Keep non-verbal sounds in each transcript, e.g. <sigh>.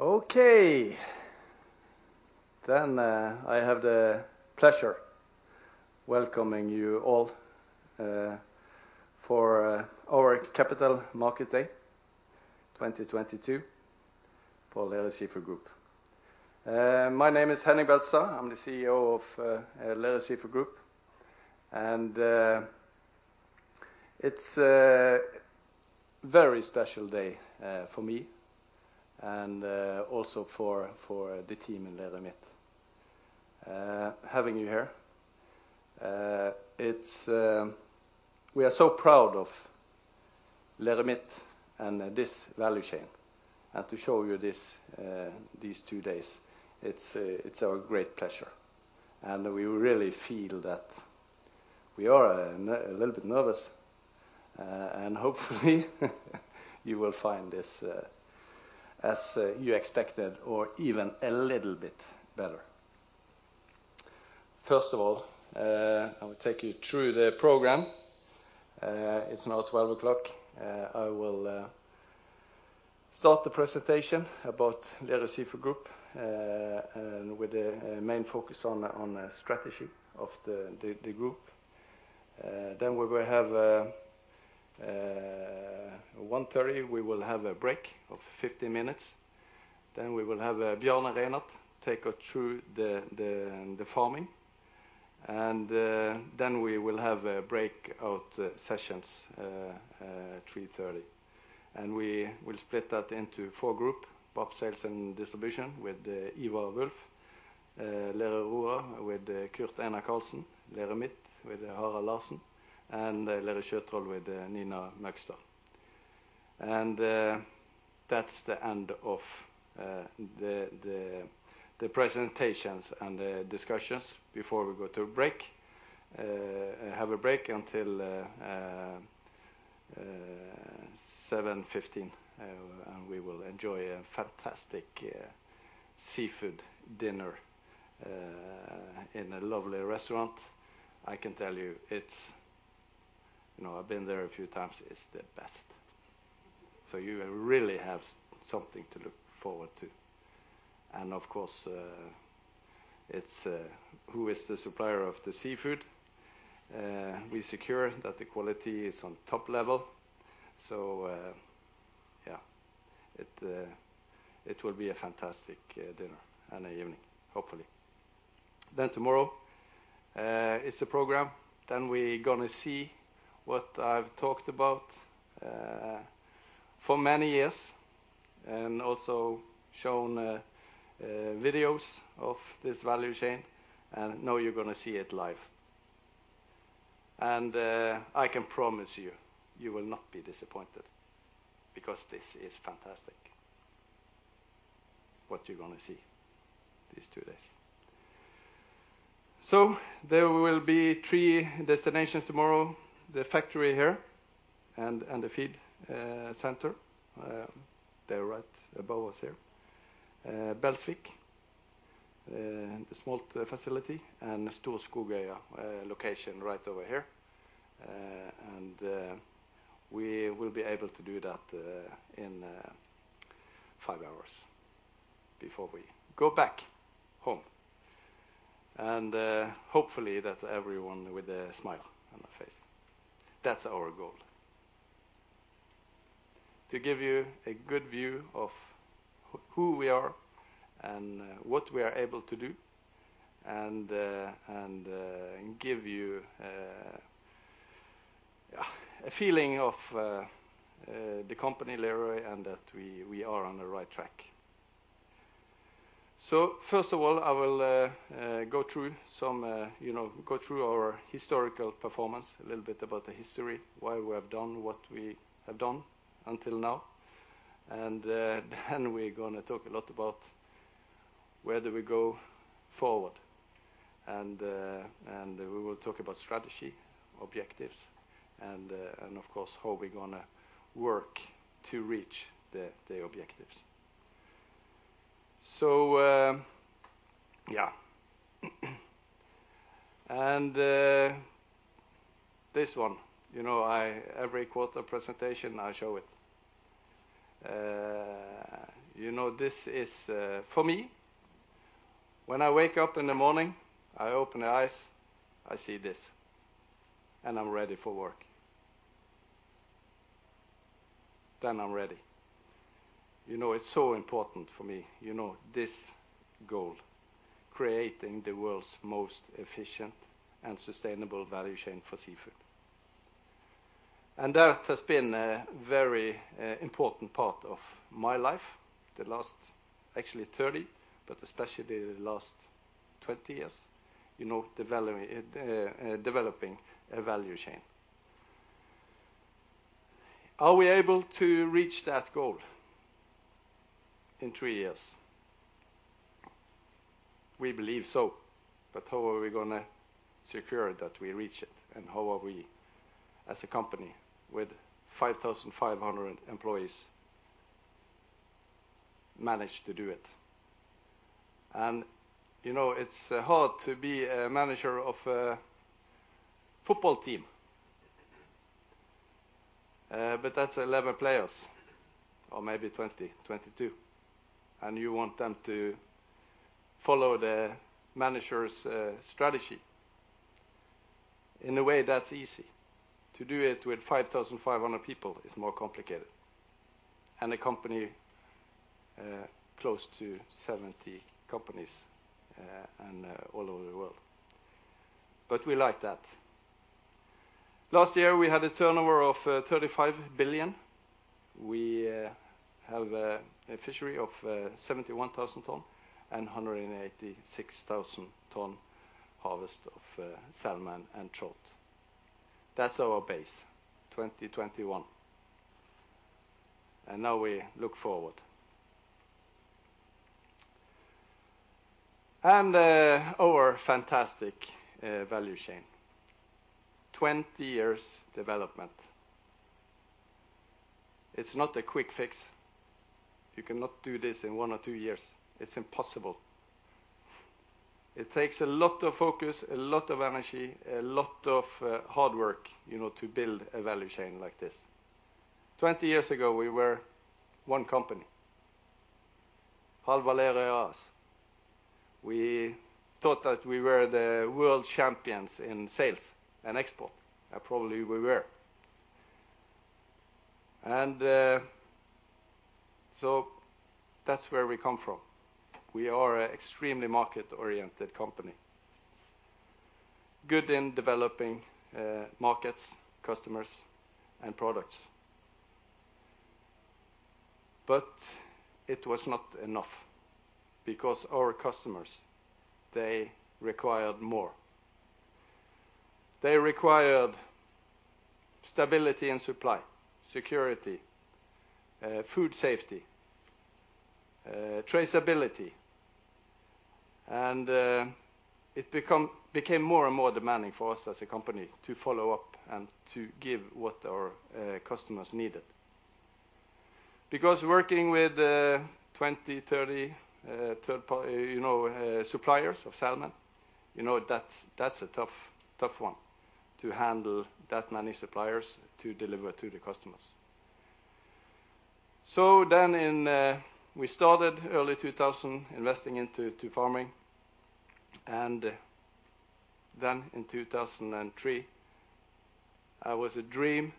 Okay. I have the pleasure welcoming you all, for our Capital Market Day 2022 for Lerøy Seafood Group. My name is Henning Beltestad. I'm the CEO of Lerøy Seafood Group, and it's a very special day, for me and also for the team in Lerøy Midt. Having you here. We are so proud of Lerøy Midt and this value chain, and to show you this, these two days, it's our great pleasure. We really feel that we are a little bit nervous, and hopefully you will find this, as you expected or even a little bit better. First of all, I will take you through the program. It's now 12:00PM. I will start the presentation about Lerøy Seafood Group and with the main focus on the strategy of the Group. We will have at 1:30PM a break of 50 minutes. We will have Bjarne Reinert take us through the farming. We will have breakout sessions at 3:30PM. We will split that into four groups, VAP Sales and Distribution with Ivar Wulff, Lerøy Aurora with Kurt-Einar Karlsen, Lerøy Midt with Harald Larssen, and Lerøy Sjøtroll with Nina Møgster. That's the end of the presentations and the discussions before we go to break. We will have a break until 7:15PM, and we will enjoy a fantastic seafood dinner in a lovely restaurant. I can tell you it's. You know, I've been there a few times, it's the best. You really have something to look forward to. Of course, it's who is the supplier of the seafood. We secure that the quality is on top level. Yeah, it will be a fantastic dinner and evening, hopefully. Tomorrow is a program. We gonna see what I've talked about for many years and also shown videos of this value chain, and now you're gonna see it live. I can promise you will not be disappointed because this is fantastic, what you're gonna see these two days. There will be three destinations tomorrow. The factory here and the feed center, they're right above us here. Belsvik, the smolt facility, and Storskogøya location right over here. We will be able to do that in five hours before we go back home. Hopefully that everyone with a smile on their face. That's our goal. To give you a good view of who we are and what we are able to do, and give you a feeling of the company Lerøy and that we are on the right track. First of all, I will go through some, you know, go through our historical performance, a little bit about the history, why we have done what we have done until now. We're gonna talk a lot about where do we go forward, and we will talk about strategy, objectives, and of course, how we're gonna work to reach the objectives. Yeah. This one, you know, in every quarterly presentation I show it. You know, this is, for me, when I wake up in the morning, I open my eyes, I see this, and I'm ready for work. I'm ready. You know, it's so important for me, you know, this goal, creating the world's most efficient and sustainable value chain for seafood. That has been a very, important part of my life, the last actually 30, but especially the last 20 years, you know, developing a value chain. Are we able to reach that goal in three years? We believe so, but how are we gonna secure that we reach it, and how are we as a company with 5,500 employees manage to do it? You know, it's hard to be a manager of a football team, but that's 11 players or maybe 20, 22, and you want them to follow the manager's strategy. In a way, that's easy. To do it with 5,500 people is more complicated, and a company close to 70 companies, and all over the world. We like that. Last year, we had a turnover of 35 billion. We have a fishery of 71,000 tons and 186,000 tons harvest of salmon and trout. That's our base, 2021. Now we look forward. Our fantastic value chain, twenty years development. It's not a quick fix. You cannot do this in one or two years. It's impossible. It takes a lot of focus, a lot of energy, a lot of hard work, you know, to build a value chain like this. Twenty years ago, we were one company, Hallvard. We thought that we were the world champions in sales and export, and probably we were. That's where we come from. We are an extremely market-oriented company, good in developing markets, customers, and products. It was not enough because our customers, they required more. They required stability and supply, security, food safety, traceability, and it became more and more demanding for us as a company to follow up and to give what our customers needed. Because working with 20, 30, you know, third party suppliers of salmon, you know, that's a tough one to handle that many suppliers to deliver to the customers. We started early 2000 investing into farming, and then in 2003 it was a dream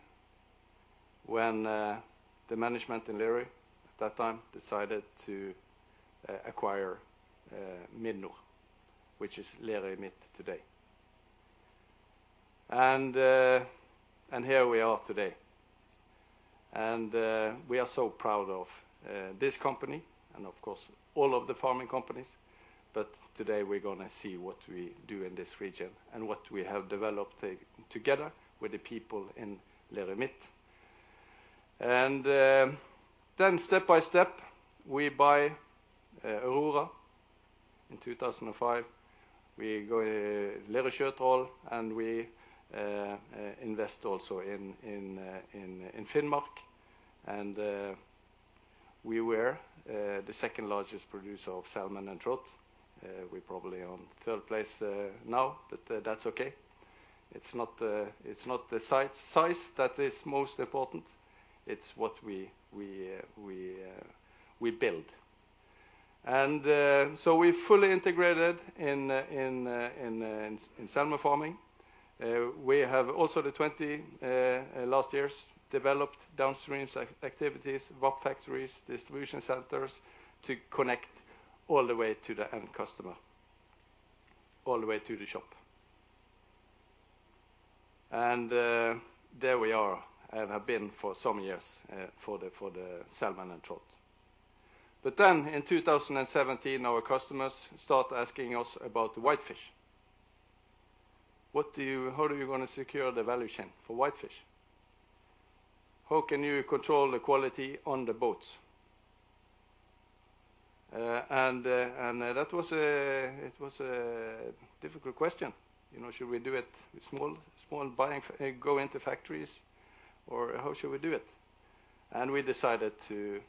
when the management in Lerøy at that time decided to acquire Midnor, which is Lerøy Midt today. Here we are today. We are so proud of this company and of course, all of the farming companies. Today, we're gonna see what we do in this region and what we have developed together with the people in Lerøy Midt. Step by step, we buy Aurora in 2005. <crosstalk> and we invest also in Finnmark. We were the second largest producer of salmon and trout. We're probably on third place now, but that's okay. It's not the size that is most important. It's what we build. We fully integrated in salmon farming. We have also the 20 last years developed downstream activities, VAP factories, distribution centers to connect all the way to the end customer, all the way to the shop. There we are and have been for some years for the salmon and trout. In 2017, our customers start asking us about the whitefish. How do you want to secure the value chain for whitefish? How can you control the quality on the boats?" That was a difficult question, you know. Should we do it with small, go into factories, or how should we do it? We decided to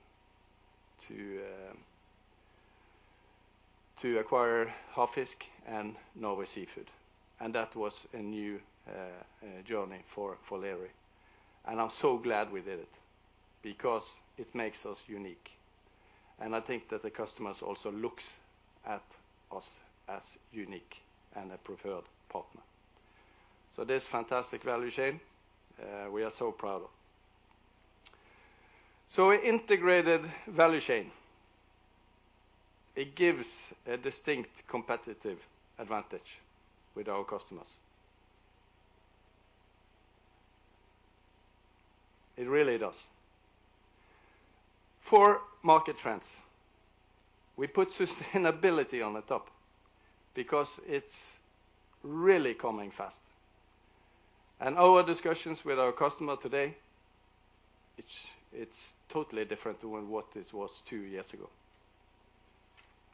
acquire Havfisk and Norway Seafoods, and that was a new journey for Lerøy. I'm so glad we did it because it makes us unique, and I think that the customers also looks at us as unique and a preferred partner. This fantastic value chain, we are so proud of. Integrated value chain, it gives a distinct competitive advantage with our customers. It really does. Four market trends. We put sustainability on the top because it's really coming fast. In our discussions with our customer today, it's totally different than what it was two years ago.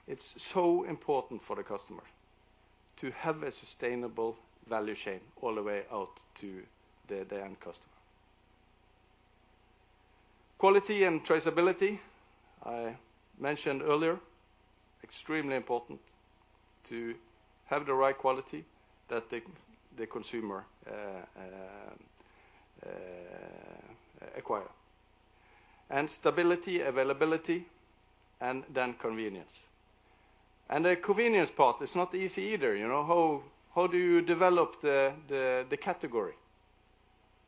It's so important for the customer to have a sustainable value chain all the way out to the end customer. Quality and traceability, I mentioned earlier, extremely important to have the right quality that the consumer acquire. Stability, availability, and then convenience. The convenience part is not easy either. How do you develop the category?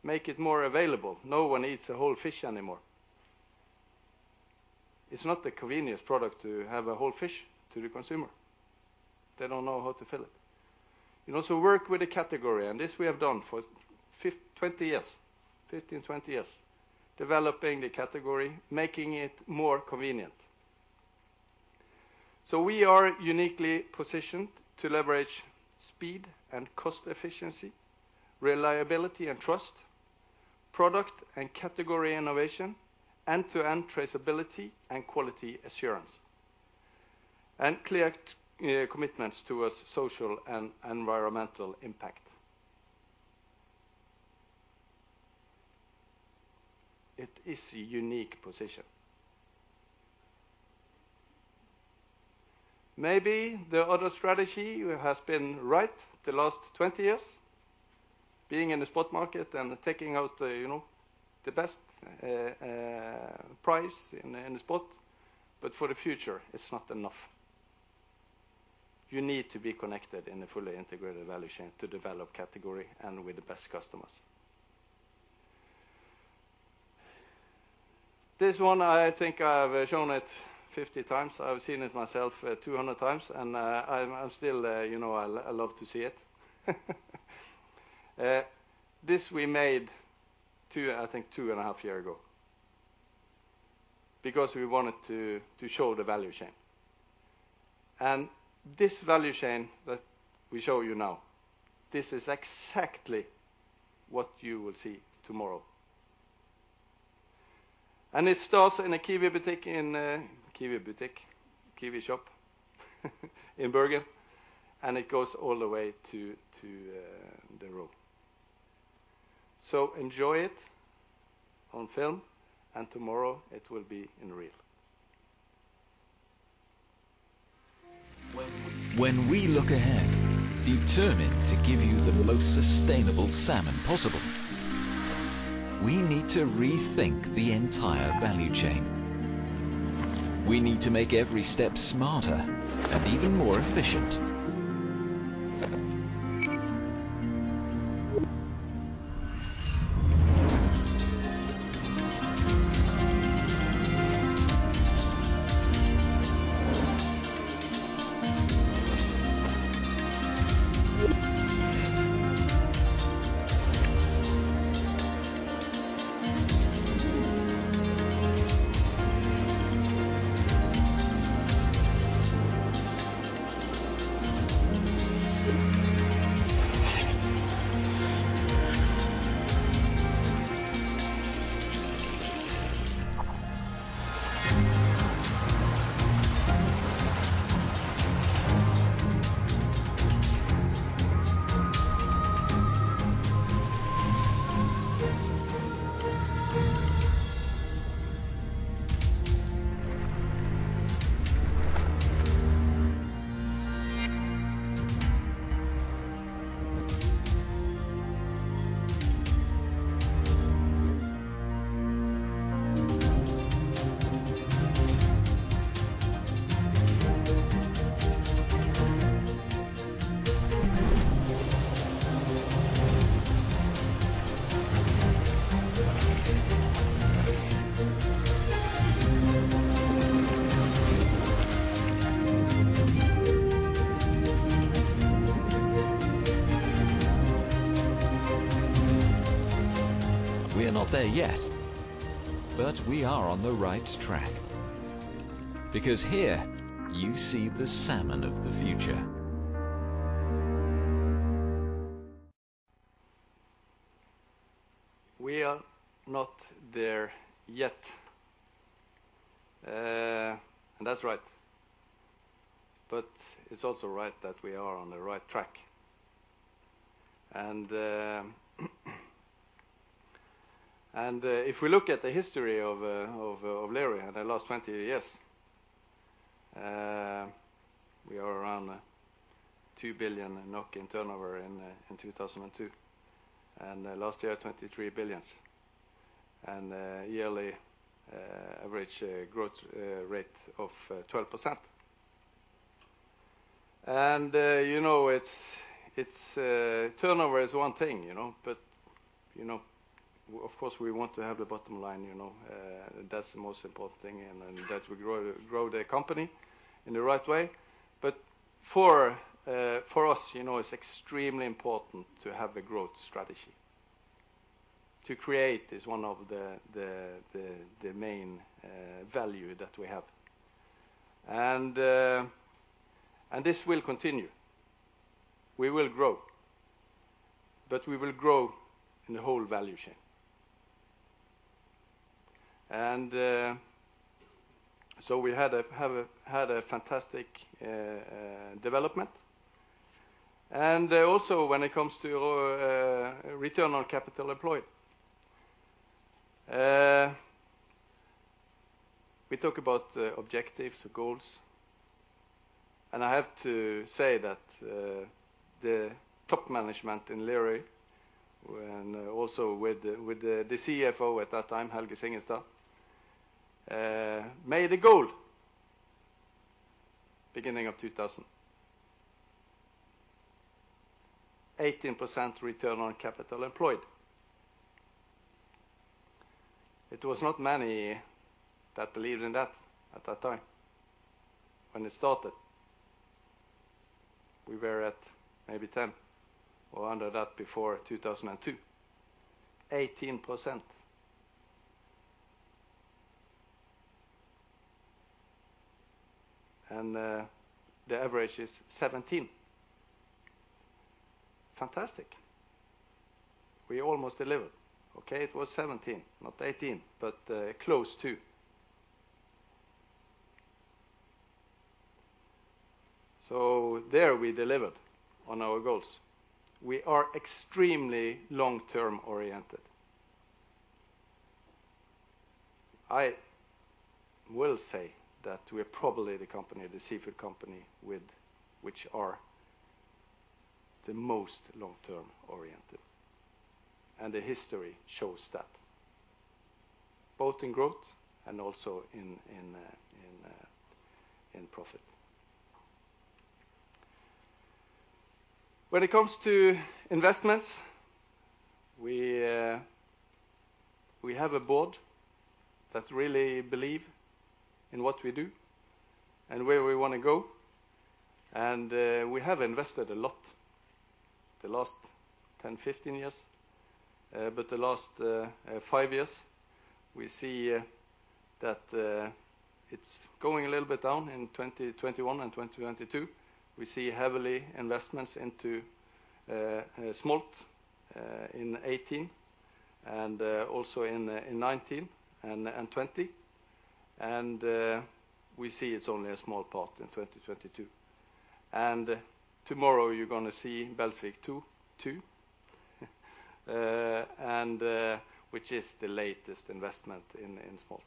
Make it more available. No one eats a whole fish anymore. It's not the convenience product to have a whole fish to the consumer. They don't know how to fillet it. You also work with a category, and this we have done for 15, 20 years, developing the category, making it more convenient. We are uniquely positioned to leverage speed and cost efficiency, reliability and trust, product and category innovation, end-to-end traceability and quality assurance, and clear commitments towards social and environmental impact. It is a unique position. Maybe the other strategy has been right the last 20 years, being in the spot market and taking out, you know, the best price in the spot, but for the future, it's not enough. You need to be connected in a fully integrated value chain to develop category and with the best customers. This one, I think I've shown it 50 times. I've seen it myself 200 times, and I'm still, you know, I love to see it. This we made two, I think 2.5 year ago because we wanted to show the value chain. This value chain that we show you now, this is exactly what you will see tomorrow. It starts in a Kiwi shop in Bergen, and it goes all the way to the road. Enjoy it on film, and tomorrow it will be in real. When we look ahead, determined to give you the most sustainable salmon possible, we need to rethink the entire value chain. We need to make every step smarter and even more efficient. We are not there yet, but we are on the right track because here you see the salmon of the future. We are not there yet. That's right. It's also right that we are on the right track. If we look at the history of Lerøy in the last 20 years, we are around 2 billion in turnover in 2002, and last year, 23 billion. A yearly average growth rate of 12%. You know, turnover is one thing, you know, but you know, of course, we want to have the bottom line, you know. That's the most important thing, and then that we grow the company in the right way. For us, you know, it's extremely important to have a growth strategy. To create is one of the main value that we have. This will continue. We will grow, but we will grow in the whole value chain. We had a fantastic development. Also, when it comes to return on capital employed, we talk about the objectives, the goals, and I have to say that the top management in Gjøvik, with the CFO at that time, Helge Singelstad, made a goal beginning of 2000. 18% return on capital employed. It was not many that believed in that at that time when it started. We were at maybe 10% or under that before 2002. 18%. The average is 17%. Fantastic. We almost delivered. Okay. It was 17%, not 18%, but close to. There we delivered on our goals. We are extremely long-term oriented. I will say that we are probably the company, the seafood company which is the most long-term oriented, and the history shows that both in growth and also in profit. When it comes to investments, we have a board that really believe in what we do and where we want to go, and we have invested a lot the last 10, 15 years. But the last five years, we see that it's going a little bit down in 2021 and 2022. We see heavy investments into smolt in 2018 and also in 2019 and 2020. We see it's only a small part in 2022. Tomorrow you're gonna see Belsvik 2, which is the latest investment in smolt.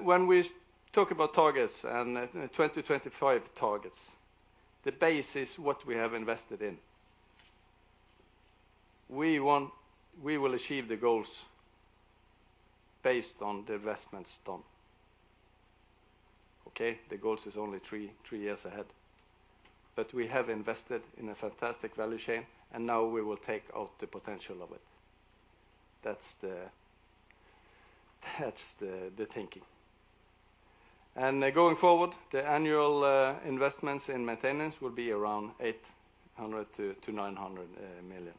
When we talk about targets and 2025 targets, the base is what we have invested in. We will achieve the goals based on the investments done. Okay. The goals is only three years ahead, but we have invested in a fantastic value chain, and now we will take out the potential of it. That's the thinking. Going forward, the annual investments in maintenance will be around 800 to 900 million.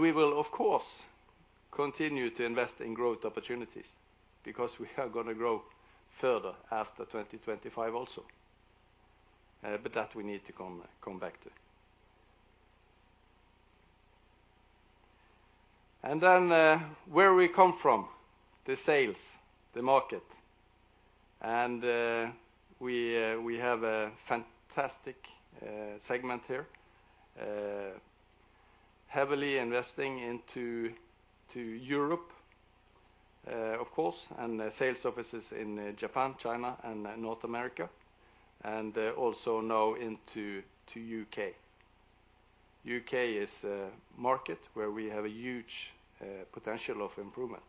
We will, of course, continue to invest in growth opportunities because we are gonna grow further after 2025 also. That we need to come back to. Where we come from, the sales, the market, and we have a fantastic segment here, heavily investing into Europe, of course, and sales offices in Japan, China, and North America, and also now into UK. UK is a market where we have a huge potential of improvement,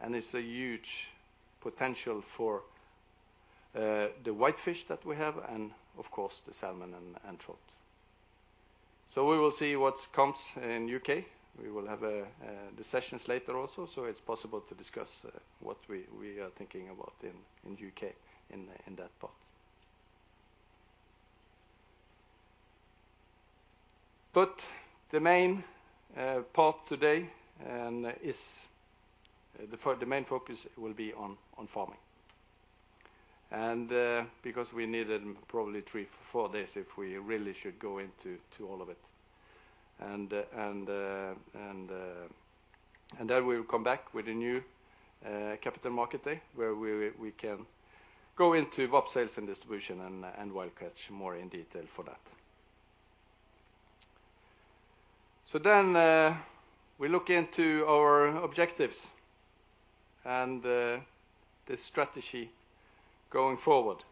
and it's a huge potential for the whitefish that we have and of course the salmon and trout. We will see what comes in UK. We will have the sessions later also, so it's possible to discuss what we are thinking about in UK, in that part. The main part today is the main focus will be on farming. Because we needed probably three to four days if we really should go into all of it. Then we will come back with a new capital market day where we can go into VAP sales and distribution and wild catch more in detail for that. We look into our objectives and the strategy going forward.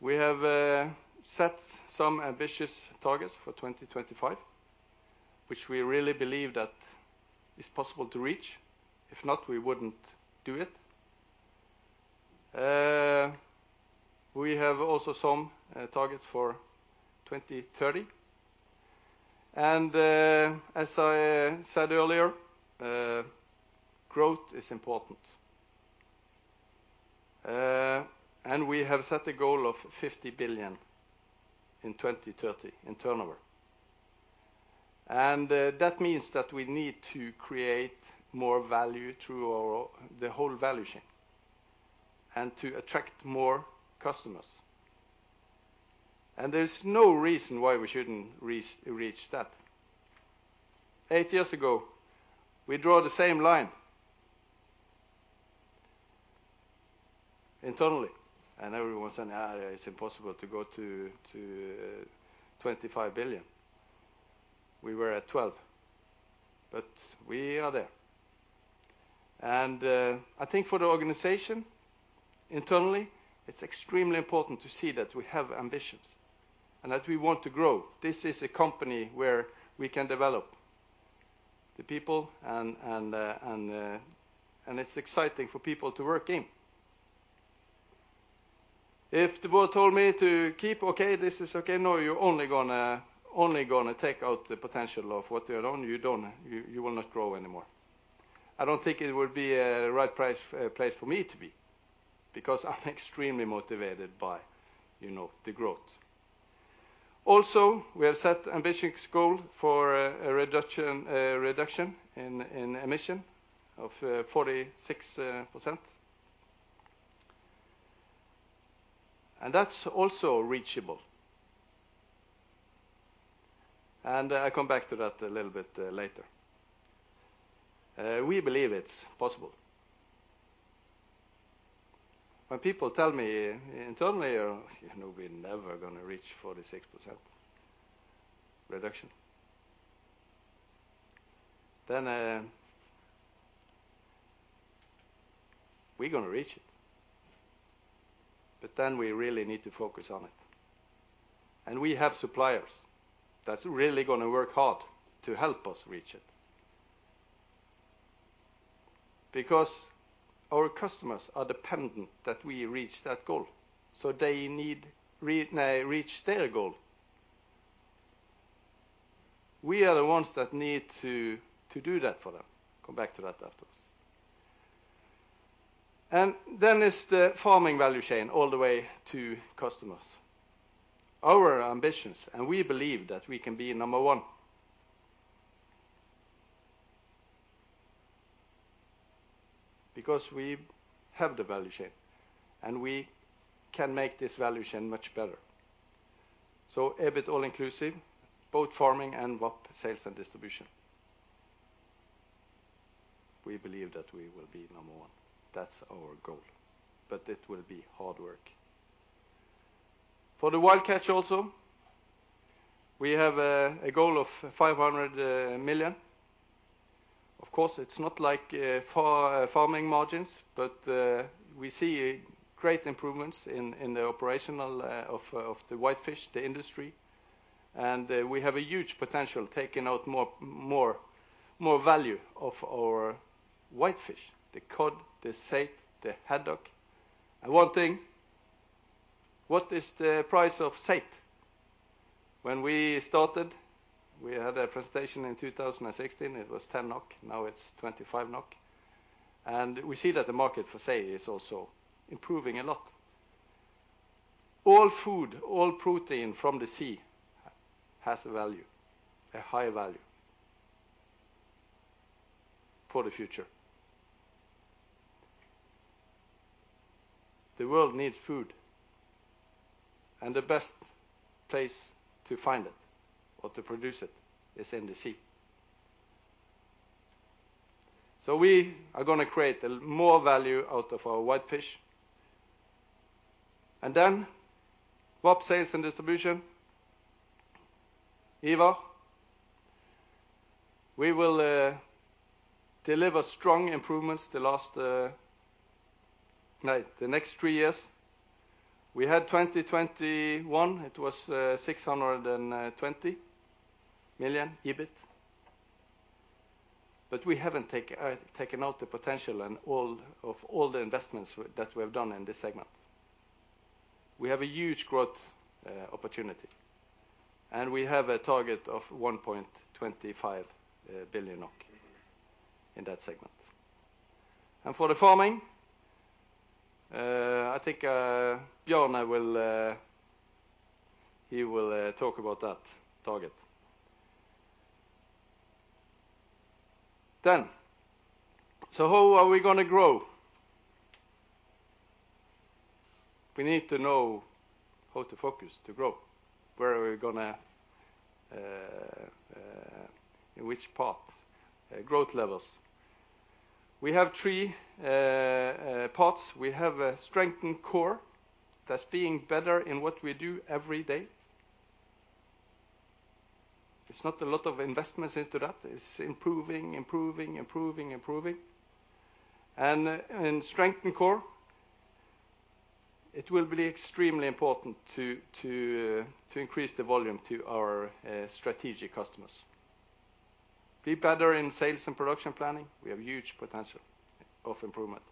We have set some ambitious targets for 2025, which we really believe that is possible to reach. If not, we wouldn't do it. We have also some targets for 2030. As I said earlier, growth is important. We have set a goal of 50 billion in 2030 in turnover. That means that we need to create more value through our the whole value chain to attract more customers. There's no reason why we shouldn't reach that. Eight years ago, we draw the same line internally, and every once in a while it's impossible to go to 25 billion. We were at 12 billion, but we are there. I think for the organization internally, it's extremely important to see that we have ambitions and that we want to grow. This is a company where we can develop the people and it's exciting for people to work in. If the board told me to keep okay, this is okay. No, you're only gonna take out the potential of what you own. You don't, you will not grow anymore. I don't think it would be a right place for me to be because I'm extremely motivated by, you know, the growth. We have set ambitious goal for a reduction in emission of 46%. That's also reachable. I come back to that a little bit later. We believe it's possible. When people tell me internally or, you know, we are never gonna reach 46% reduction, then we are gonna reach it. We really need to focus on it. We have suppliers that's really gonna work hard to help us reach it. Our customers are dependent that we reach that goal. They need reach their goal. We are the ones that need to do that for them. Come back to that afterwards. It's the farming value chain all the way to customers. Our ambitions, and we believe that we can be number one. Because we have the value chain, and we can make this value chain much better. EBIT all inclusive, both farming and VAP sales and distribution. We believe that we will be number one. That's our goal, but it will be hard work. For the wild catch also, we have a goal of 500 million. Of course, it's not like farming margins, but we see great improvements in the operational of the whitefish industry. We have a huge potential taking out more value of our whitefish, the cod, the saithe, the haddock. One thing, what is the price of saithe? When we started, we had a presentation in 2016. It was 10 NOK, now it's 25 NOK. We see that the market for saithe is also improving a lot. All food, all protein from the sea has a value, a high value for the future. The world needs food, and the best place to find it or to produce it is in the sea. We are gonna create more value out of our whitefish. VAP Sales & Distribution, Ivar, we will deliver strong improvements the last like the next three years. We had 2021, it was 620 million EBIT. We haven't taken out the potential and all of the investments that we have done in this segment. We have a huge growth opportunity, and we have a target of 1.25 billion NOK in that segment. For the farming, I think Bjarne will talk about that target. How are we gonna grow? We need to know how to focus to grow. Where are we gonna in which path growth levels. We have three paths. We have a strengthened core that's being better in what we do every day. It's not a lot of investments into that. It's improving. Strengthened core, it will be extremely important to increase the volume to our strategic customers. Be better in sales and production planning. We have huge potential of improvement.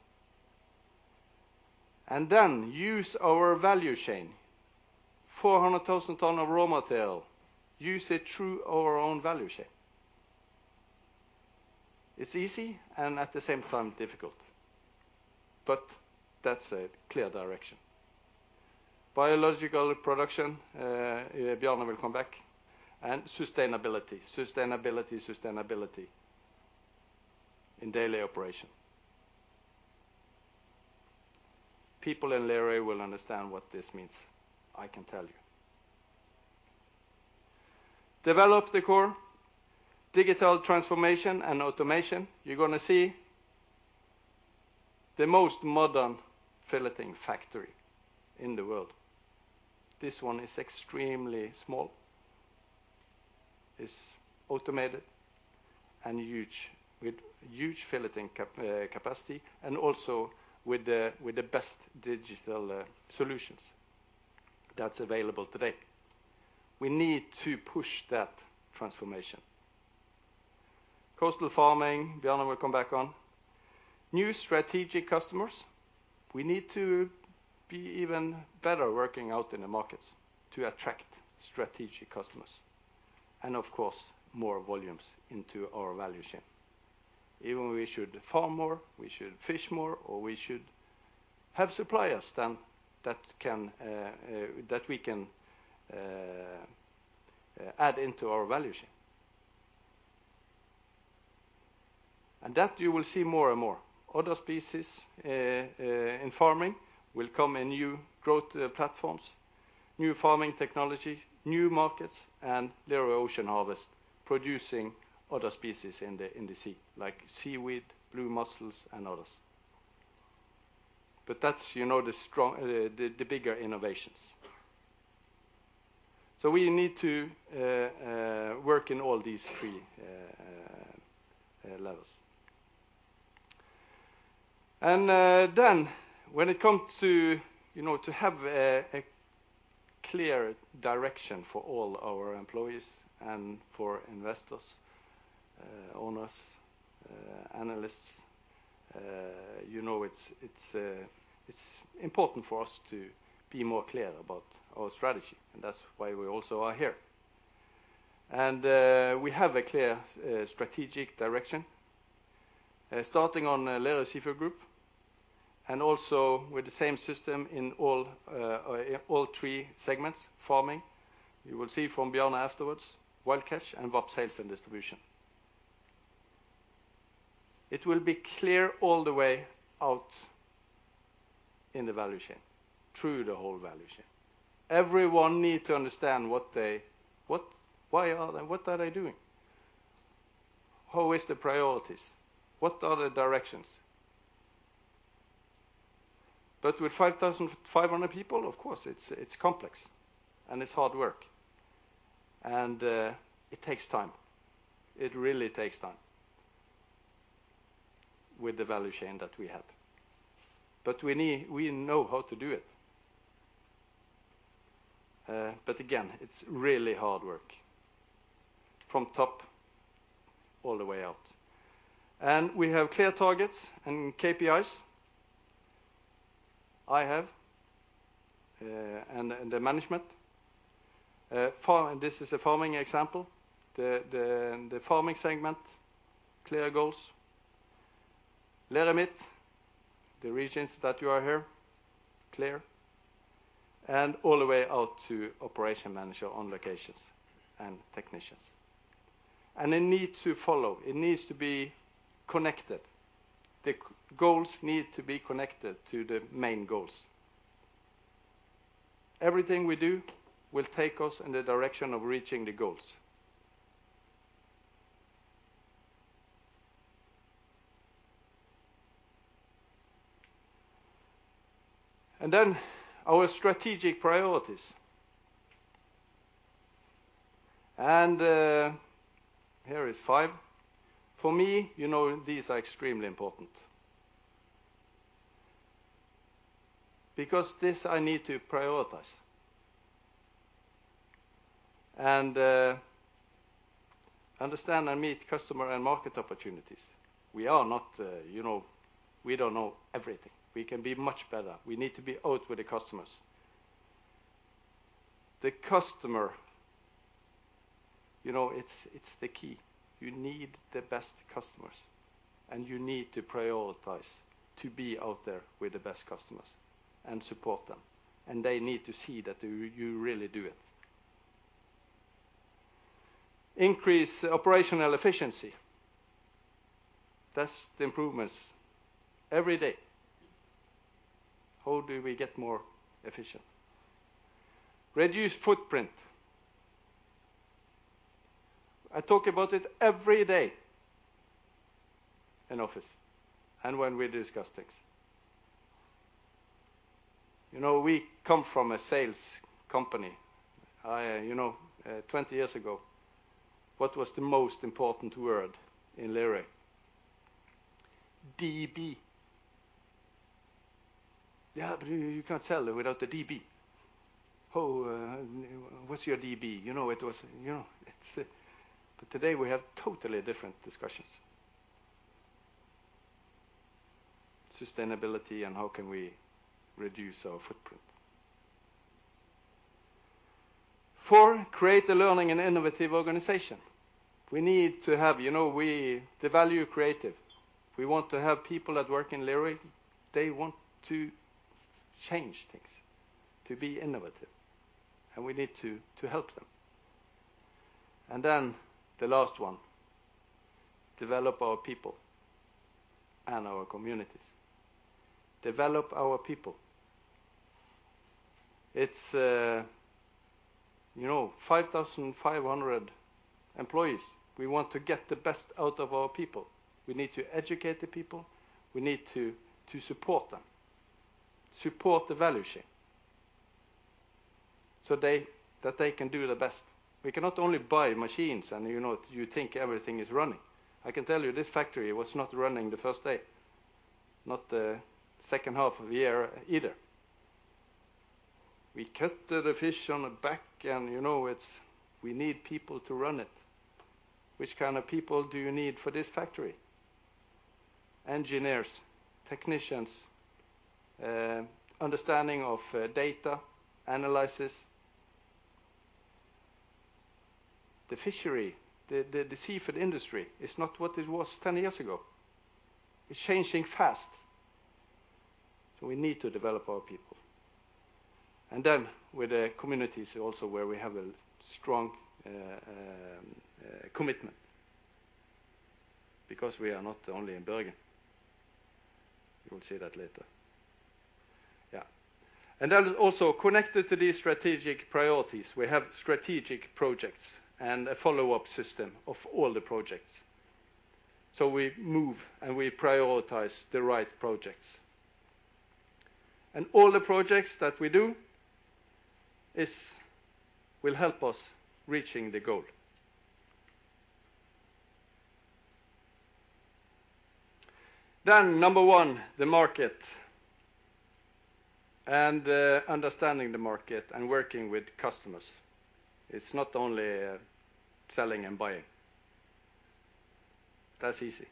Use our value chain, 400,000 tons of raw material, use it through our own value chain. It's easy and at the same time difficult, but that's a clear direction. Biological production, Bjørn will come back, and sustainability in daily operation. People in Lerøy will understand what this means, I can tell you. Develop the core digital transformation and automation. You're gonna see the most modern filleting factory in the world. This one is extremely small. It's automated and huge with huge filleting capacity and also with the best digital solutions that's available today. We need to push that transformation. Coastal farming, Bjørn will come back on. New strategic customers. We need to be even better working out in the markets to attract strategic customers, and of course, more volumes into our value chain. Even we should farm more, we should fish more, or we should have suppliers that can that we can add into our value chain. That you will see more and more. Other species in farming will come in new growth platforms, new farming technologies, new markets, and Lerøy Ocean Harvest producing other species in the sea, like seaweed, blue mussels, and others. But that's, you know, the bigger innovations. We need to work in all these three levels. When it comes to, you know, to have a clear direction for all our employees and for investors, owners, analysts, you know, it's important for us to be more clear about our strategy, and that's why we also are here. We have a clear strategic direction starting on Lerøy Seafood Group and also with the same system in all three segments, Farming. You will see from Bjørn afterwards, Wild Catch and VAP, Sales & Distribution. It will be clear all the way out in the value chain, through the whole value chain. Everyone need to understand why are they, what are they doing? How is the priorities? What are the directions? With 5,500 people, of course, it's complex, and it's hard work. It takes time. It really takes time with the value chain that we have. We know how to do it. Again, it's really hard work from top all the way out. We have clear targets and KPIs. I have and the management. This is a farming example. The farming segment, clear goals. Lerøy Midt, the regions that you are here, clear. All the way out to operation manager on locations and technicians. They need to follow. It needs to be connected. The goals need to be connected to the main goals. Everything we do will take us in the direction of reaching the goals. Then our strategic priorities. Here is five. For me, you know, these are extremely important. Because this I need to prioritize. Understand and meet customer and market opportunities. We are not, you know, we don't know everything. We can be much better. We need to be out with the customers. The customer, you know, it's the key. You need the best customers, and you need to prioritize to be out there with the best customers and support them. They need to see that you really do it. Increase operational efficiency. That's the improvements every day. How do we get more efficient? Reduce footprint. I talk about it every day in office and when we discuss things. You know, we come from a sales company. You know, 20 years ago, what was the most important word in Lerøy? DB. Yeah, but you can't sell it without the DB. Oh, what's your DB? You know, it was. You know, it's. Today, we have totally different discussions. Sustainability and how can we reduce our footprint. Four, create a learning and innovative organization. We need to have, you know, the value creative. We want to have people that work in Lerøy, they want to change things, to be innovative, and we need to help them. The last one, develop our people and our communities. Develop our people. It's, you know, 5,500 employees. We want to get the best out of our people. We need to educate the people. We need to support them, support the value chain so they can do the best. We cannot only buy machines and, you know, you think everything is running. I can tell you, this factory was not running the first day, not the second half of the year either. We cut the fish on the back and, you know, it's we need people to run it. Which kind of people do you need for this factory? Engineers, technicians, understanding of, data, analysis. The fishery, the seafood industry is not what it was 10 years ago. It's changing fast. We need to develop our people. With the communities also where we have a strong commitment because we are not only in Bergen. You will see that later. Also connected to these strategic priorities, we have strategic projects and a follow-up system of all the projects. We move and we prioritize the right projects. All the projects that we do will help us reaching the goal. Number one, the market and understanding the market and working with customers. It's not only selling and buying. That's easy.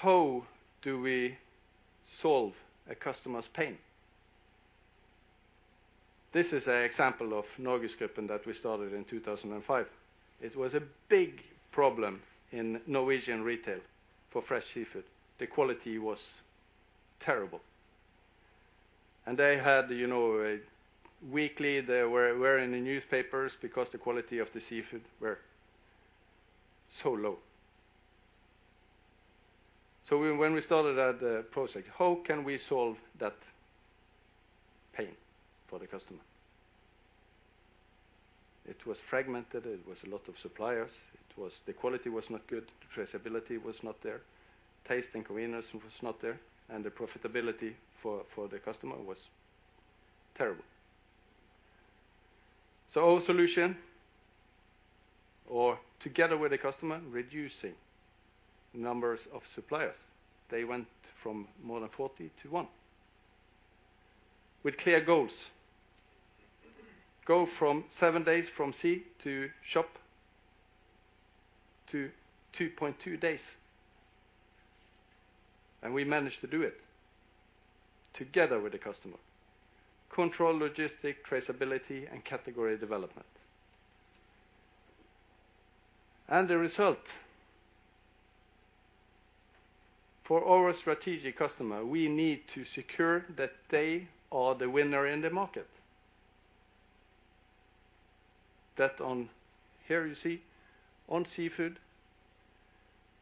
How do we solve a customer's pain? This is an example of NorgesGruppen that we started in 2005. It was a big problem in Norwegian retail for fresh seafood. The quality was terrible. They had, you know, weekly they were in the newspapers because the quality of the seafood were so low. When we started at the project, how can we solve that pain for the customer? It was fragmented. It was a lot of suppliers. The quality was not good. The traceability was not there. Taste and convenience was not there, and the profitability for the customer was terrible. Our solution or together with the customer reducing numbers of suppliers. They went from more than 40 to one with clear goals. Go from seven days from sea to shop to 2.2 days. We managed to do it together with the customer. Control logistics, traceability, and category development. The result. For our strategic customer, we need to secure that they are the winner in the market. Here you see on seafood,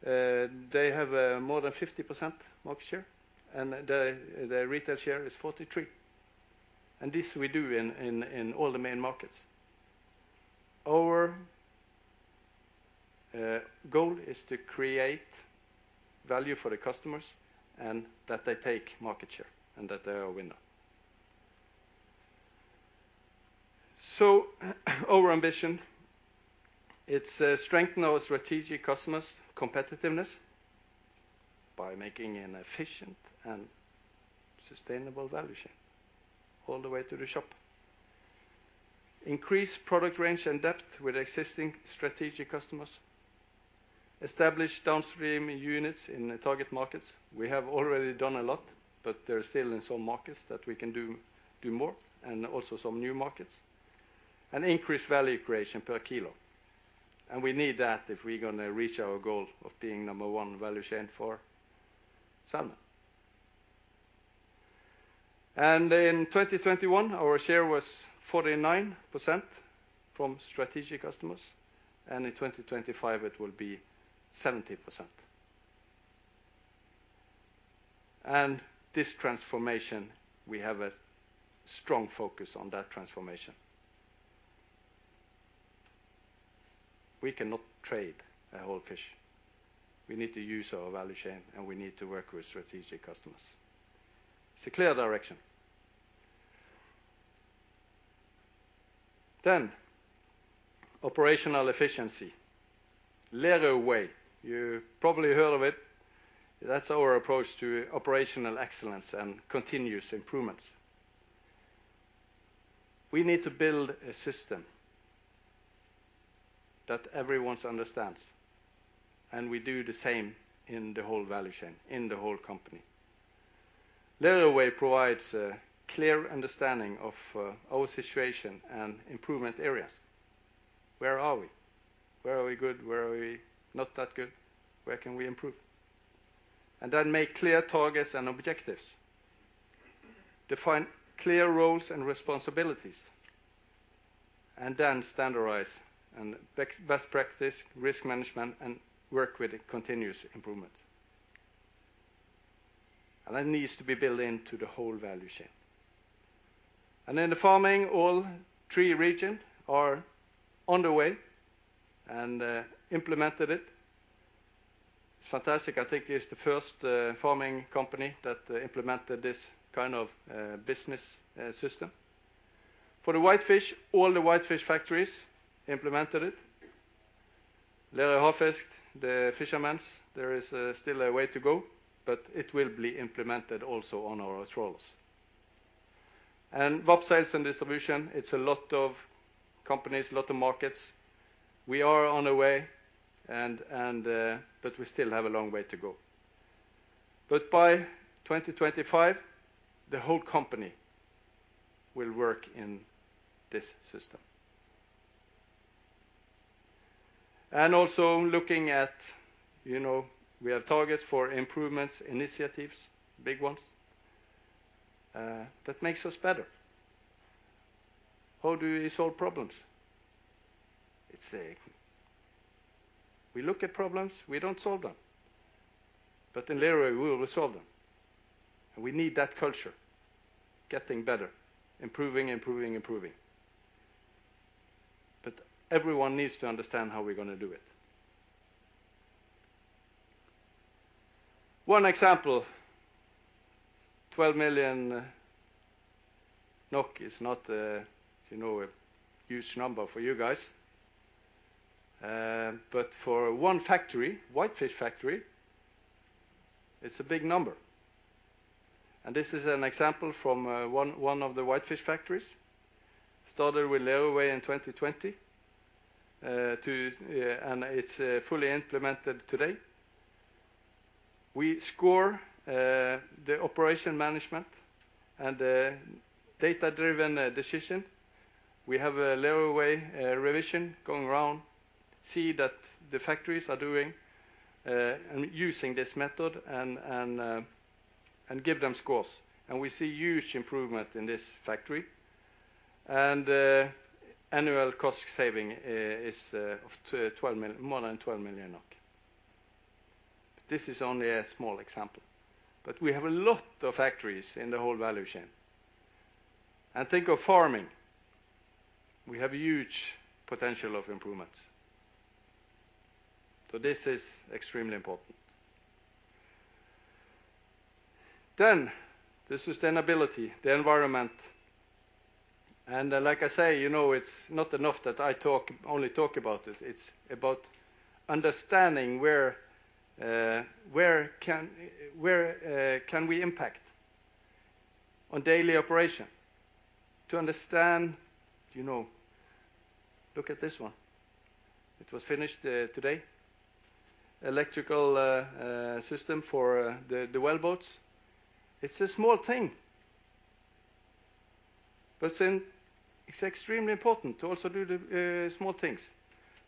they have more than 50% market share, and the retail share is 43%. This we do in all the main markets. Our goal is to create value for the customers and that they take market share and that they are a winner. Our ambition, it's strengthen our strategic customers' competitiveness by making an efficient and sustainable value chain all the way to the shop. Increase product range and depth with existing strategic customers. Establish downstream units in the target markets. We have already done a lot, but there are still in some markets that we can do more and also some new markets. Increase value creation per kilo. We need that if we're gonna reach our goal of being number one value chain for salmon. In 2021, our share was 49% from strategic customers, and in 2025 it will be 70%. This transformation, we have a strong focus on that transformation. We cannot trade a whole fish. We need to use our value chain, and we need to work with strategic customers. It's a clear direction. Operational efficiency, Lerøy Way. You probably heard of it. That's our approach to operational excellence and continuous improvements. We need to build a system that everyone understands, and we do the same in the whole value chain, in the whole company. Lerøy Way provides a clear understanding of our situation and improvement areas. Where are we? Where are we good? Where are we not that good? Where can we improve? Make clear targets and objectives. Define clear roles and responsibilities, and then standardize and best practice risk management and work with continuous improvement. That needs to be built into the whole value chain. In the farming, all three regions are underway and implemented it. It's fantastic. I think it's the first farming company that implemented this kind of business system. For the whitefish, all the whitefish factories implemented it. Lerøy Havfisk, the fishermen, there is still a way to go, but it will be implemented also on our trawlers. VAP, Sales & Distribution, it's a lot of companies, a lot of markets. We are on our way, but we still have a long way to go. By 2025, the whole company will work in this system. Also looking at, you know, we have targets for improvements, initiatives, big ones that makes us better. How do we solve problems? We look at problems, we don't solve them. In Lerøy, we will solve them, and we need that culture, getting better, improving. Everyone needs to understand how we're gonna do it. One example, 12 million NOK is not, you know, a huge number for you guys. But for one factory, whitefish factory, it's a big number. This is an example from one of the whitefish factories. Started with Lerøy Way in 2020 and it's fully implemented today. We score the operation management and the data-driven decision. We have a Lerøy Way revision going around, see that the factories are doing and using this method and give them scores. We see huge improvement in this factory. Annual cost saving is twelve million, more than 12 million. This is only a small example. We have a lot of factories in the whole value chain. Think of farming. We have huge potential of improvements. This is extremely important. The sustainability, the environment. Like I say, you know, it's not enough that I only talk about it. It's about understanding where we can impact on daily operation to understand, you know. Look at this one. It was finished today. Electrical system for the wellboats. It's a small thing. It's extremely important to also do the small things.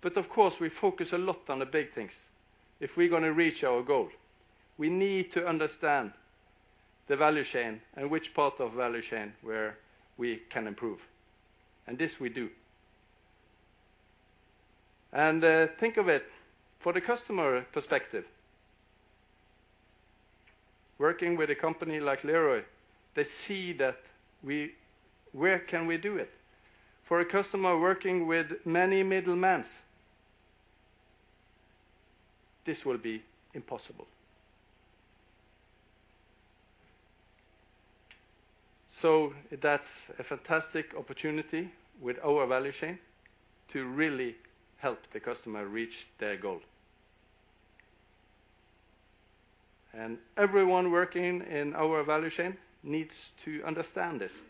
Of course, we focus a lot on the big things if we're gonna reach our goal. We need to understand the value chain and which part of value chain where we can improve. This we do. Think of it, for the customer perspective, working with a company like Lerøy, they see that we where can we do it? For a customer working with many middlemen, this will be impossible. That's a fantastic opportunity with our value chain to really help the customer reach their goal. Everyone working in our value chain needs to understand this.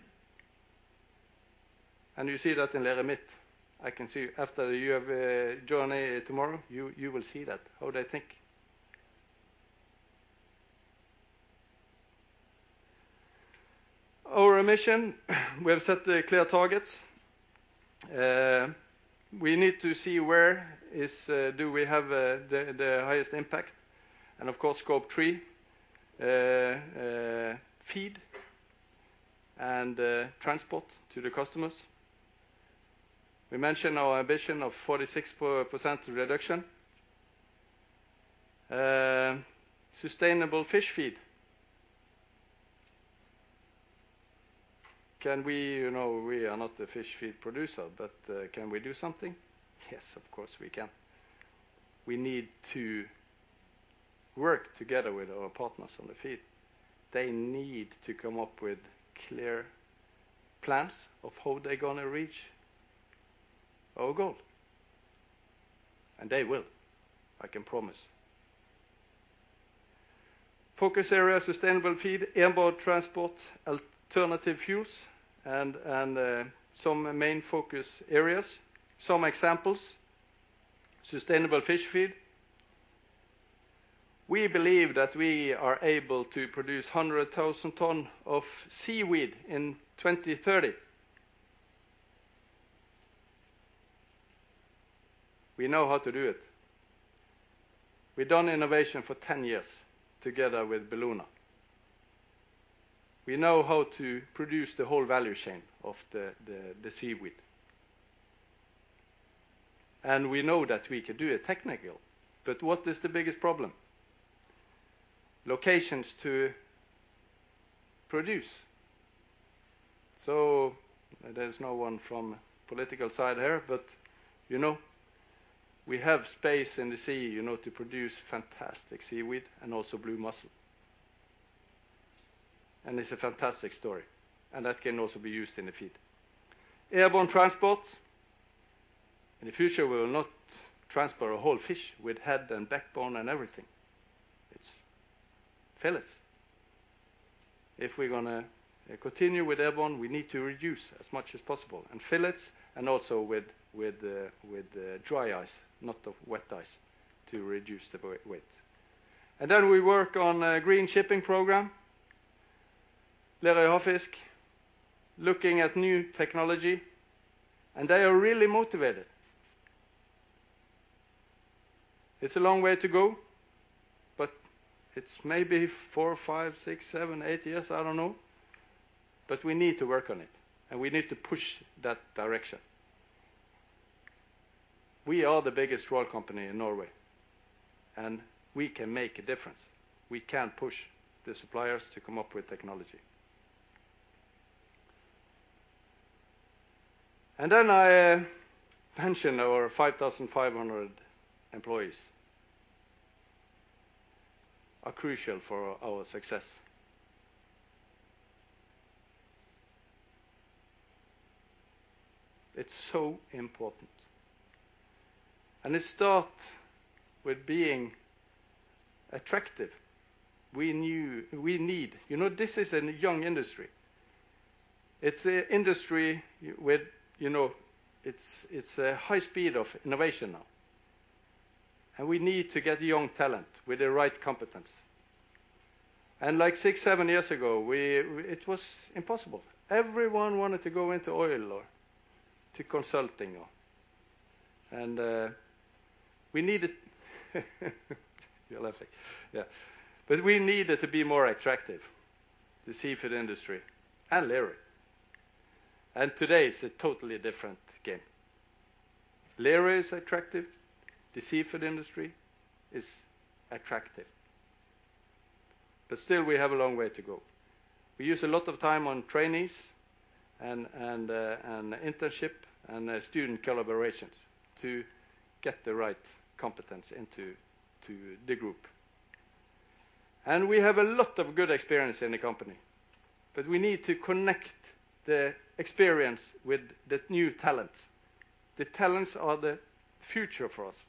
You see that in Lerøy Midt. I can see after you have a journey tomorrow, you will see that, how they think. Our mission, we have set the clear targets. We need to see where we have the highest impact and of course, scope 3, feed and transport to the customers. We mentioned our ambition of 46% reduction. Sustainable fish feed. Can we? You know, we are not a fish feed producer, but can we do something? Yes, of course, we can. We need to work together with our partners on the feed. They need to come up with clear plans of how they're gonna reach our goal. They will, I can promise. Focus area sustainable feed, airborne transport, alternative fuels and some main focus areas. Some examples, sustainable fish feed. We believe that we are able to produce 100,000 tons of seaweed in 2030. We know how to do it. We've done innovation for 10 years together with Bellona. We know how to produce the whole value chain of the seaweed. We know that we can do it technically, but what is the biggest problem? Locations to produce. There's no one from political side here, but you know, we have space in the sea, you know, to produce fantastic seaweed and also blue mussel. It's a fantastic story, and that can also be used in the feed. Airborne transport. In the future, we will not transport a whole fish with head and backbone and everything. It's fillets. If we're gonna continue with airborne, we need to reduce as much as possible and fillets and also with the dry ice, not the wet ice, to reduce the weight. Then we work on a green shipping program. Lerøy Havfisk looking at new technology, and they are really motivated. It's a long way to go, but it's maybe four, five, six, seven, eight years, I don't know. We need to work on it, and we need to push that direction. We are the biggest seafood company in Norway, and we can make a difference. We can push the suppliers to come up with technology. Then I mentioned our 5,500 employees are crucial for our success. It's so important. It starts with being attractive. We need. You know, this is a young industry. It's an industry with, you know, it's a high speed of innovation now. We need to get young talent with the right competence. Like six, seven years ago, we, it was impossible. Everyone wanted to go into oil or to consulting. We needed. You're laughing. Yeah. We needed to be more attractive, the seafood industry and Lerøy. Today it's a totally different game. Lerøy is attractive. The seafood industry is attractive. Still we have a long way to go. We use a lot of time on trainees and internship and student collaborations to get the right competence into the group. We have a lot of good experience in the company, but we need to connect the experience with the new talents. The talents are the future for us.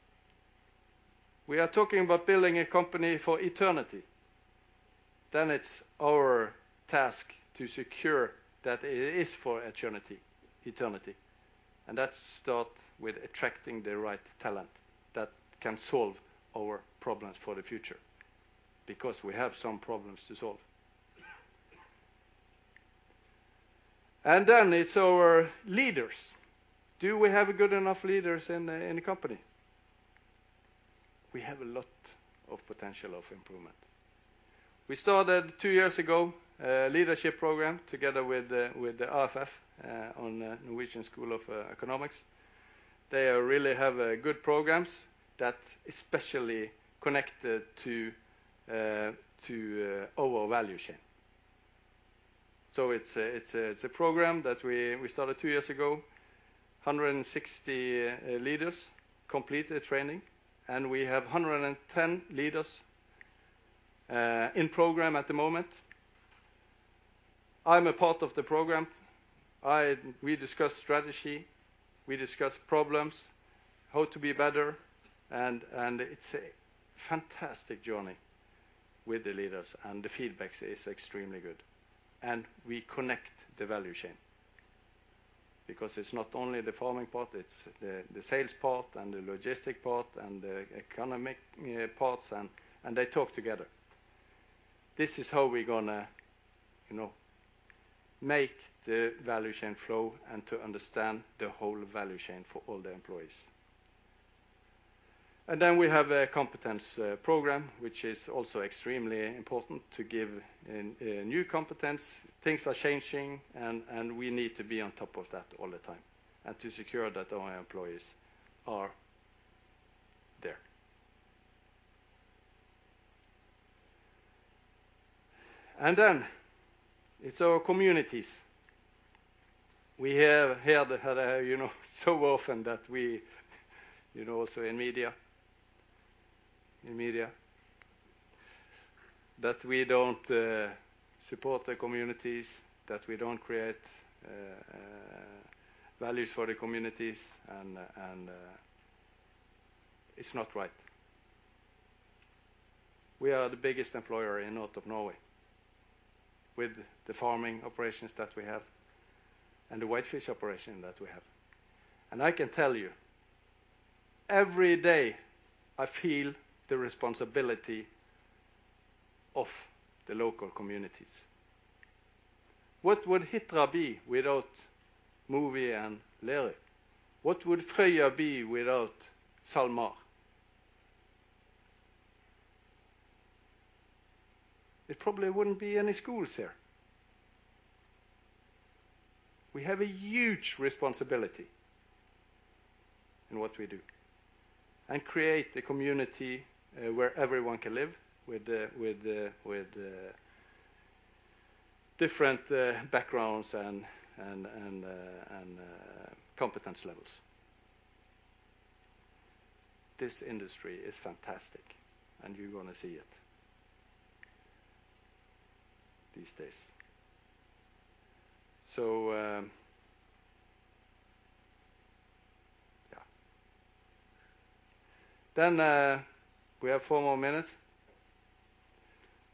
We are talking about building a company for eternity. It's our task to secure that it is for eternity. That starts with attracting the right talent that can solve our problems for the future because we have some problems to solve. It's our leaders. Do we have good enough leaders in the company? We have a lot of potential for improvement. We started two years ago a leadership program together with the NHH on Norwegian School of Economics. They really have good programs that especially connected to our value chain. It's a program that we started two years ago. 160 leaders completed the training, and we have 110 leaders in program at the moment. I'm a part of the program. We discuss strategy, we discuss problems, how to be better and it's a fantastic journey with the leaders and the feedback is extremely good. We connect the value chain because it's not only the farming part, it's the sales part and the logistic part and the economic parts and they talk together. This is how we're gonna, you know, make the value chain flow and to understand the whole value chain for all the employees. Then we have a competence program which is also extremely important to give in new competence. Things are changing and we need to be on top of that all the time and to secure that our employees are there. Then it's our communities. We have heard, you know, so often that we, you know, so in media that we don't support the communities, that we don't create values for the communities. It's not right. We are the biggest employer in north of Norway with the farming operations that we have and the whitefish operation that we have. I can tell you, every day I feel the responsibility of the local communities. What would Hitra be without Mowi and Lerøy? What would Frøya be without SalMar? There probably wouldn't be any schools there. We have a huge responsibility in what we do, and create a community where everyone can live with the different backgrounds and competence levels. This industry is fantastic, and you're gonna see it this day. Yeah. We have four more minutes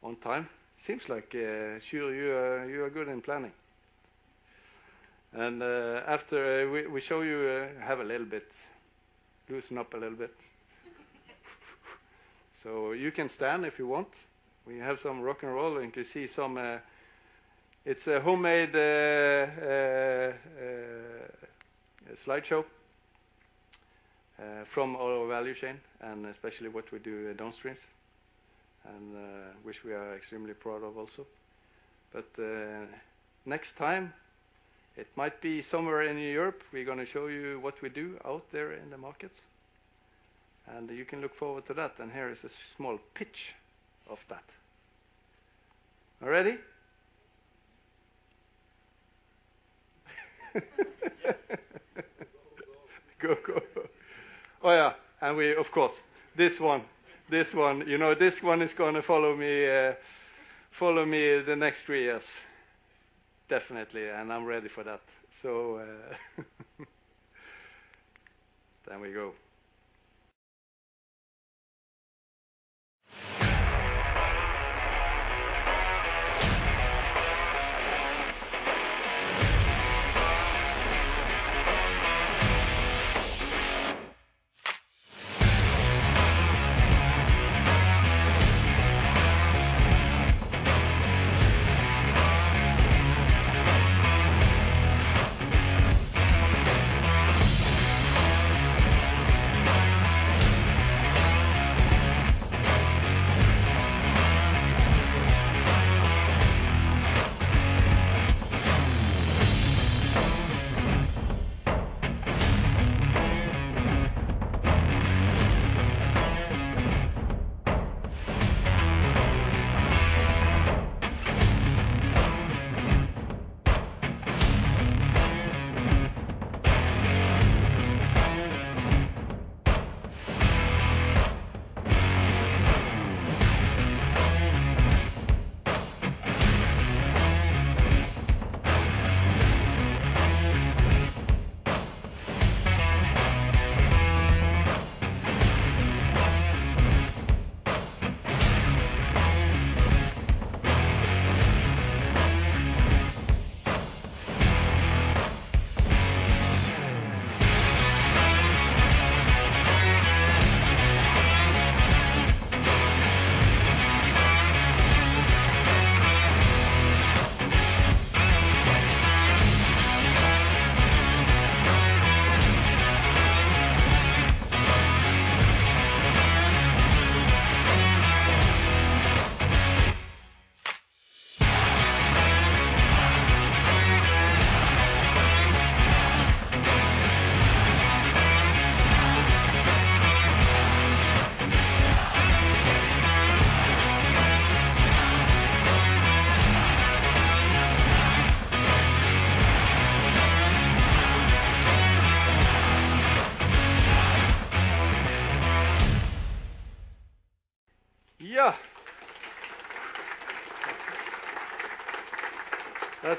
on time. Seems like Sjur, you are good in planning. After we show you have a little bit. Loosen up a little bit. You can stand if you want. We have some rock and roll, and you see some. It's a homemade slideshow from our value chain, and especially what we do at downstreams, and which we are extremely proud of also. Next time it might be somewhere in Europe. We're gonna show you what we do out there in the markets, and you can look forward to that. Here is a small pitch of that. Ready? Yes. Go, go. Go. Oh, yeah, we of course this one, you know, this one is gonna follow me, follow me the next three years. Definitely. I'm ready for that. Then we go.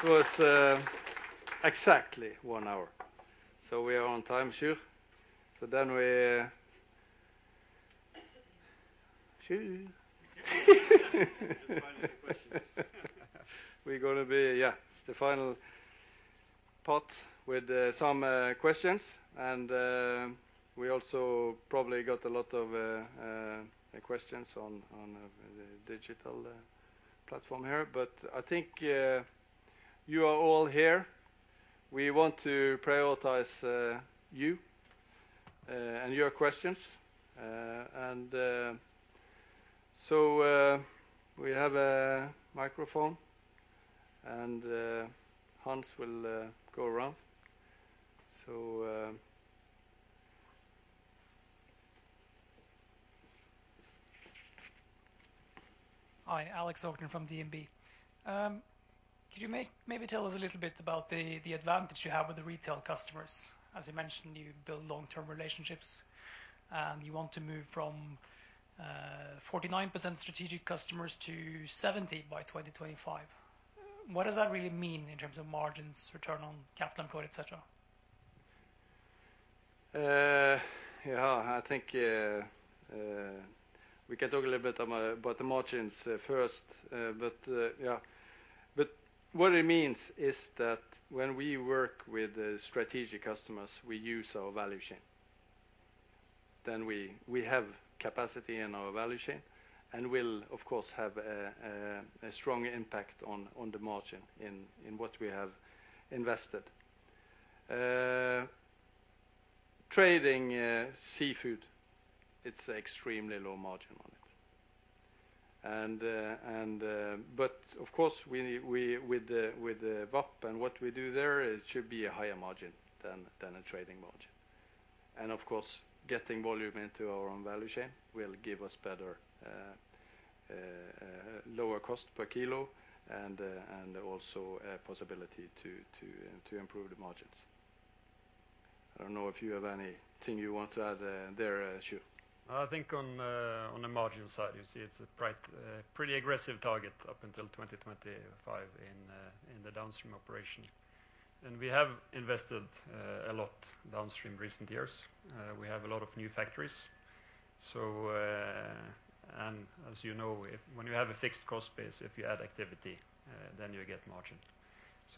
Yeah. That was exactly one hour. We are on time, Sjur. Then we Sjur? Just final questions. We're gonna be, yeah, it's the final part with some questions. We also probably got a lot of questions on the digital platform here. I think you are all here. We want to prioritize you and your questions. We have a microphone and Hans will go around. Hi, Alexander Aukner from DNB. Could you maybe tell us a little bit about the advantage you have with the retail customers? As you mentioned, you build long-term relationships, and you want to move from 49% strategic customers to 70% by 2025. What does that really mean in terms of margins, return on capital employed, et cetera? Yeah, I think we can talk a little bit about the margins first. Yeah. What it means is that when we work with the strategic customers, we use our value chain. We have capacity in our value chain, and will of course have a strong impact on the margin in what we have invested. Trading seafood, it's extremely low margin on it. Of course we with the VAP and what we do there, it should be a higher margin than a trading margin. Of course, getting volume into our own value chain will give us better lower cost per kilo and also a possibility to improve the margins. I don't know if you have anything you want to add, there, Sjur. I think on the margin side, you see it's right, pretty aggressive target up until 2025 in the downstream operation. We have invested a lot downstream recent years. We have a lot of new factories. As you know, when you have a fixed cost base, if you add activity, then you get margin.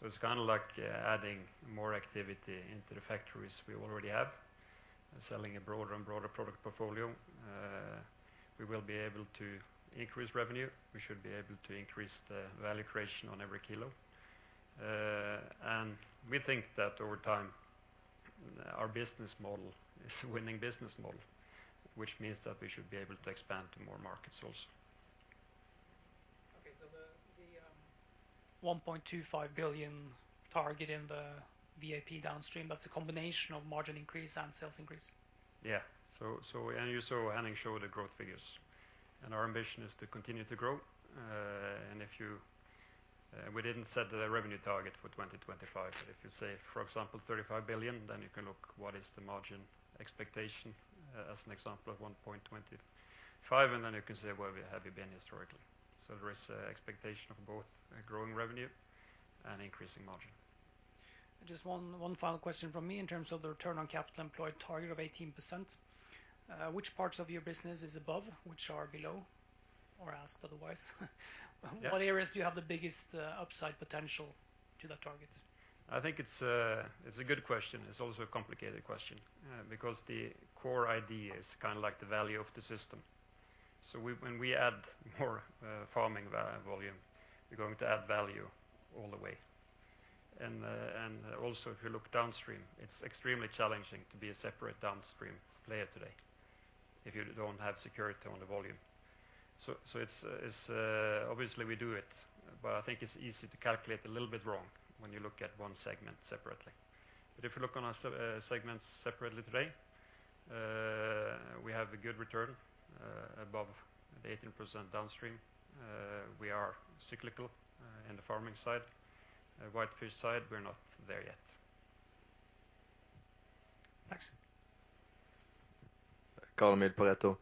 It's kind of like adding more activity into the factories we already have. Selling a broader and broader product portfolio, we will be able to increase revenue. We should be able to increase the value creation on every kilo. We think that over time, our business model is a winning business model, which means that we should be able to expand to more markets also. The 1.25 billion target in the VAP downstream, that's a combination of margin increase and sales increase? You saw Henning show the growth figures. Our ambition is to continue to grow. If you, we didn't set the revenue target for 2025, but if you say, for example, 35 billion, then you can look what is the margin expectation as an example of 1.25%, and then you can say, where have you been historically. There is expectation of both growing revenue and increasing margin. Just one final question from me in terms of the return on capital employed target of 18%. Which parts of your business is above, which are below? Or asked otherwise Yeah. What areas do you have the biggest upside potential to that target? I think it's a good question. It's also a complicated question, because the core idea is kind of like the value of the system. When we add more farming volume, we're going to add value all the way. Also if you look downstream, it's extremely challenging to be a separate downstream player today if you don't have security on the volume. It's obvious we do it, but I think it's easy to calculate a little bit wrong when you look at one segment separately. If you look at our segments separately today, we have a good return above the 18% downstream. We are cyclical in the farming side. Whitefish side, we're not there yet. Thanks. Carl-Emil, Pareto.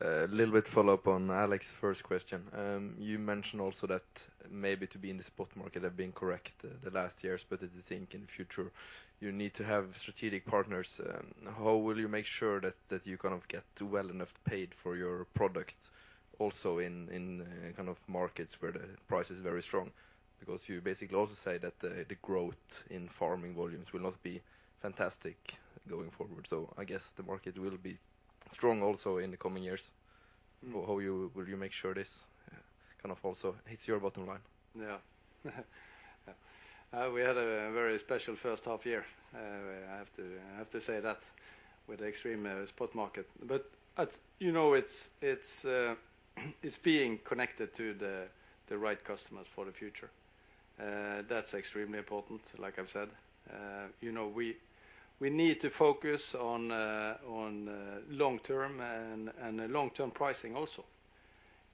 A little bit follow-up on Alex's first question. You mentioned also that maybe to be in the spot market have been correct the last years, but did you think in the future you need to have strategic partners? How will you make sure that you kind of get well enough paid for your product also in kind of markets where the price is very strong? Because you basically also say that the growth in farming volumes will not be fantastic going forward. I guess the market will be strong also in the coming years. Will you make sure this kind of also hits your bottom line? Yeah. We had a very special first half year. I have to say that with the extreme spot market. You know, it's being connected to the right customers for the future. That's extremely important, like I've said. You know, we need to focus on long term and long-term pricing also.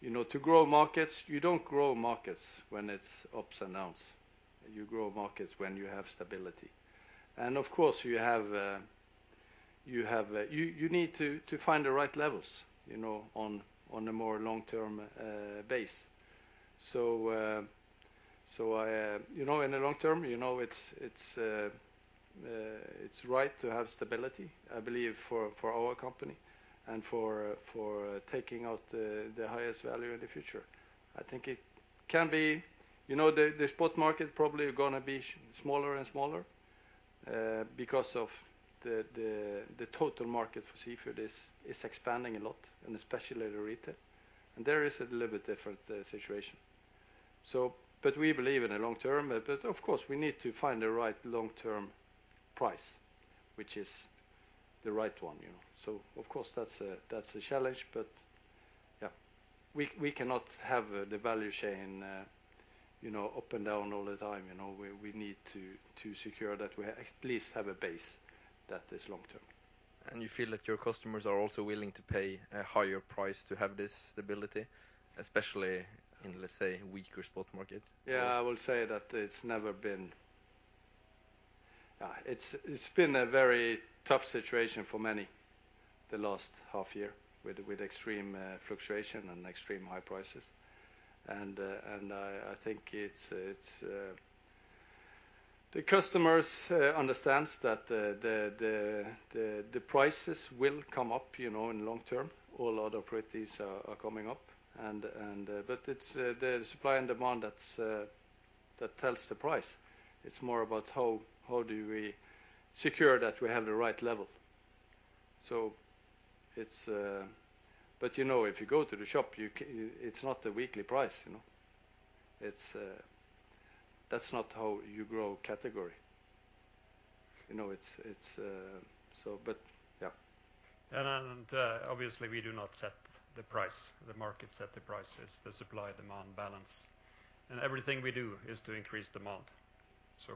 You know, to grow markets, you don't grow markets when it's ups and downs. You grow markets when you have stability. Of course, you need to find the right levels, you know, on a more long-term basis. You know, in the long term, you know, it's right to have stability, I believe, for our company and for taking out the highest value in the future. I think it can be, you know, the spot market probably gonna be smaller and smaller, because of the total market for seafood is expanding a lot, and especially the retail. There is a little bit different situation. We believe in the long term. Of course, we need to find the right long-term price, which is the right one, you know. Of course, that's a challenge, but yeah. We cannot have the value chain, you know, up and down all the time, you know. We need to secure that we at least have a base that is long term. You feel that your customers are also willing to pay a higher price to have this stability, especially in, let's say, weaker spot market? Yeah, I will say that it's never been, it's been a very tough situation for many the last half year with extreme fluctuation and extreme high prices. I think it's the customers understands that the prices will come up, you know, in long term. All other properties are coming up and but it's the supply and demand that tells the price. It's more about how do we secure that we have the right level. You know, if you go to the shop it's not the weekly price, you know? That's not how you grow category. You know, it's so but, yeah. Obviously we do not set the price. The markets set the prices, the supply-demand balance. Everything we do is to increase demand.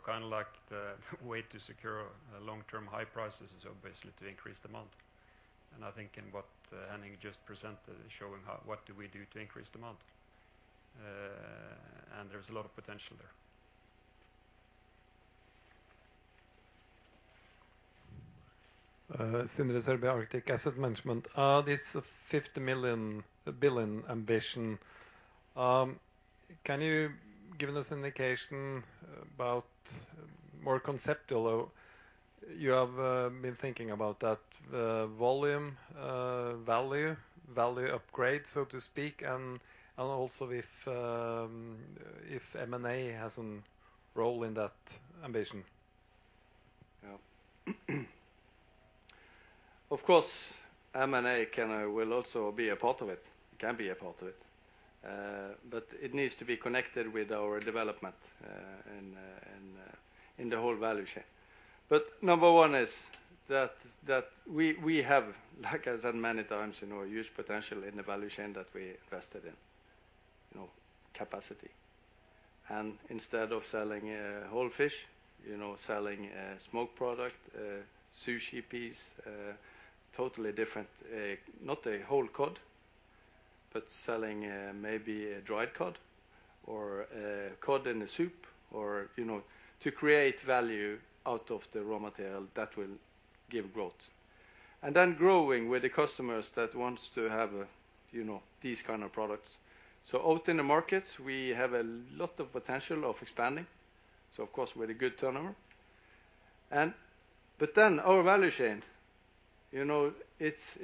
Kinda like the way to secure long-term high prices is obviously to increase demand. I think in what Henning just presented is showing how, what do we do to increase demand. There's a lot of potential there. Sindre Sørbye, Arctic Asset Management. This billion ambition, can you give us indication about more conceptual or you have been thinking about that, volume, value upgrade, so to speak, and also if M&A has a role in that ambition? Yeah. Of course, M&A will also be a part of it. It can be a part of it. It needs to be connected with our development in the whole value chain. Number one is that we have, like I said many times, you know, huge potential in the value chain that we invested in, you know, capacity. Instead of selling whole fish, you know, selling smoked product, sushi piece, totally different, not a whole cod. Selling maybe a dried cod or cod in a soup or, you know, to create value out of the raw material that will give growth. Then growing with the customers that wants to have, you know, these kind of products. Out in the markets, we have a lot of potential of expanding, so of course with a good turnover. Our value chain, you know, it's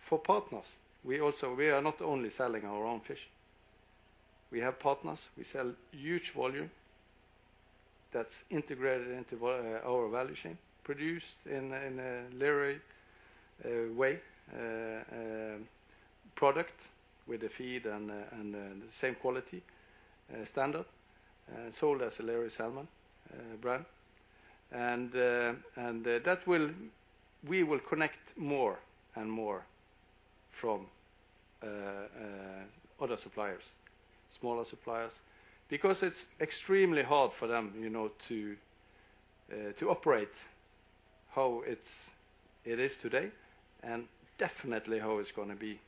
for partners. We are not only selling our own fish. We have partners. We sell huge volume that's integrated into our value chain, produced in a Lerøy Way, product with the feed and the same quality standard sold as a Lerøy Salmon brand. We will connect more and more from other suppliers, smaller suppliers, because it's extremely hard for them, you know, to operate how it is today and definitely how it's gonna be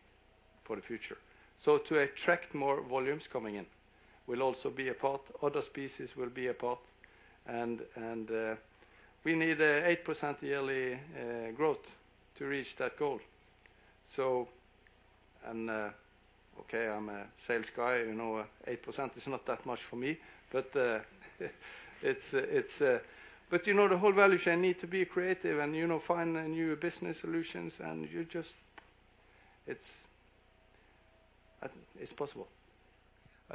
for the future. To attract more volumes coming in will also be a part. Other species will be a part. We need an 8% yearly growth to reach that goal. Okay, I'm a sales guy, you know, 8% is not that much for me. You know, the whole value chain need to be creative and, you know, find new business solutions and you just, it's possible.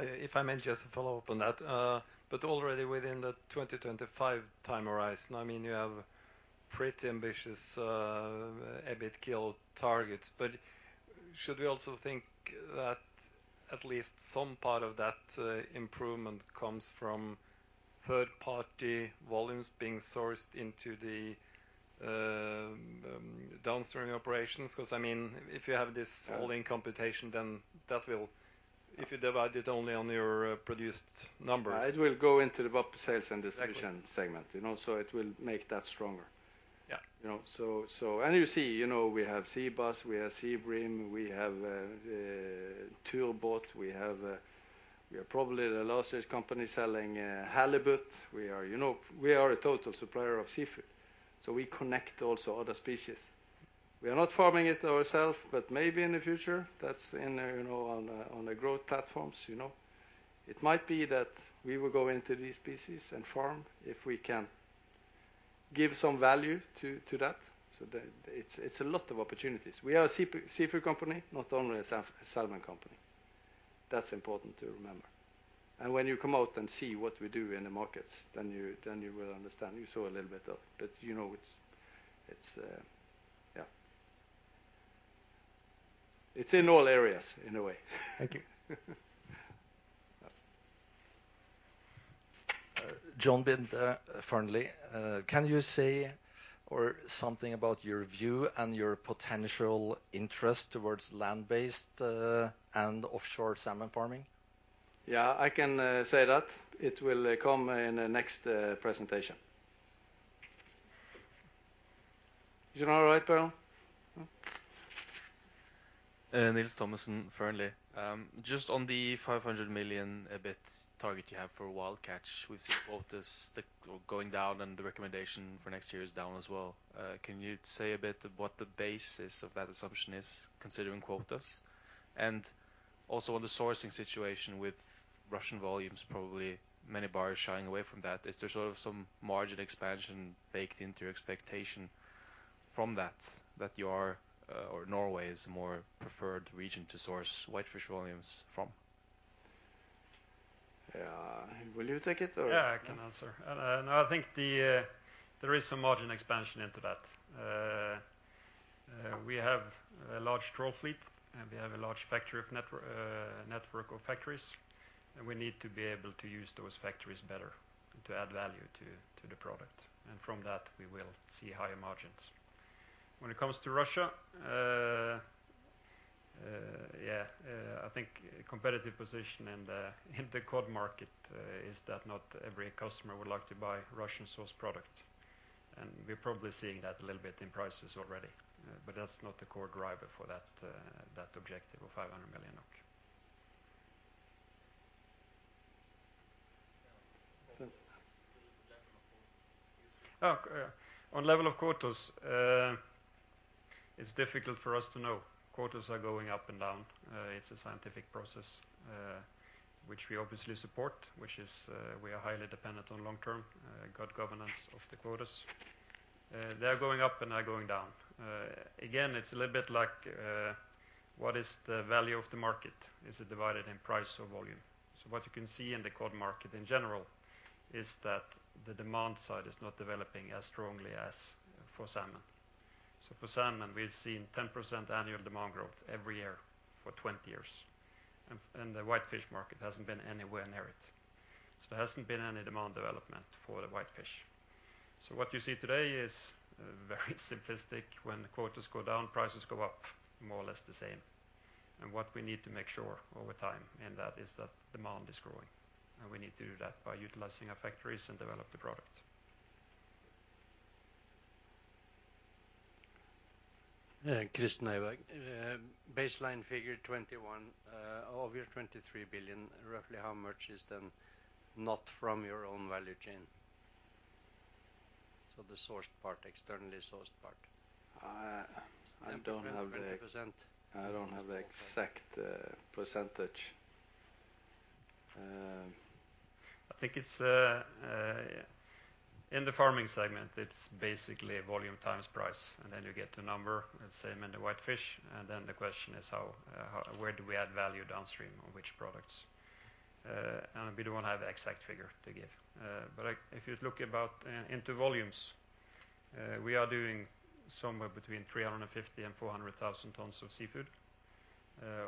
If I may just follow up on that. Already within the 2025-time horizon, I mean, you have pretty ambitious EBIT goal targets. Should we also think that at least some part of that improvement comes from third-party volumes being sourced into the downstream operations? Cause, I mean, if you have this... <crosstalk> Yeah. All in computation, then that will. If you divide it only on your produced numbers... <crosstalk> It will go into the sales and... <crosstalk> Exactly. Distribution segment, you know. It will make that stronger. Yeah. You know, and you see, you know, we have sea bass, we have sea bream, we have turbot. We are probably the largest company selling halibut. We are, you know, we are a total supplier of seafood, so we connect also other species. We are not farming it ourselves, but maybe in the future. That's in, you know, on the growth platforms, you know. It might be that we will go into these species and farm if we can give some value to that. It's a lot of opportunities. We are a seafood company, not only a salmon company. That's important to remember. When you come out and see what we do in the markets, then you will understand. You saw a little bit of it, but you know, it's yeah. It's in all areas in a way. Thank you. Yeah. John Binde, Fearnley. Can you say or something about your view and your potential interest towards land-based and offshore salmon farming? Yeah, I can say that. It will come in the next presentation. Is it all right, Per? Nils Thommesen, Fearnley. Just on the 500 million EBIT target you have for wild catch. We've seen quotas going down, and the recommendation for next year is down as well. Can you say a bit of what the basis of that assumption is considering quotas? And also on the sourcing situation with Russian volumes, probably many buyers shying away from that. Is there sort of some margin expansion baked into your expectation from that, or Norway is more preferred region to source whitefish volumes from? Will you take it or... <crosstalk> Yeah, I can answer. No, I think there is some margin expansion into that. We have a large trawl fleet, and we have a large network of factories, and we need to be able to use those factories better and to add value to the product. From that, we will see higher margins. When it comes to Russia, yeah. I think competitive position in the cod market is that not every customer would like to buy Russian-sourced product, and we're probably seeing that a little bit in prices already. That's not the core driver for that objective of NOK 500 million. On level of quotas, it's difficult for us to know. Quotas are going up and down. It's a scientific process, which we obviously support, which is, we are highly dependent on long term, good governance of the quotas. They are going up and are going down. Again, it's a little bit like, what is the value of the market? Is it divided in price or volume? What you can see in the cod market in general is that the demand side is not developing as strongly as for salmon. For salmon, we've seen 10% annual demand growth every year for 20 years. And the whitefish market hasn't been anywhere near it. There hasn't been any demand development for the whitefish. What you see today is, very simplistic. When the quotas go down, prices go up more or less the same. What we need to make sure over time in that is that demand is growing, and we need to do that by utilizing our factories and develop the product. Christian Eiberg. Baseline figure 21. Of your 23 billion, roughly how much is then not from your own value chain? The sourced part, externally sourced part. I don't have the... <crosstalk> 20%. I don't have the exact percentage. I think it's in the farming segment, it's basically volume times price, and then you get the number the same in the whitefish. The question is where do we add value downstream on which products. We don't have the exact figure to give. If you look about into volumes, we are doing somewhere between 350 and 400,000 tons of seafood.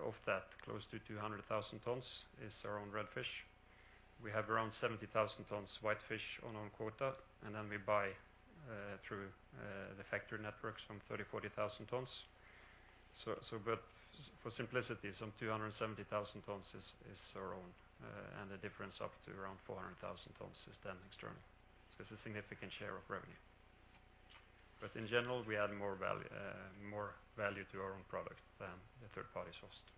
Of that, close to 200,000 tons is our own red fish. We have around 70,000 tons whitefish on own quota. We buy through the factory networks from 30,000 to 40,000 tons. But for simplicity, some 270,000 tons is our own. The difference up to around 400,000 tons is then external. It's a significant share of revenue. In general, we add more value to our own product than the third party sourced. Christian Nordby, Kepler Cheuvreux.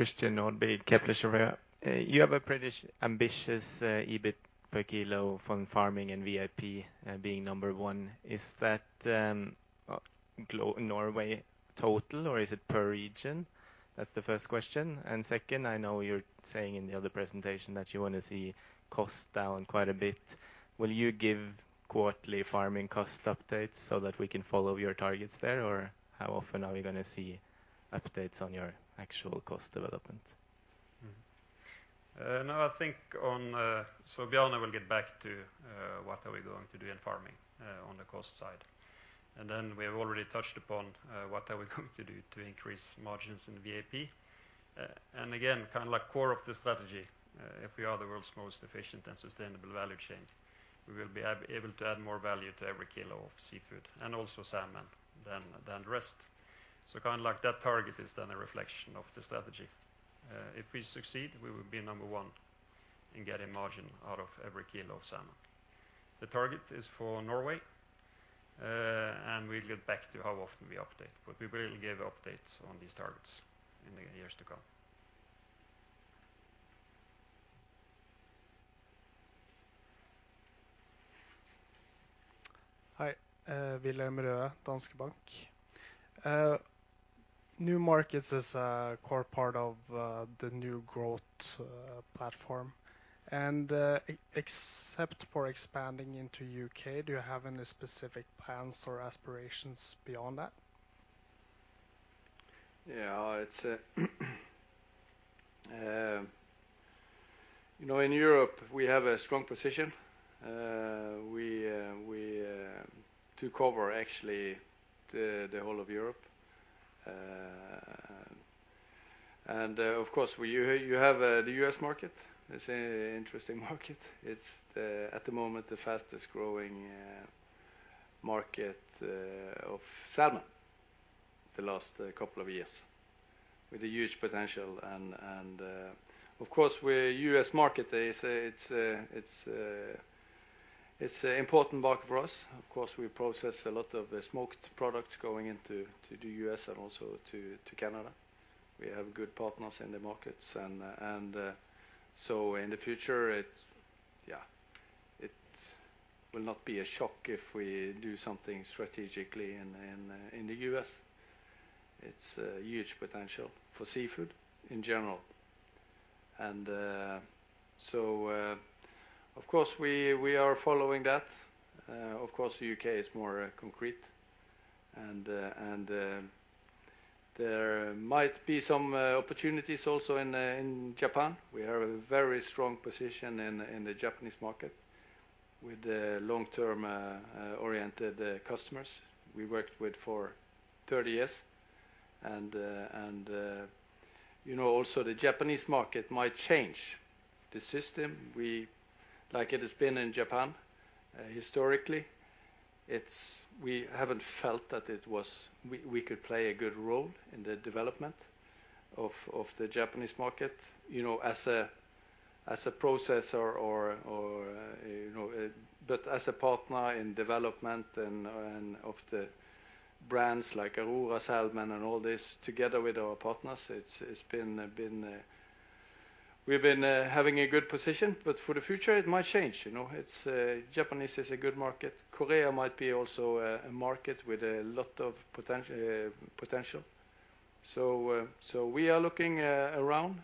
You have a pretty ambitious EBIT per kilo from farming and VAP being number one. Is that Norway total, or is it per region? That's the first question. Second, I know you're saying in the other presentation that you want to see costs down quite a bit. Will you give quarterly farming cost updates so that we can follow your targets there? Or how often are we gonna see updates on your actual cost development? No, I think Bjarne will get back to what we are going to do in farming on the cost side. We have already touched upon what we are going to do to increase margins in VAP. Again, kind of like core of the strategy, if we are the world's most efficient and sustainable value chain, we will be able to add more value to every kilo of seafood and also salmon than the rest. Kind of like that target is then a reflection of the strategy. If we succeed, we will be number one in getting margin out of every kilo of salmon. The target is for Norway. We'll get back to how often we update, but we will give updates on these targets in the years to come. Hi, Wilhelm Dahl Røe, Danske Bank. New markets is a core part of the new growth platform. Except for expanding into UK, do you have any specific plans or aspirations beyond that? Yeah. It's you know, in Europe, we have a strong position. We to cover actually the whole of Europe. Of course, you have the US market. It's an interesting market. It's at the moment the fastest growing market of salmon the last couple of years with a huge potential and of course the US market is an important market for us. Of course, we process a lot of the smoked products going into the US and also to Canada. We have good partners in the markets and in the future it will not be a shock if we do something strategically in the US. It's a huge potential for seafood in general, of course we are following that. Of course, UK is more concrete and there might be some opportunities also in Japan. We have a very strong position in the Japanese market with the long-term oriented customers we worked with for 30 years. You know, also the Japanese market might change the system. Like it has been in Japan, historically, we haven't felt that we could play a good role in the development of the Japanese market, you know, as a processor or you know. But as a partner in development and of the brands like Aurora Salmon and all this together with our partners, it's been. We've been having a good position. For the future it might change, you know. Japan is a good market. Korea might be also a market with a lot of potential. We are looking around,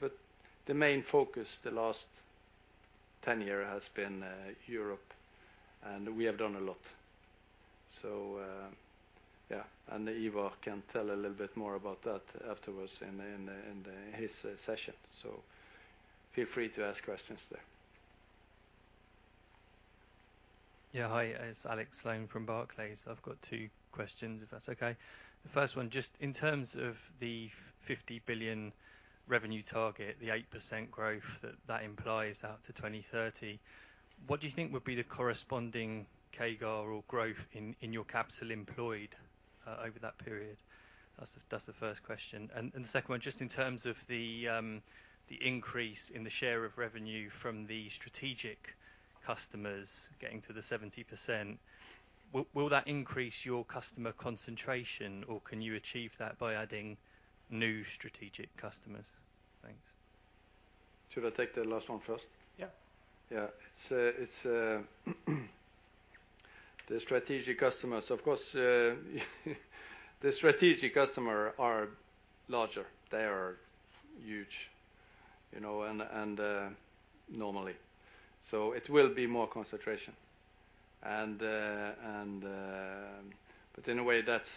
but the main focus the last 10 year has been Europe and we have done a lot. Yeah. Ivar can tell a little bit more about that afterwards in his session. Feel free to ask questions there. Yeah. Hi, it's Alex Sloane from Barclays. I've got two questions, if that's okay. The first one, just in terms of the 50 billion revenue target, the 8% growth that implies out to 2030, what do you think would be the corresponding CAGR or growth in your capital employed over that period? That's the first question. The second one, just in terms of the increase in the share of revenue from the strategic customers getting to the 70%, will that increase your customer concentration or can you achieve that by adding new strategic customers? Thanks. Should I take the last one first? Yeah. Yeah. It's the strategic customers. Of course, the strategic customer are larger. They are huge, you know, and normally. It will be more concentration. In a way that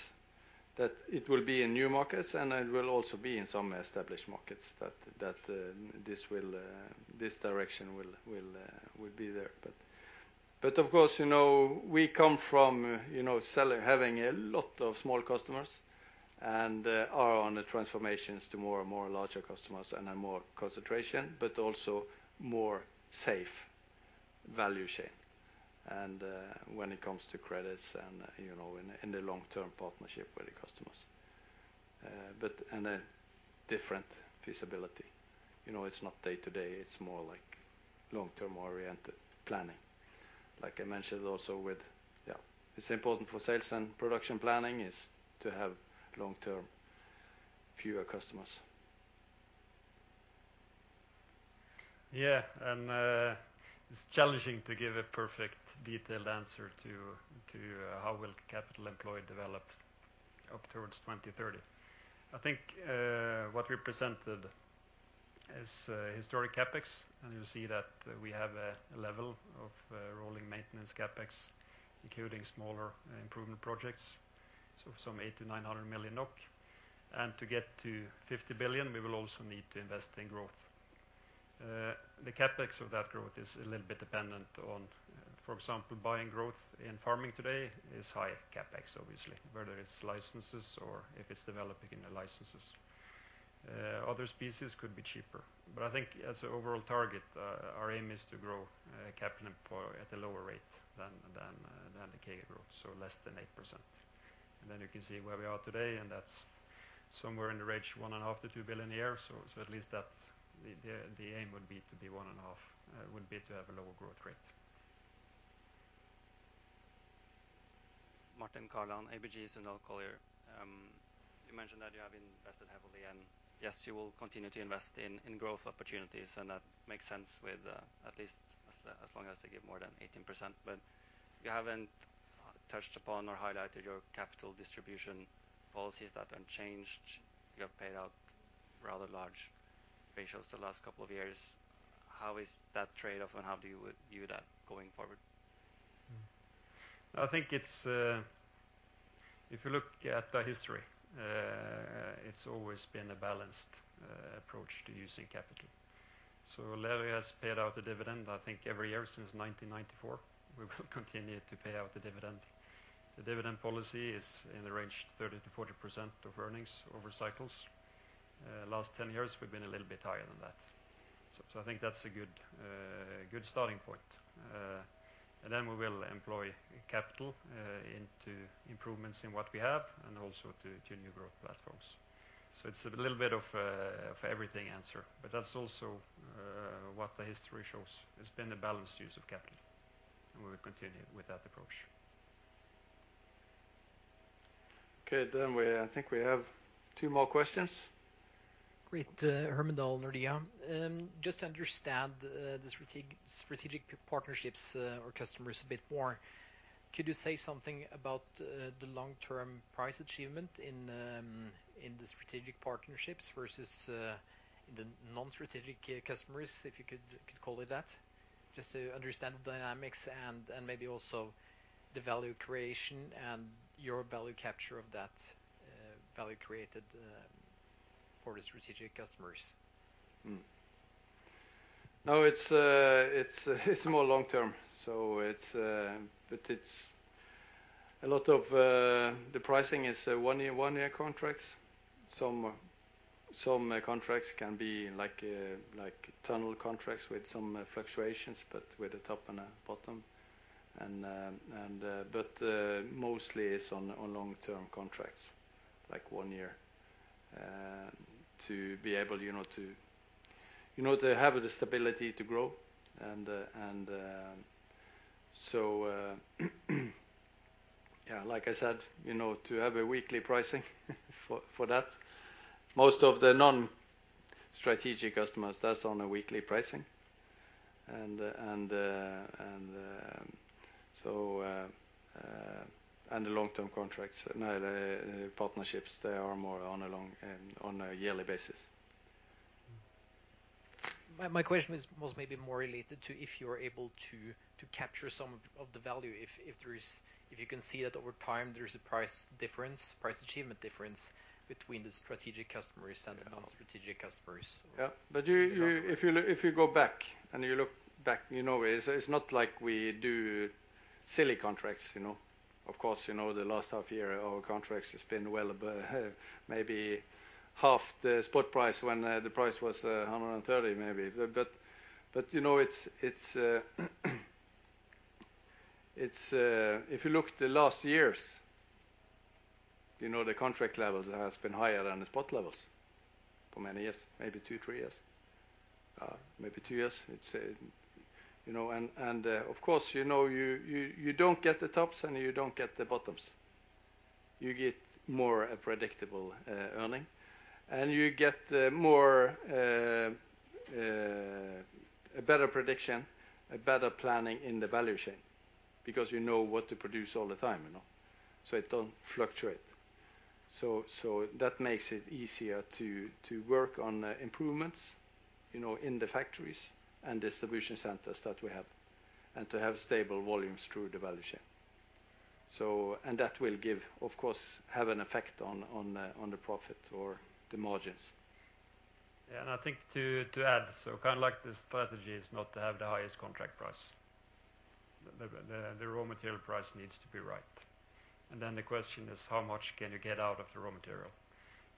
it will be in new markets and it will also be in some established markets that this direction will be there. Of course, you know, we come from having a lot of small customers and are on the transformations to more and more larger customers and a more concentration, but also more safe value chain. When it comes to credits and, you know, in the long-term partnership with the customers, but a different feasibility. You know, it's not day to day. It's more like long-term oriented planning. It's important for sales and production planning is to have long-term fewer customers. It's challenging to give a perfect detailed answer to how capital employed will develop up towards 2030. I think what we presented is historic CapEx, and you'll see that we have a level of rolling maintenance CapEx, including smaller improvement projects, so some 800 to 900 million. To get to 50 billion, we will also need to invest in growth. The CapEx of that growth is a little bit dependent on, for example, buying growth in farming today is high CapEx, obviously, whether it's licenses or if it's developing the licenses. Other species could be cheaper. I think as an overall target, our aim is to grow capital employed at a lower rate than the CAGR, so less than 8%. You can see where we are today, and that's somewhere in the range of NOK 1.5 to 2 billion a year. So at least that the aim would be to be 1.5 billion, would be to have a lower growth rate. Martin Kaland, ABG Sundal Collier. You mentioned that you have invested heavily and, yes, you will continue to invest in growth opportunities, and that makes sense as long as they give more than 18%. You haven't touched upon or highlighted your capital distribution policies that are unchanged. You have paid out rather large payout ratios the last couple of years. How is that trade-off, and how do you view that going forward? I think it's. If you look at the history, it's always been a balanced approach to using capital. Lerøy has paid out a dividend, I think, every year since 1994. We will continue to pay out the dividend. The dividend policy is in the range 30% to 40% of earnings over cycles. Last 10 years, we've been a little bit higher than that. I think that's a good starting point. Then we will employ capital into improvements in what we have and also to new growth platforms. It's a little bit of everything answer, but that's also what the history shows. It's been a balanced use of capital, and we will continue with that approach. Okay. I think we have two more questions. Great. Herman Dahl, Nordea. Just to understand the strategic partnerships or customers a bit more, could you say something about the long-term price achievement in the strategic partnerships versus the non-strategic customers, if you could call it that? Just to understand the dynamics and maybe also the value creation and your value capture of that value created for the strategic customers. No, it's more long-term. It's a lot of the pricing is one-year contracts. Some contracts can be like tunnel contracts with some fluctuations, but with a top and a bottom. Mostly it's on long-term contracts, like one year, to be able, you know, to have the stability to grow. Like I said, you know, to have a weekly pricing for that. Most of the non-strategic customers, that's on a weekly pricing. The partnerships, they are more on a long and on a yearly basis. My question is, was maybe more related to if you are able to capture some of the value if there is. If you can see that over time there is a price difference, price achievement difference between the strategic customers and the non-strategic customers. If you go back and you look back, you know, it's not like we do silly contracts, you know. Of course, you know, the last half year our contracts has been well above maybe half the spot price when the price was NOK 130 maybe. If you look the last years, you know, the contract levels has been higher than the spot levels for many years, maybe two, three years. Maybe two years. It's you know. Of course, you know, you don't get the tops and you don't get the bottoms. You get more a predictable earnings. You get a better prediction, a better planning in the value chain because you know what to produce all the time, you know. It don't fluctuate. So that makes it easier to work on improvements, you know, in the factories and distribution centers that we have and to have stable volumes through the value chain. That will, of course, have an effect on the profit or the margins. Yeah. I think to add, so kind of like the strategy is not to have the highest contract price. The raw material price needs to be right. Then the question is how much can you get out of the raw material,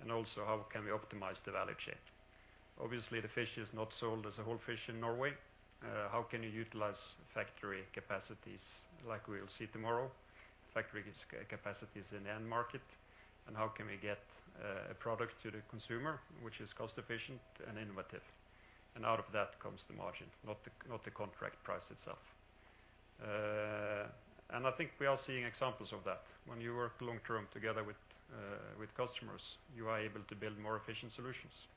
and also how can we optimize the value chain? Obviously, the fish is not sold as a whole fish in Norway. How can you utilize factory capacities like we'll see tomorrow, factory capacities in the end market, and how can we get a product to the consumer which is cost-efficient and innovative? Out of that comes the margin, not the contract price itself. I think we are seeing examples of that. When you work long-term together with customers, you are able to build more efficient solutions.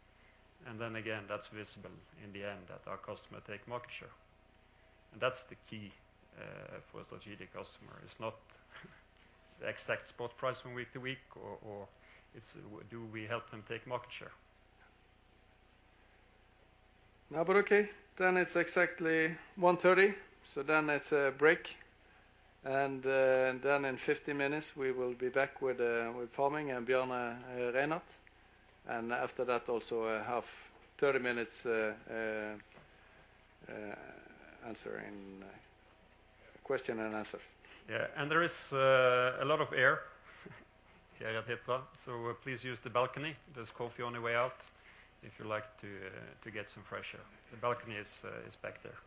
Again, that's visible in the end that our customer take market share. That's the key for a strategic customer. It's not the exact spot price from week to week or it's do we help them take market share. It's exactly 1:30PM. It's break. In 50 minutes we will be back with farming and Bjarne Reinert. After that, also 30 minutes answering question-and-answer. Yeah. There is a lot of air here at Hitra, so please use the balcony. There's coffee on the way out if you like to get some fresh air. The balcony is back there.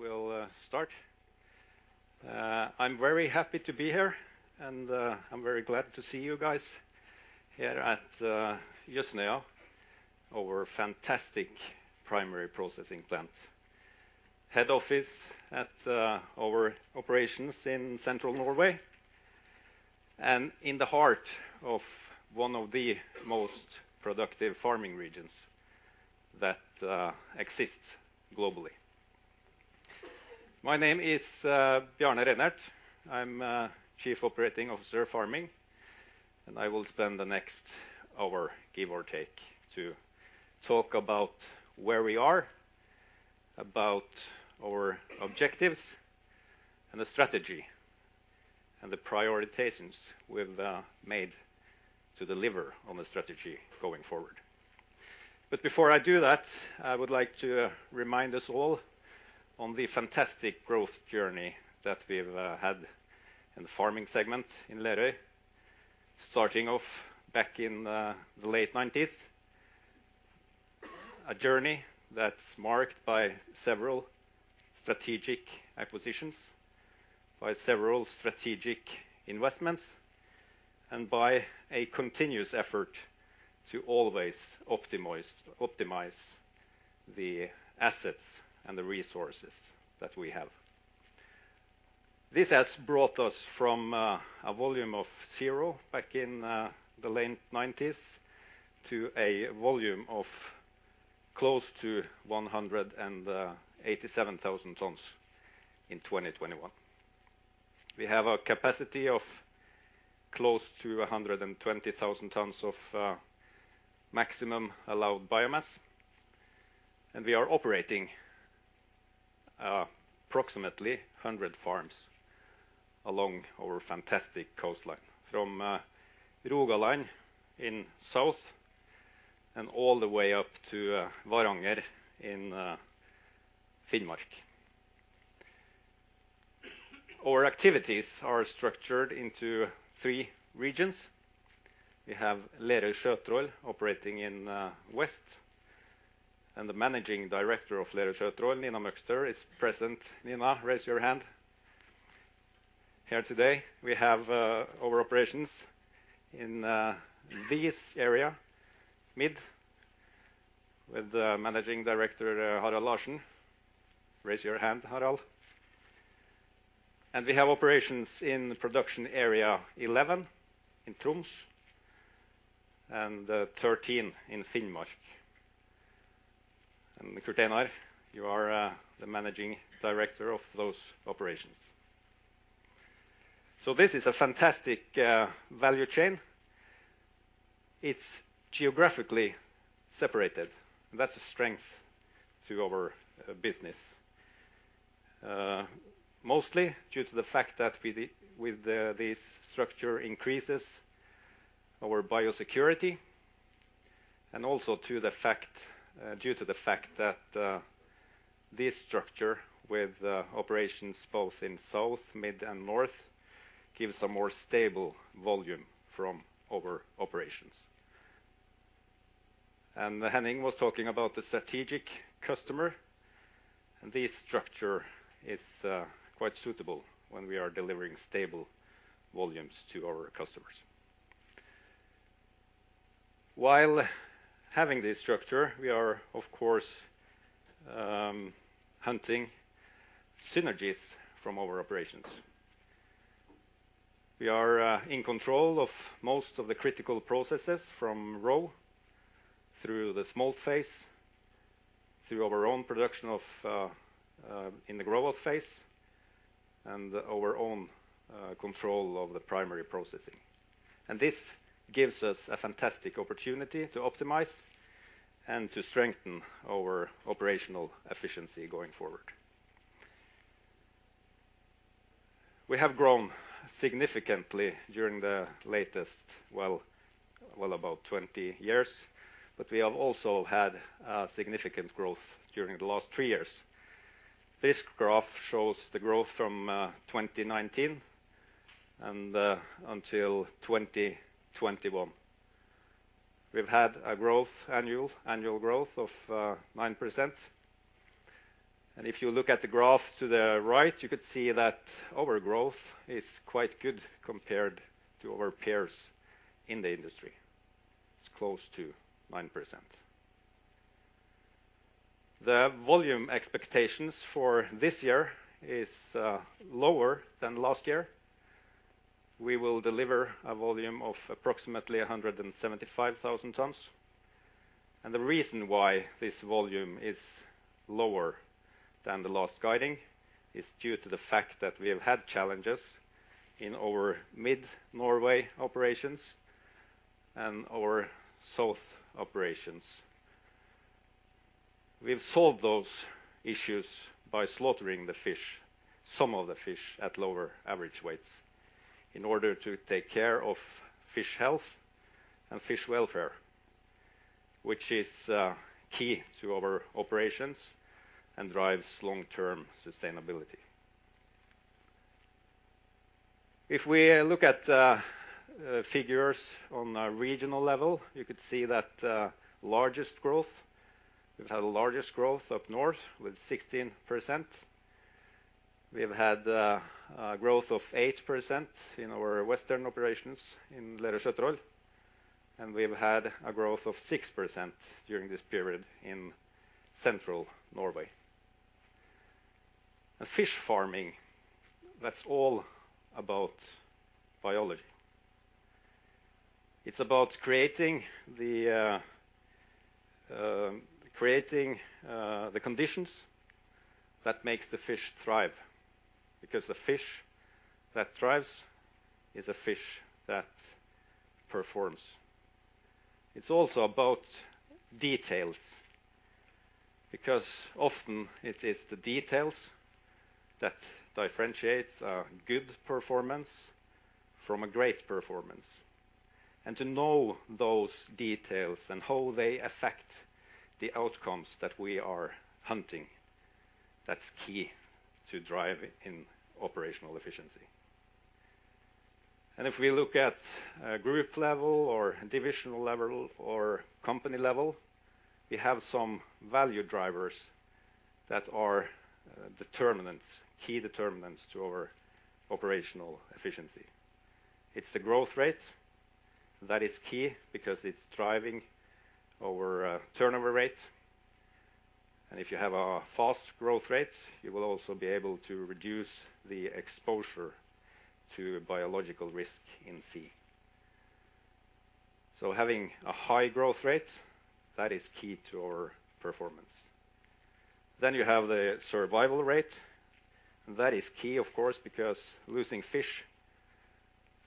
We'll start. I'm very happy to be here, and I'm very glad to see you guys here at Jøsnøya, our fantastic primary processing plant. Head office at our operations in central Norway and in the heart of one of the most productive farming regions that exist s globally. My name is Bjarne Reinert. I'm Chief Operating Officer of Farming, and I will spend the next hour, give or take, to talk about where we are, about our objectives and the strategy and the prioritizations we've made to deliver on the strategy going forward. Before I do that, I would like to remind us all on the fantastic growth journey that we've had in the farming segment in Lerøy. Starting off back in the late 1990s. A journey that's marked by several strategic acquisitions, by several strategic investments, and by a continuous effort to always optimize the assets and the resources that we have. This has brought us from a volume of zero back in the late 1990s to a volume of close to 187,000 tons in 2021. We have a capacity of close to 120,000 tons of maximum allowed biomass, and we are operating approximately 100 farms along our fantastic coastline from Rogaland in south and all the way up to Varanger in Finnmark. Our activities are structured into three regions. We have Lerøy Sjøtroll operating in west, and the managing director of Lerøy Sjøtroll, Nina Møgster, is present. Nina, raise your hand. Here today, we have our operations in the area Midt with the managing director, Harald Larssen. Raise your hand, Harald. We have operations in production area 11 in Troms and 13 in Finnmark. Kurt-Einar Karlsen, you are the managing director of those operations. This is a fantastic value chain. It's geographically separated, and that's a strength to our business. Mostly due to the fact that this structure increases our biosecurity and also due to the fact that this structure with operations both in south, mid and north gives a more stable volume from our operations. Henning was talking about the strategic customer, and this structure is quite suitable when we are delivering stable volumes to our customers. While having this structure, we are of course hunting synergies from our operations. We are in control of most of the critical processes from roe through the smolt phase, through our own production of in the grow-out phase and our own control of the primary processing. This gives us a fantastic opportunity to optimize and to strengthen our operational efficiency going forward. We have grown significantly during the latest, well about 20 years, but we have also had significant growth during the last three years. This graph shows the growth from 2019 and until 2021. We've had a growth annual growth of 9%. If you look at the graph to the right, you could see that our growth is quite good compared to our peers in the industry. It's close to 9%. The volume expectations for this year is lower than last year. We will deliver a volume of approximately 175,000 tons. The reason why this volume is lower than the last guiding is due to the fact that we have had challenges in our Mid Norway operations and our south operations. We've solved those issues by slaughtering the fish, some of the fish at lower average weights in order to take care of fish health and fish welfare, which is key to our operations and drives long-term sustainability. If we look at figures on a regional level, you could see that largest growth, we've had the largest growth up north with 16%. We've had a growth of 8% in our western operations in Lerøy Sjøtroll, and we've had a growth of 6% during this period in central Norway. Fish farming, that's all about biology. It's about creating the conditions that makes the fish thrive because the fish that thrives is a fish that performs. It's also about details because often it is the details that differentiates a good performance from a great performance. To know those details and how they affect the outcomes that we are hunting, that's key to drive in operational efficiency. If we look at group level or divisional level or company level, we have some value drivers that are determinants, key determinants to our operational efficiency. It's the growth rate that is key because it's driving our turnover rate. If you have a fast growth rate, you will also be able to reduce the exposure to biological risk in sea. Having a high growth rate, that is key to our performance. You have the survival rate, and that is key of course, because losing fish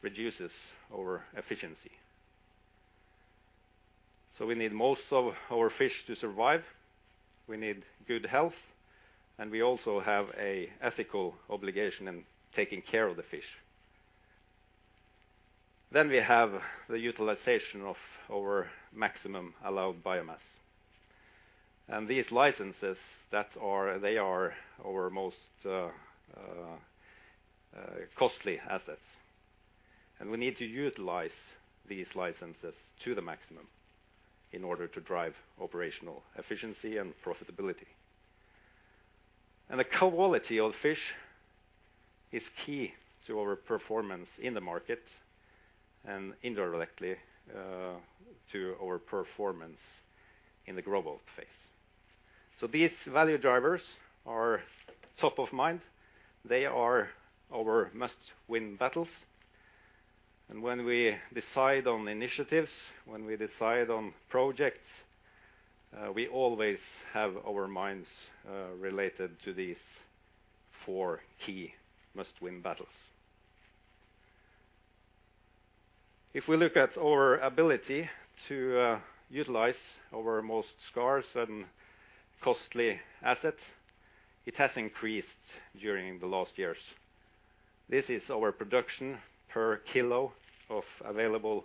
reduces our efficiency. We need most of our fish to survive. We need good health, and we also have an ethical obligation in taking care of the fish. We have the utilization of our maximum allowed biomass. These licenses that are our most costly assets, and we need to utilize these licenses to the maximum in order to drive operational efficiency and profitability. The quality of fish is key to our performance in the market and indirectly to our performance in the grow-out phase. These value drivers are top of mind. They are our must-win battles. When we decide on initiatives, when we decide on projects, we always have our minds related to these four key must-win battles. If we look at our ability to utilize our most scarce and costly asset, it has increased during the last years. This is our production per kilo of available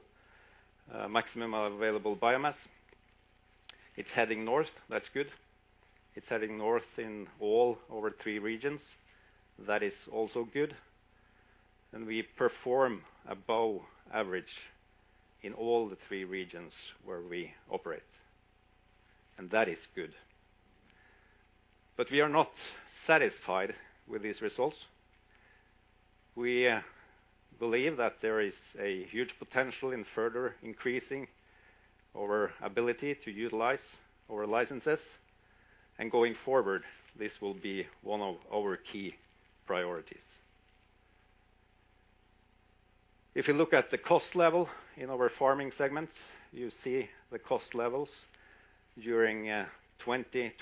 maximum allowable biomass. It's heading north. That's good. It's heading north in all our three regions. That is also good. We perform above average in all the three regions where we operate, and that is good. We are not satisfied with these results. We believe that there is a huge potential in further increasing our ability to utilize our licenses, and going forward, this will be one of our key priorities. If you look at the cost level in our farming segments, you see the cost levels during 2019,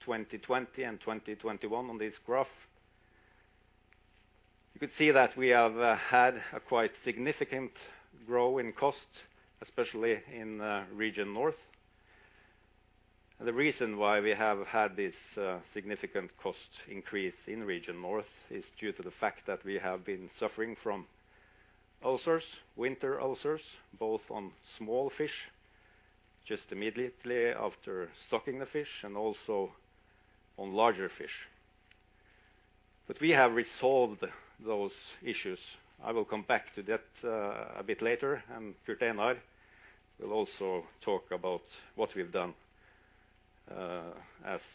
2020 and 2021 on this graph. You could see that we have had a quite significant growth in cost, especially in Region North. The reason why we have had this significant cost increase in Region North is due to the fact that we have been suffering from ulcers, winter ulcers, both on small fish, just immediately after stocking the fish and also on larger fish. We have resolved those issues. I will come back to that a bit later, and Kurt-Einar will also talk about what we've done as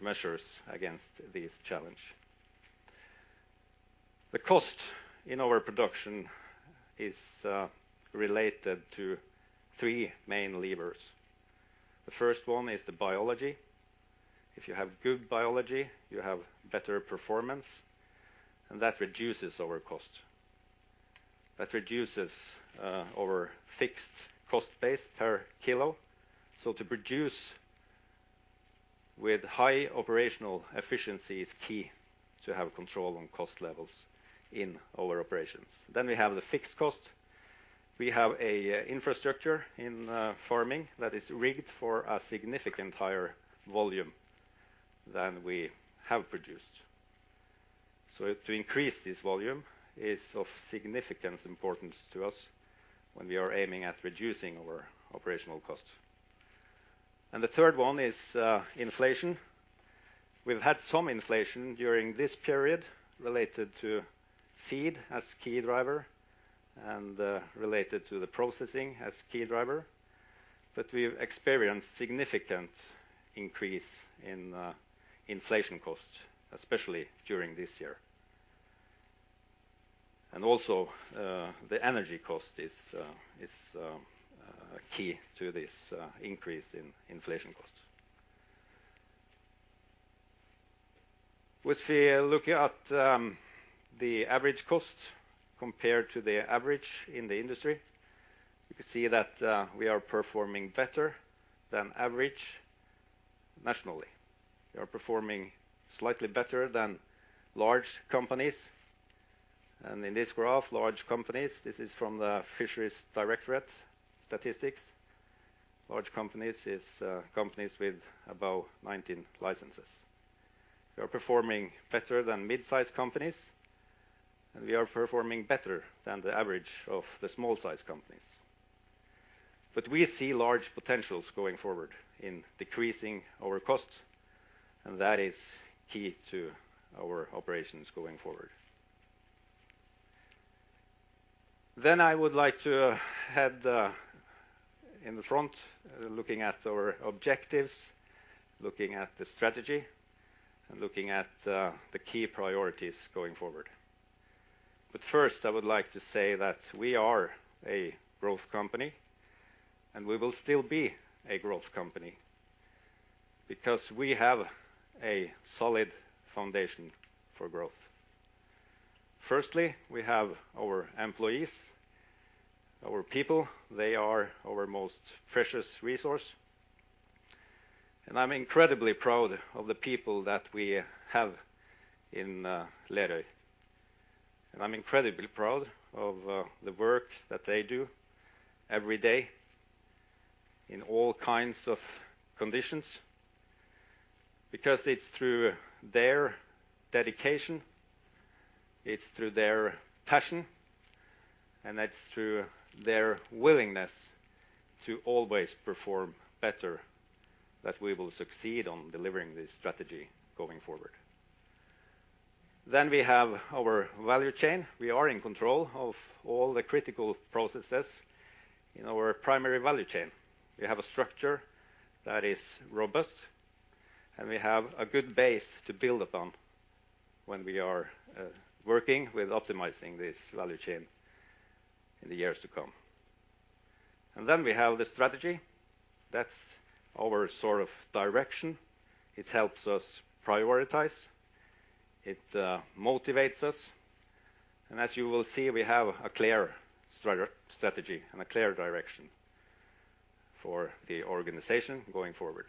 measures against this challenge. The cost in our production is related to three main levers. The first one is the biology. If you have good biology, you have better performance, and that reduces our cost. That reduces our fixed cost base per kilo. To produce with high operational efficiency is key to have control on cost levels in our operations. We have the fixed cost. We have a infrastructure in farming that is rigged for a significant higher volume than we have produced. To increase this volume is of significant importance to us when we are aiming at reducing our operational costs. The third one is inflation. We've had some inflation during this period related to feed as key driver and related to the processing as key driver. We've experienced significant increase in inflation costs, especially during this year. The energy cost is key to this increase in inflation costs. When looking at the average cost compared to the average in the industry, you can see that we are performing better than average nationally. We are performing slightly better than large companies. In this graph, large companies, this is from the Directorate of Fisheries statistics. Large companies is companies with above 19 licenses. We are performing better than mid-size companies, and we are performing better than the average of the small size companies. We see large potentials going forward in decreasing our costs, and that is key to our operations going forward. I would like to head in the front, looking at our objectives, looking at the strategy, and looking at the key priorities going forward. First, I would like to say that we are a growth company, and we will still be a growth company because we have a solid foundation for growth. Firstly, we have our employees, our people. They are our most precious resource. I'm incredibly proud of the people that we have in Lerøy. I'm incredibly proud of the work that they do every day in all kinds of conditions, because it's through their dedication, it's through their passion, and it's through their willingness to always perform better that we will succeed on delivering this strategy going forward. We have our value chain. We are in control of all the critical processes in our primary value chain. We have a structure that is robust, and we have a good base to build upon when we are working with optimizing this value chain in the years to come. We have the strategy. That's our sort of direction. It helps us prioritize. It motivates us. As you will see, we have a clear strategy and a clear direction for the organization going forward.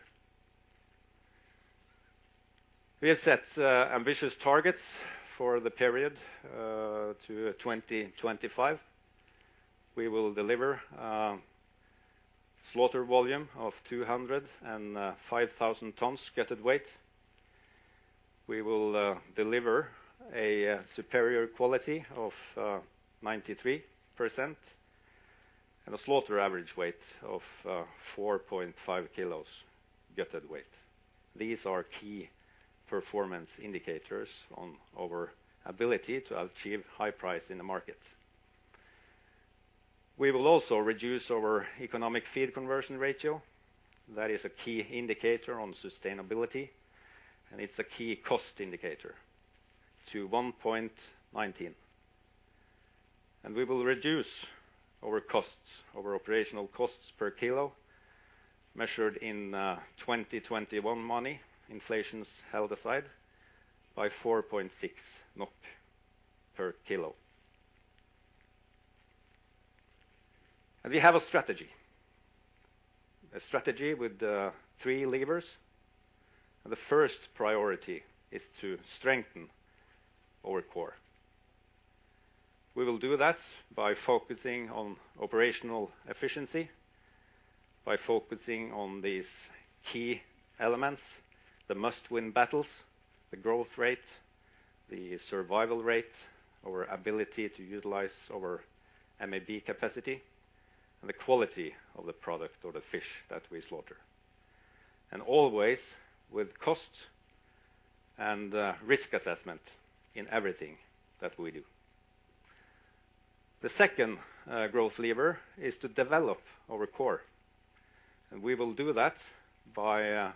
We have set ambitious targets for the period to 2025. We will deliver slaughter volume of 205,000 tons gutted weight. We will deliver a superior quality of 93% and a slaughter average weight of 4.5 kg gutted weight. These are key performance indicators on our ability to achieve high price in the market. We will also reduce our economic feed conversion ratio. That is a key indicator on sustainability, and it's a key cost indicator to 1.19%. We will reduce our costs, our operational costs per kilo, measured in 2021 money, inflation held aside by 4.6 NOK per kilo. We have a strategy. A strategy with three levers, and the first priority is to strengthen our core. We will do that by focusing on operational efficiency, by focusing on these key elements, the must-win battles, the growth rate, the survival rate, our ability to utilize our MAB capacity, and the quality of the product or the fish that we slaughter. Always with cost and risk assessment in everything that we do. The second growth lever is to develop our core, and we will do that by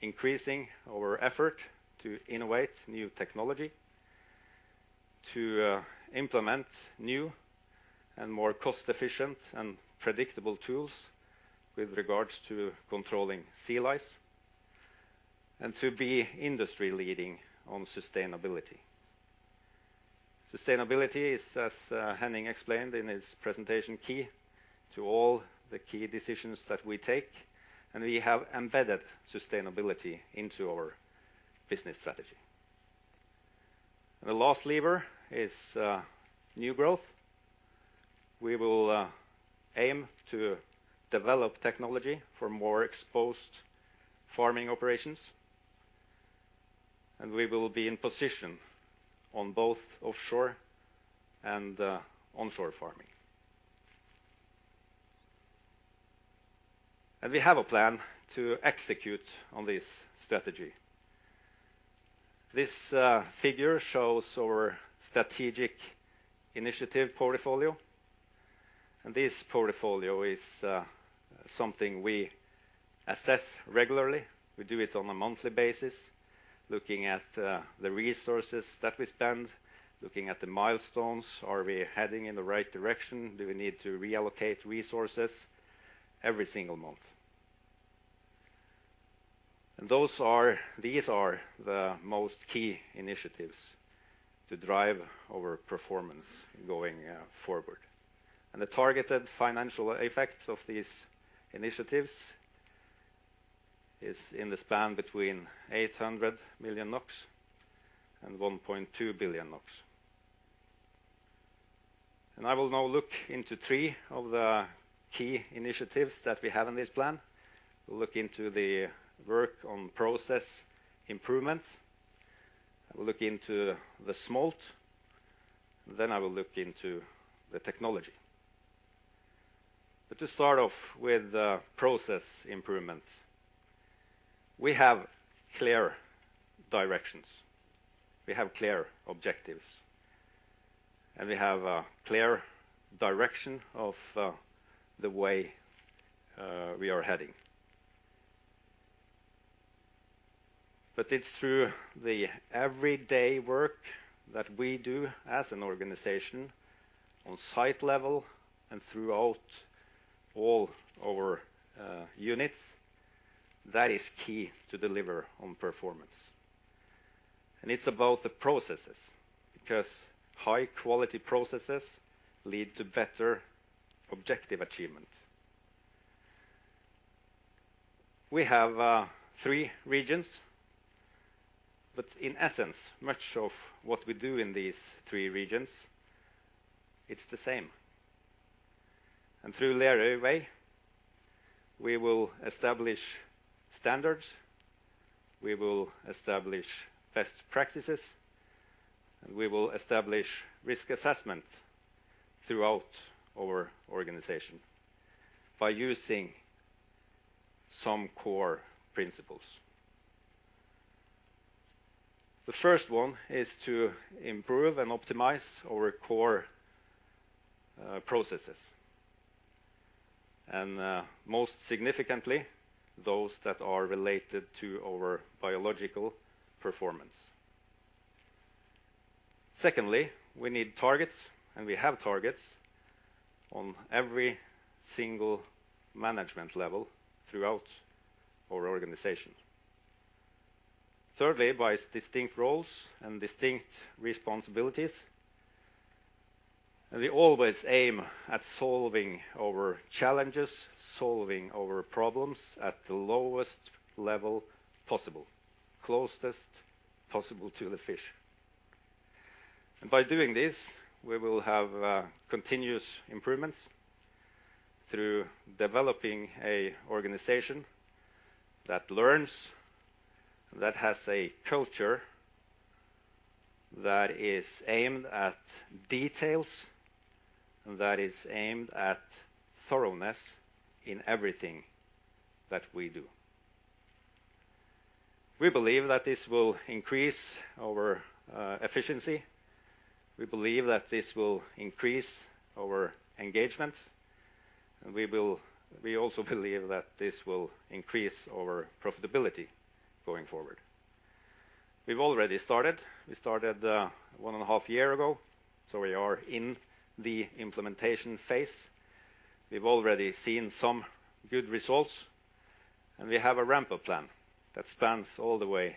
increasing our effort to innovate new technology to implement new and more cost-efficient and predictable tools with regards to controlling sea lice and to be industry-leading on sustainability. Sustainability is, as Henning explained in his presentation, key to all the key decisions that we take, and we have embedded sustainability into our business strategy. The last lever is new growth. We will aim to develop technology for more exposed farming operations, and we will be in position on both offshore and onshore farming. We have a plan to execute on this strategy. This figure shows our strategic initiative portfolio, and this portfolio is something we assess regularly. We do it on a monthly basis, looking at the resources that we spend, looking at the milestones. Are we heading in the right direction? Do we need to reallocate resources every single month? These are the most key initiatives to drive our performance going forward. The targeted financial effects of these initiatives is in the span between 800 million NOK and 1.2 billion NOK. I will now look into three of the key initiatives that we have in this plan. We'll look into the work on process improvement. We'll look into the smolt. I will look into the technology. To start off with the process improvement, we have clear directions, we have clear objectives, and we have a clear direction of the way we are heading. It's through the everyday work that we do as an organization on site level and throughout all our units that is key to deliver on performance. It's about the processes, because high-quality processes lead to better objective achievement. We have three regions, but in essence, much of what we do in these three regions, it's the same. Through Lerøy Way, we will establish standards, we will establish best practices, and we will establish risk assessment throughout our organization by using some core principles. The first one is to improve and optimize our core processes, and most significantly, those that are related to our biological performance. Secondly, we need targets, and we have targets on every single management level throughout our organization. Thirdly, by distinct roles and distinct responsibilities. We always aim at solving our challenges, solving our problems at the lowest level possible, closest possible to the fish. By doing this, we will have continuous improvements through developing an organization that learns, that has a culture that is aimed at details and that is aimed at thoroughness in everything that we do. We believe that this will increase our efficiency. We believe that this will increase our engagement, and we also believe that this will increase our profitability going forward. We've already started. We started 1.5 years ago, so we are in the implementation phase. We've already seen some good results, and we have a ramp-up plan that spans all the way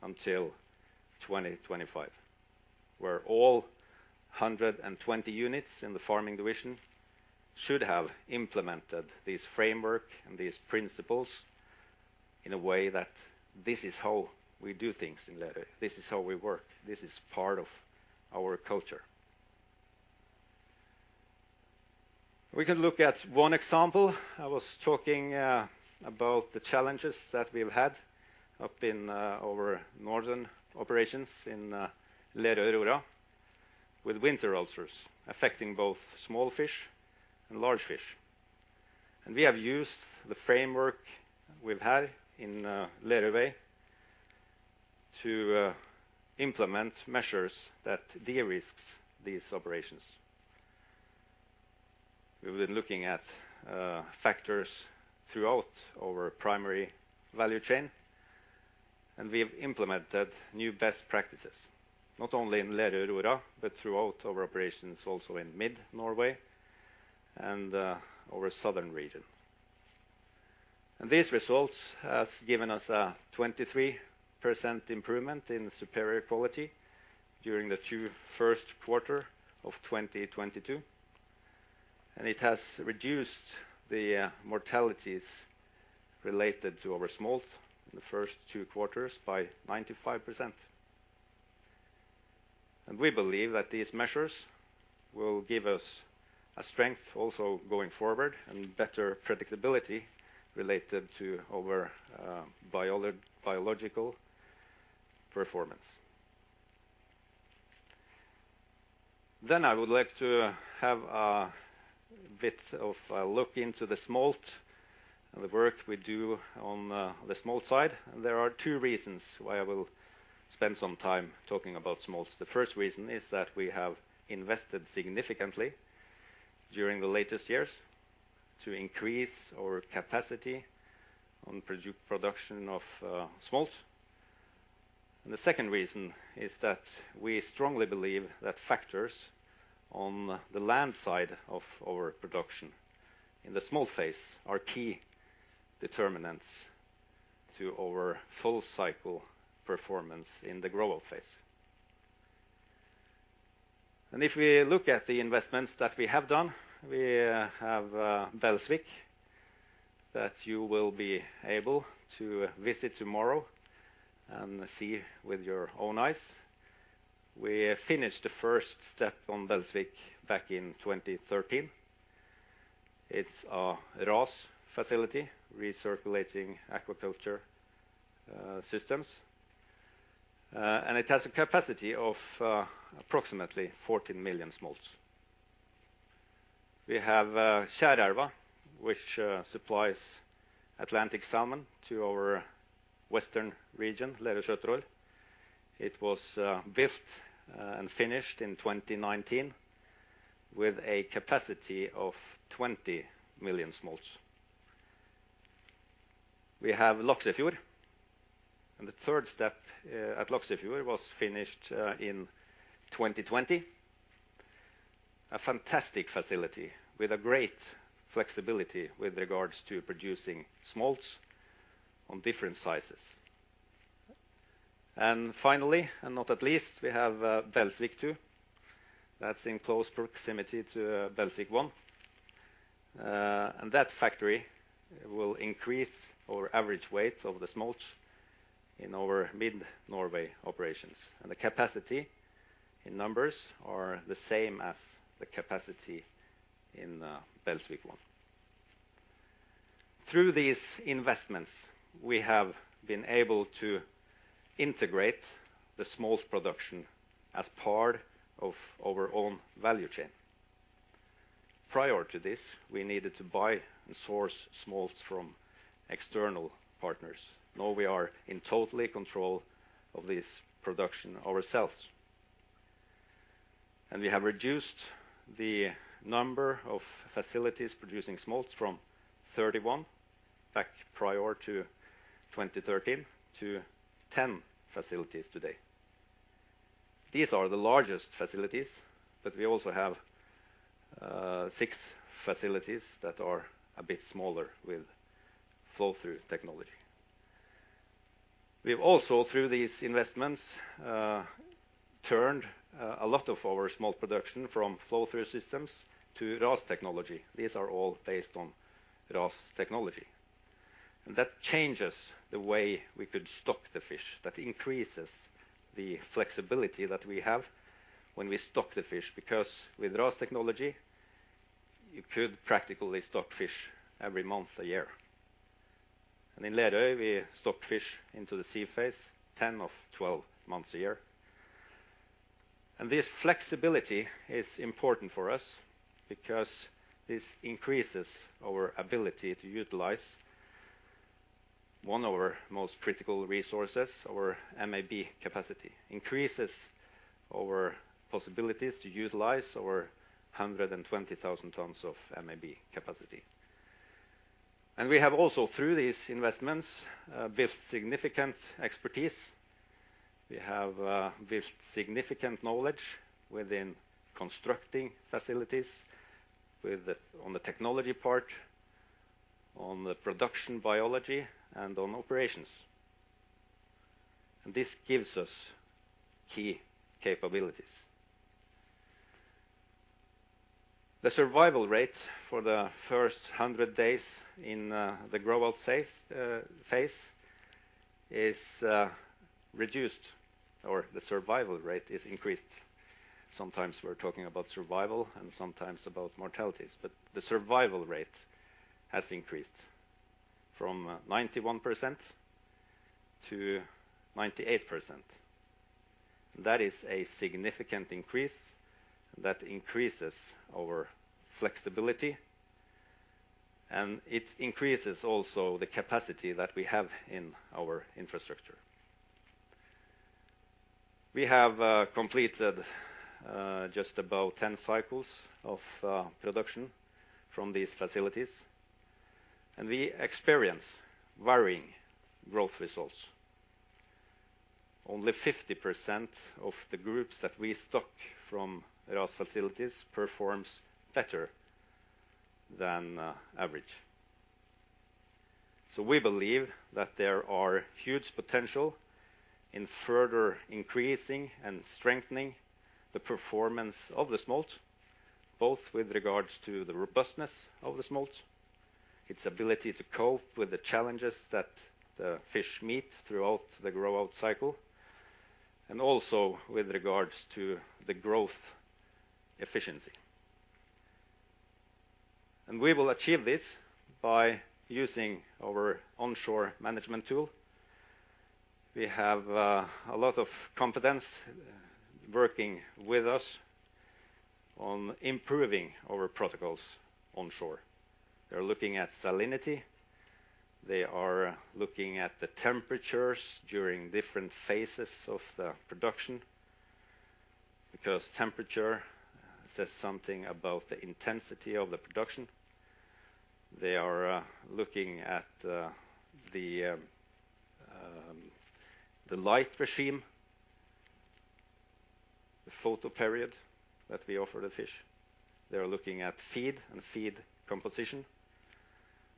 until 2025, where all 120 units in the farming division should have implemented this framework and these principles in a way that this is how we do things in Lerøy. This is how we work. This is part of our culture. We can look at one example. I was talking about the challenges that we've had up in our northern operations in Lerøy Aurora with winter ulcers affecting both small fish and large fish. We have used the framework we've had in Lerøy Way to implement measures that de-risks these operations. We've been looking at factors throughout our primary value chain, and we've implemented new best practices, not only in Lerøy Aurora, but throughout our operations also in mid-Norway and our southern region. These results has given us a 23% improvement in superior quality during the first two quarters of 2022, and it has reduced the mortalities related to our smolt in the first two quarters by 95%. We believe that these measures will give us a strength also going forward and better predictability related to our biological performance. I would like to have a bit of a look into the smolt and the work we do on the smolt side. There are two reasons why I will spend some time talking about smolts. The first reason is that we have invested significantly during the latest years to increase our capacity on production of smolt. The second reason is that we strongly believe that factors on the land side of our production in the smolt phase are key determinants to our full cycle performance in the grow out phase. If we look at the investments that we have done, we have Belsvik that you will be able to visit tomorrow and see with your own eyes. We finished the first step on Belsvik back in 2013. It's a RAS facility, recirculating aquaculture systems. It has a capacity of approximately 14 million smolts. We have Skjervøy, which supplies Atlantic salmon to our western region, Lerøy Sjøtroll. It was opened and finished in 2019 with a capacity of 20 million smolts. We have Laksefjord, and the third step at Laksefjord was finished in 2020. A fantastic facility with a great flexibility with regards to producing smolts on different sizes. Finally, and not at least, we have Belsvik 2 that's in close proximity to Belsvik 1. That factory will increase our average weight of the smolt in our mid-Norway operations, and the capacity in numbers are the same as the capacity in Belsvik 1. Through these investments, we have been able to integrate the smolt production as part of our own value chain. Prior to this, we needed to buy and source smolts from external partners. Now we are in total control of this production ourselves. We have reduced the number of facilities producing smolts from 31 back prior to 2013 to 10 facilities today. These are the largest facilities, but we also have six facilities that are a bit smaller with flow-through technology. We've also, through these investments, turned a lot of our smolt production from flow-through systems to RAS technology. These are all based on RAS technology. That changes the way we could stock the fish. That increases the flexibility that we have when we stock the fish, because with RAS technology, you could practically stock fish every month a year. In Lerøy, we stock fish into the sea phase 10 of 12 months a year. This flexibility is important for us because this increases our ability to utilize one of our most critical resources, our MAB capacity. It increases our possibilities to utilize our 120,000 tons of MAB capacity. We have also, through these investments, built significant expertise. We have built significant knowledge within constructing facilities on the technology part, on the production biology, and on operations. This gives us key capabilities. The survival rate for the first 100 days in the grow-out phase is reduced, or the survival rate is increased. Sometimes we're talking about survival and sometimes about mortalities, but the survival rate has increased from 91% to 98%. That is a significant increase. That increases our flexibility, and it increases also the capacity that we have in our infrastructure. We have completed just about 10 cycles of production from these facilities, and we experience varying growth results. Only 50% of the groups that we stock from RAS facilities performs better than average. We believe that there are huge potential in further increasing and strengthening the performance of the smolt, both with regards to the robustness of the smolt, its ability to cope with the challenges that the fish meet throughout the grow-out cycle, and also with regards to the growth efficiency. We will achieve this by using our onshore management tool. We have a lot of competence working with us on improving our protocols onshore. They're looking at salinity. They are looking at the temperatures during different phases of the production because temperature says something about the intensity of the production. They are looking at the light regime, the photoperiod that we offer the fish. They are looking at feed and feed composition.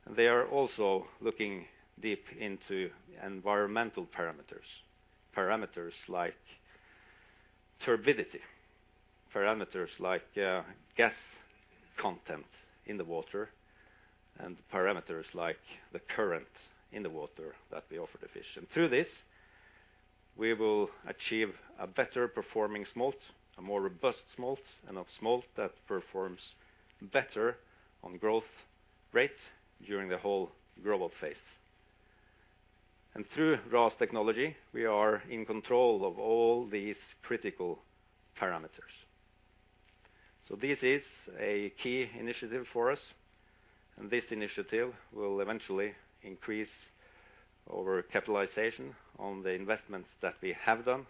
They are also looking deep into environmental parameters. Parameters like turbidity, gas content in the water, and the current in the water that we offer the fish. Through this, we will achieve a better performing smolt, a more robust smolt, and a smolt that performs better on growth rate during the whole grow-out phase. Through RAS technology, we are in control of all these critical parameters. This is a key initiative for us, and this initiative will eventually increase our capitalization on the investments that we have done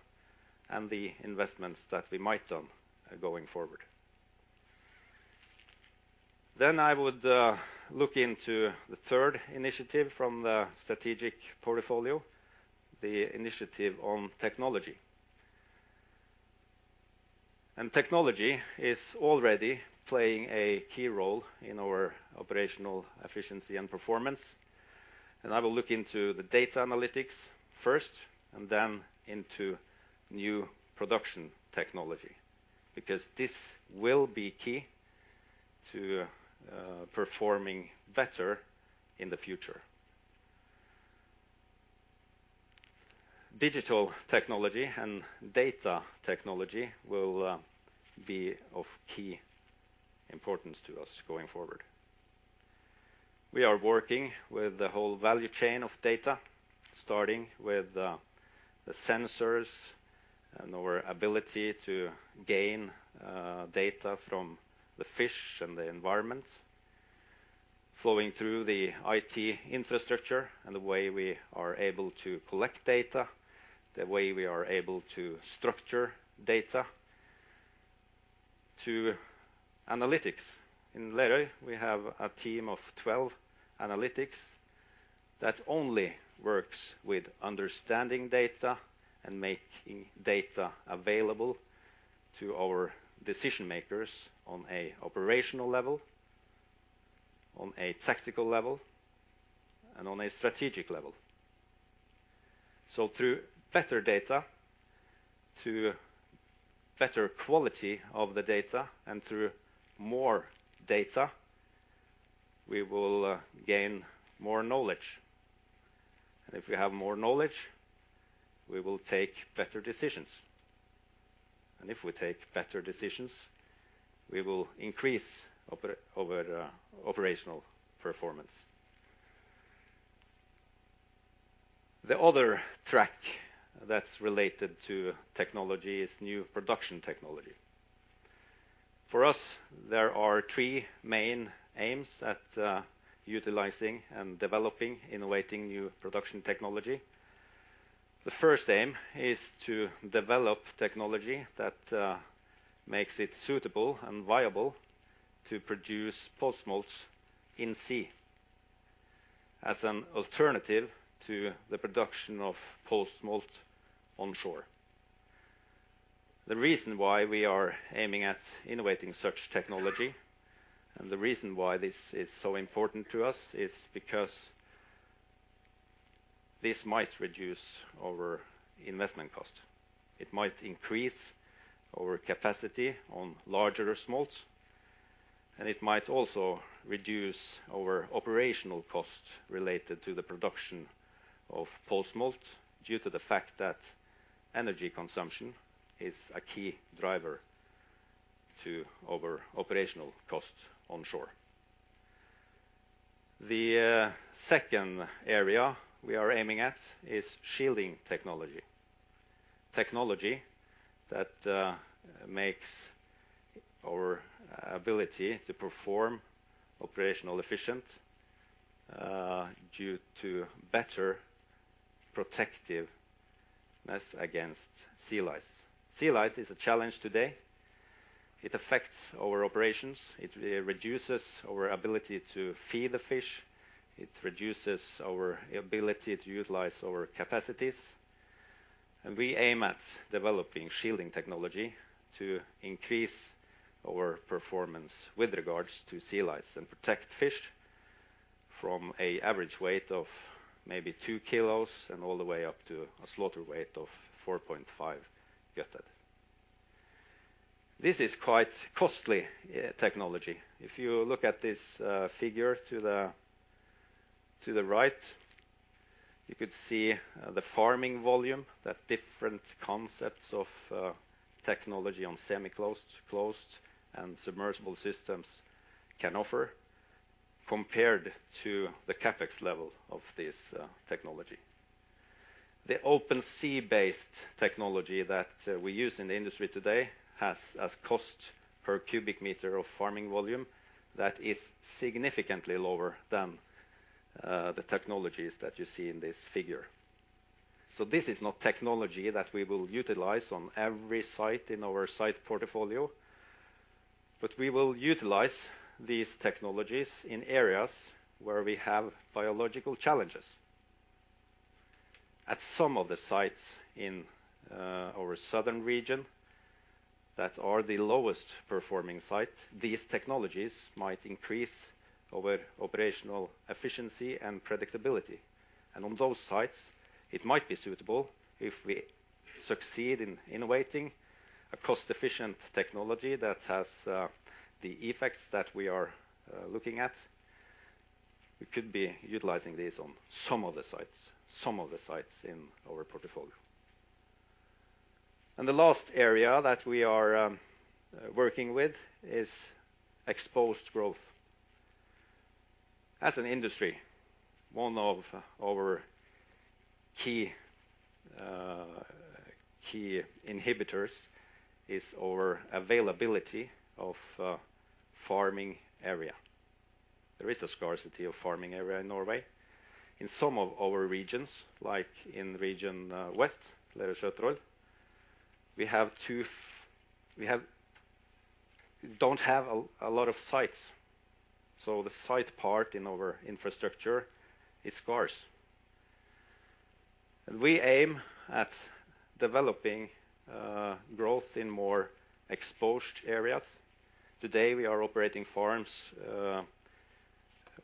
and the investments that we might done, going forward. I would look into the third initiative from the strategic portfolio, the initiative on technology. Technology is already playing a key role in our operational efficiency and performance. I will look into the data analytics first and then into new production technology, because this will be key to performing better in the future. Digital technology and data technology will be of key importance to us going forward. We are working with the whole value chain of data, starting with the sensors and our ability to gain data from the fish and the environment flowing through the IT infrastructure and the way we are able to collect data, the way we are able to structure data to analytics. In Lerøy, we have a team of 12 analysts that only works with understanding data and making data available to our decision makers on an operational level. On a tactical level and on a strategic level. Through better data, through better quality of the data and through more data, we will gain more knowledge. If we have more knowledge, we will take better decisions. If we take better decisions, we will increase operational performance. The other track that's related to technology is new production technology. For us, there are three main aims at utilizing and developing, innovating new production technology. The first aim is to develop technology that makes it suitable and viable to produce post-smolts in sea as an alternative to the production of post-smolt onshore. The reason why we are aiming at innovating such technology, and the reason why this is so important to us is because this might reduce our investment cost. It might increase our capacity on larger smolts, and it might also reduce our operational costs related to the production of post-smolt due to the fact that energy consumption is a key driver to our operational costs onshore. The second area we are aiming at is shielding technology. Technology that makes our ability to perform operationally efficient due to better protectiveness against sea lice. Sea lice is a challenge today. It affects our operations. It reduces our ability to feed the fish. It reduces our ability to utilize our capacities. We aim at developing shielding technology to increase our performance with regards to sea lice and protect fish from an average weight of maybe 2 kg and all the way up to a slaughter weight of 4.5 g. This is quite costly technology. If you look at this figure to the right, you could see the farming volume that different concepts of technology on semi-closed, closed, and submersible systems can offer compared to the CapEx level of this technology. The open sea-based technology that we use in the industry today has a cost per cubic meter of farming volume that is significantly lower than the technologies that you see in this figure. This is not technology that we will utilize on every site in our site portfolio, but we will utilize these technologies in areas where we have biological challenges. At some of the sites in our southern region that are the lowest performing site, these technologies might increase our operational efficiency and predictability. On those sites, it might be suitable if we succeed in innovating a cost-efficient technology that has the effects that we are looking at. We could be utilizing this on some of the sites in our portfolio. The last area that we are working with is exposed growth. As an industry, one of our key inhibitors is our availability of farming area. There is a scarcity of farming area in Norway. In some of our regions, like in region west, Lerøy Sjøtroll, we don't have a lot of sites. The site part in our infrastructure is scarce. We aim at developing growth in more exposed areas. Today, we are operating farms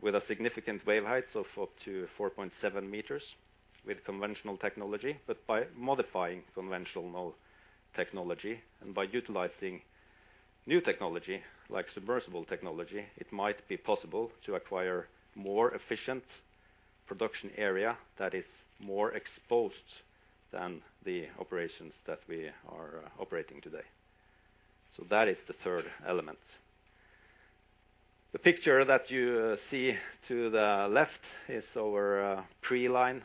with a significant wave height of up to 4.7 m with conventional technology. By modifying conventional technology and by utilizing new technology like submersible technology, it might be possible to acquire more efficient production area that is more exposed than the operations that we are operating today. That is the third element. The picture that you see to the left is our Preline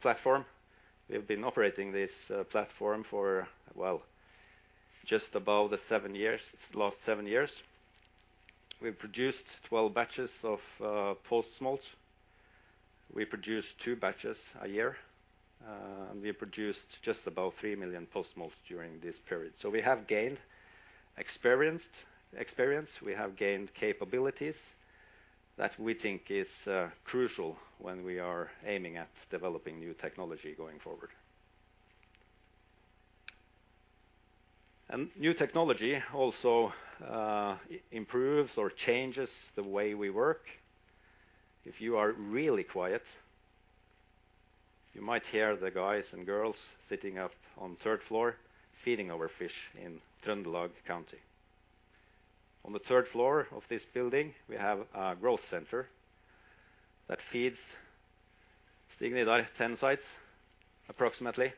platform. We've been operating this platform for just about seven years, last seven years. We've produced 12 batches of post-smolt. We produce two batches a year. We have gained experience, we have gained capabilities that we think is crucial when we are aiming at developing new technology going forward. New technology also improves or changes the way we work. If you are really quiet, you might hear the guys and girls sitting up on third floor feeding our fish in Trøndelag County. On the third floor of this building, we have a growth center that feeds Stignede 10 sites, approximately.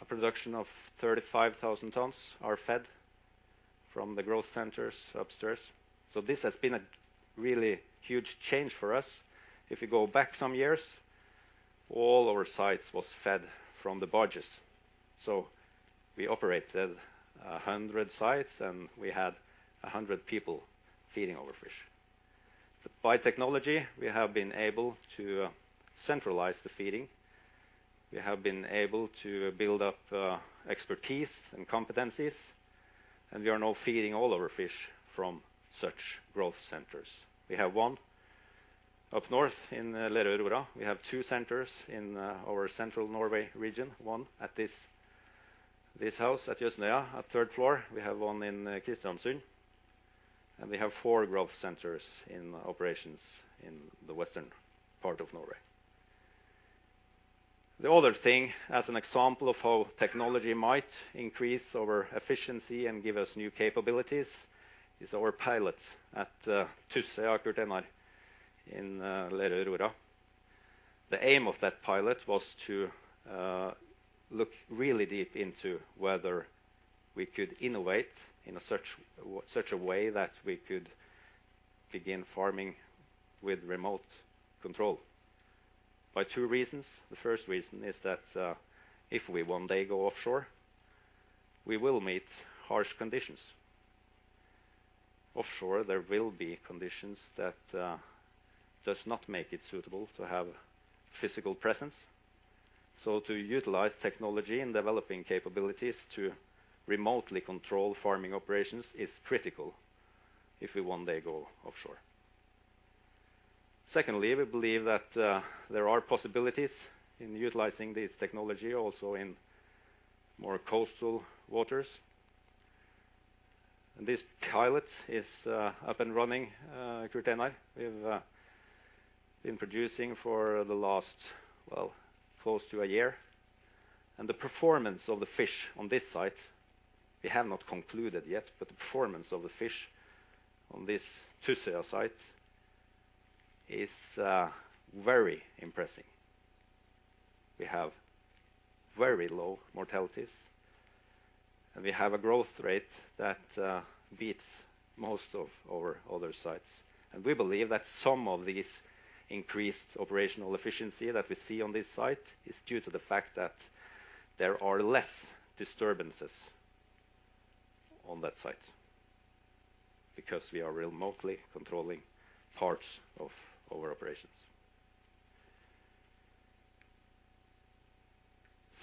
A production of 35,000 tons are fed from the growth centers upstairs. This has been a really huge change for us. If you go back some years, all our sites was fed from the barges. We operated 100 sites and we had 100 people feeding our fish. By technology, we have been able to centralize the feeding. We have been able to build up expertise and competencies, and we are now feeding all our fish from such growth centers. We have one up north in the Lerøy Aurora. We have two centers in our central Norway region. One at this house at Jøsnøya, at third floor. We have one in Kristiansund, and we have four growth centers in operations in the western part of Norway. The other thing as an example of how technology might increase our efficiency and give us new capabilities is our pilots at Tussøya og Kurtøya in Lerøy Aurora. The aim of that pilot was to look really deep into whether we could innovate in such a way that we could begin farming with remote control for two reasons. The first reason is that if we one day go offshore, we will meet harsh conditions. Offshore, there will be conditions that does not make it suitable to have physical presence. To utilize technology in developing capabilities to remotely control farming operations is critical if we one day go offshore. Secondly, we believe that there are possibilities in utilizing this technology also in more coastal waters. This pilot is up and running. Kurtenar, we've been producing for the last, well, close to a year. The performance of the fish on this site, we have not concluded yet, but the performance of the fish on this Tussøya site is very impressive. We have very low mortalities, and we have a growth rate that beats most of our other sites. We believe that some of these increased operational efficiency that we see on this site is due to the fact that there are less disturbances on that site because we are remotely controlling parts of our operations.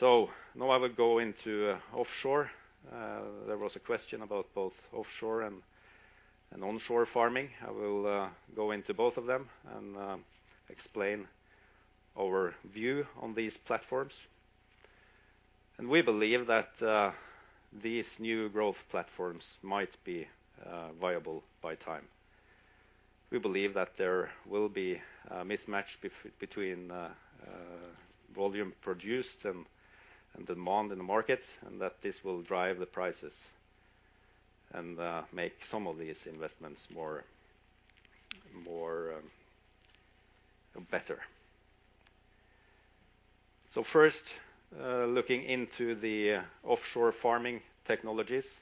Now I will go into offshore. There was a question about both offshore and onshore farming. I will go into both of them and explain our view on these platforms. We believe that these new growth platforms might be viable over time. We believe that there will be a mismatch between volume produced and demand in the market, and that this will drive the prices and make some of these investments more better. First, looking into the offshore farming technologies.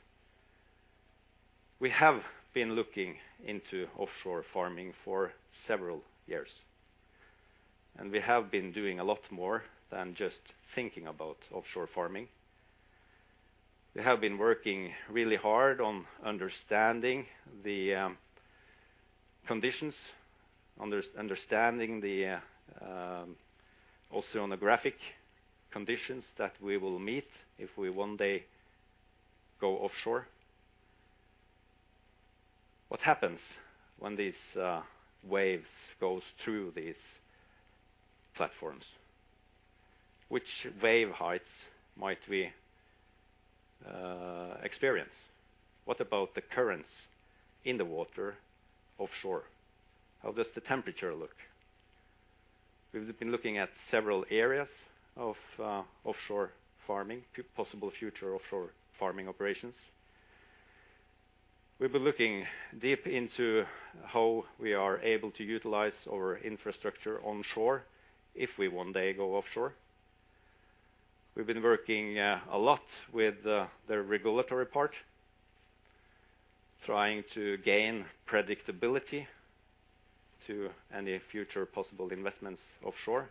We have been looking into offshore farming for several years. We have been doing a lot more than just thinking about offshore farming. We have been working really hard on understanding the conditions, understanding the oceanographic conditions that we will meet if we one day go offshore. What happens when these waves goes through these platforms? Which wave heights might we experience? What about the currents in the water offshore? How does the temperature look? We've been looking at several areas of offshore farming, possible future offshore farming operations. We've been looking deep into how we are able to utilize our infrastructure onshore if we one day go offshore. We've been working a lot with the regulatory part, trying to gain predictability to any future possible investments offshore.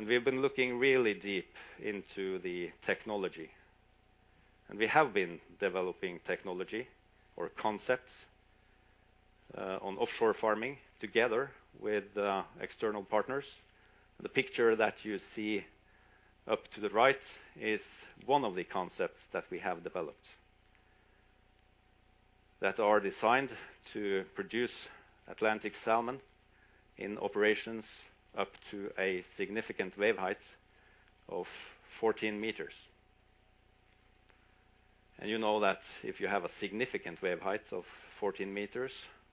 We've been looking really deep into the technology. We have been developing technology or concepts on offshore farming together with external partners. The picture that you see up to the right is one of the concepts that we have developed that are designed to produce Atlantic salmon in operations up to a significant wave height of 14 m. You know that if you have a significant wave height of 14 m,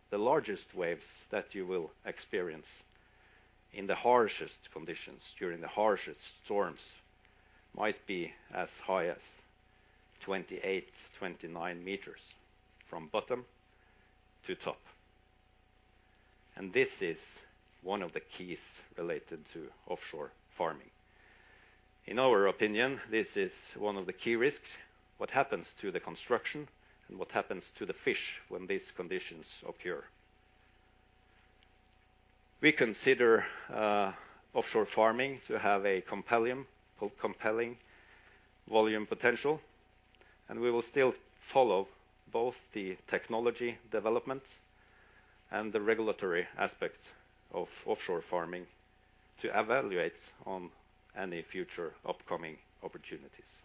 the largest waves that you will experience in the harshest conditions during the harshest storms might be as high as 28, 29 m from bottom to top. This is one of the keys related to offshore farming. In our opinion, this is one of the key risks, what happens to the construction and what happens to the fish when these conditions occur. We consider offshore farming to have a compelling volume potential, and we will still follow both the technology development and the regulatory aspects of offshore farming to evaluate on any future upcoming opportunities.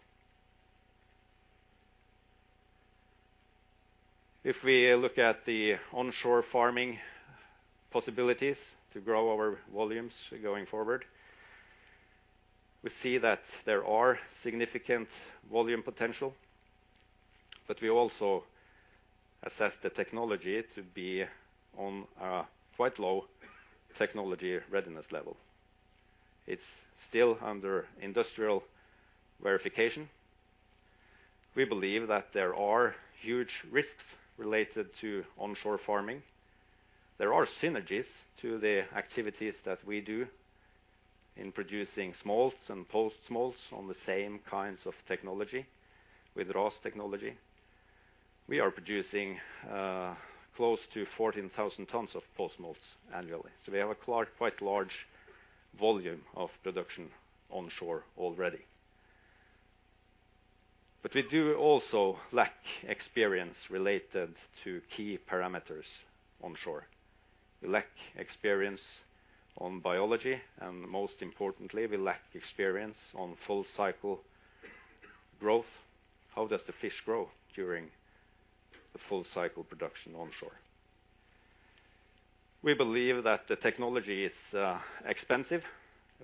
If we look at the onshore farming possibilities to grow our volumes going forward, we see that there are significant volume potential, but we also assess the technology to be on a quite low technology readiness level. It's still under industrial verification. We believe that there are huge risks related to onshore farming. There are synergies to the activities that we do in producing smolts and post-smolts on the same kinds of technology with RAS technology. We are producing close to 14,000 tons of post-smolts annually, so we have quite large volume of production onshore already. We do also lack experience related to key parameters onshore. We lack experience on biology, and most importantly, we lack experience on full cycle growth. How does the fish grow during the full cycle production onshore? We believe that the technology is expensive.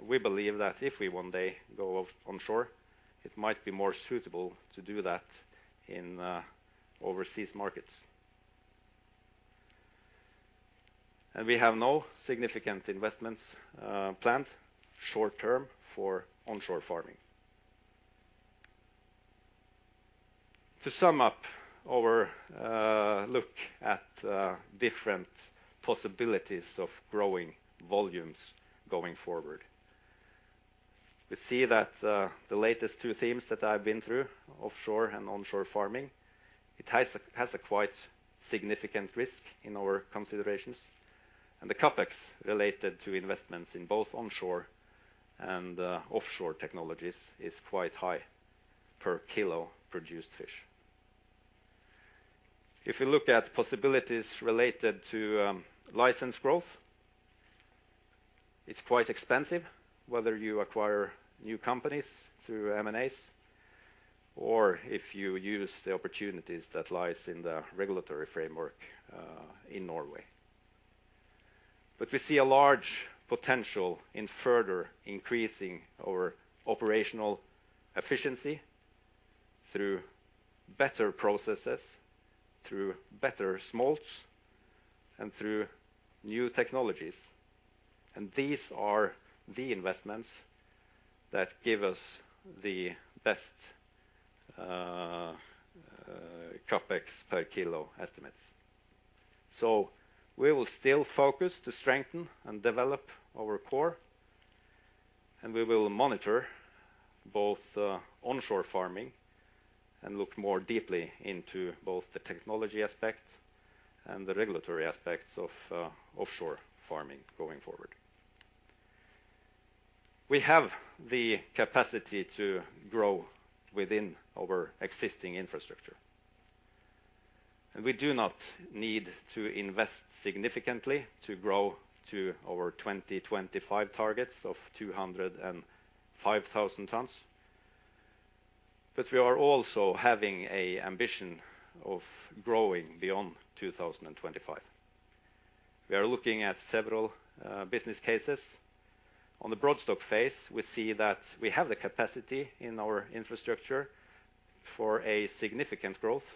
We believe that if we one day go offshore, it might be more suitable to do that in overseas markets. We have no significant investments planned short-term for onshore farming. To sum up our look at different possibilities of growing volumes going forward. We see that the latest two themes that I've been through, offshore and onshore farming, it has quite significant risk in our considerations. The CapEx related to investments in both onshore and offshore technologies is quite high per kilo produced fish. If you look at possibilities related to license growth, it's quite expensive whether you acquire new companies through M&As or if you use the opportunities that lies in the regulatory framework in Norway. We see a large potential in further increasing our operational efficiency through better processes, through better smolts, and through new technologies. These are the investments that give us the best CapEx per kilo estimates. We will still focus to strengthen and develop our core, and we will monitor both onshore farming and look more deeply into both the technology aspects and the regulatory aspects of offshore farming going forward. We have the capacity to grow within our existing infrastructure. We do not need to invest significantly to grow to our 2025 targets of 205,000 tons. We are also having an ambition of growing beyond 2025. We are looking at several business cases. On the broodstock phase, we see that we have the capacity in our infrastructure for a significant growth,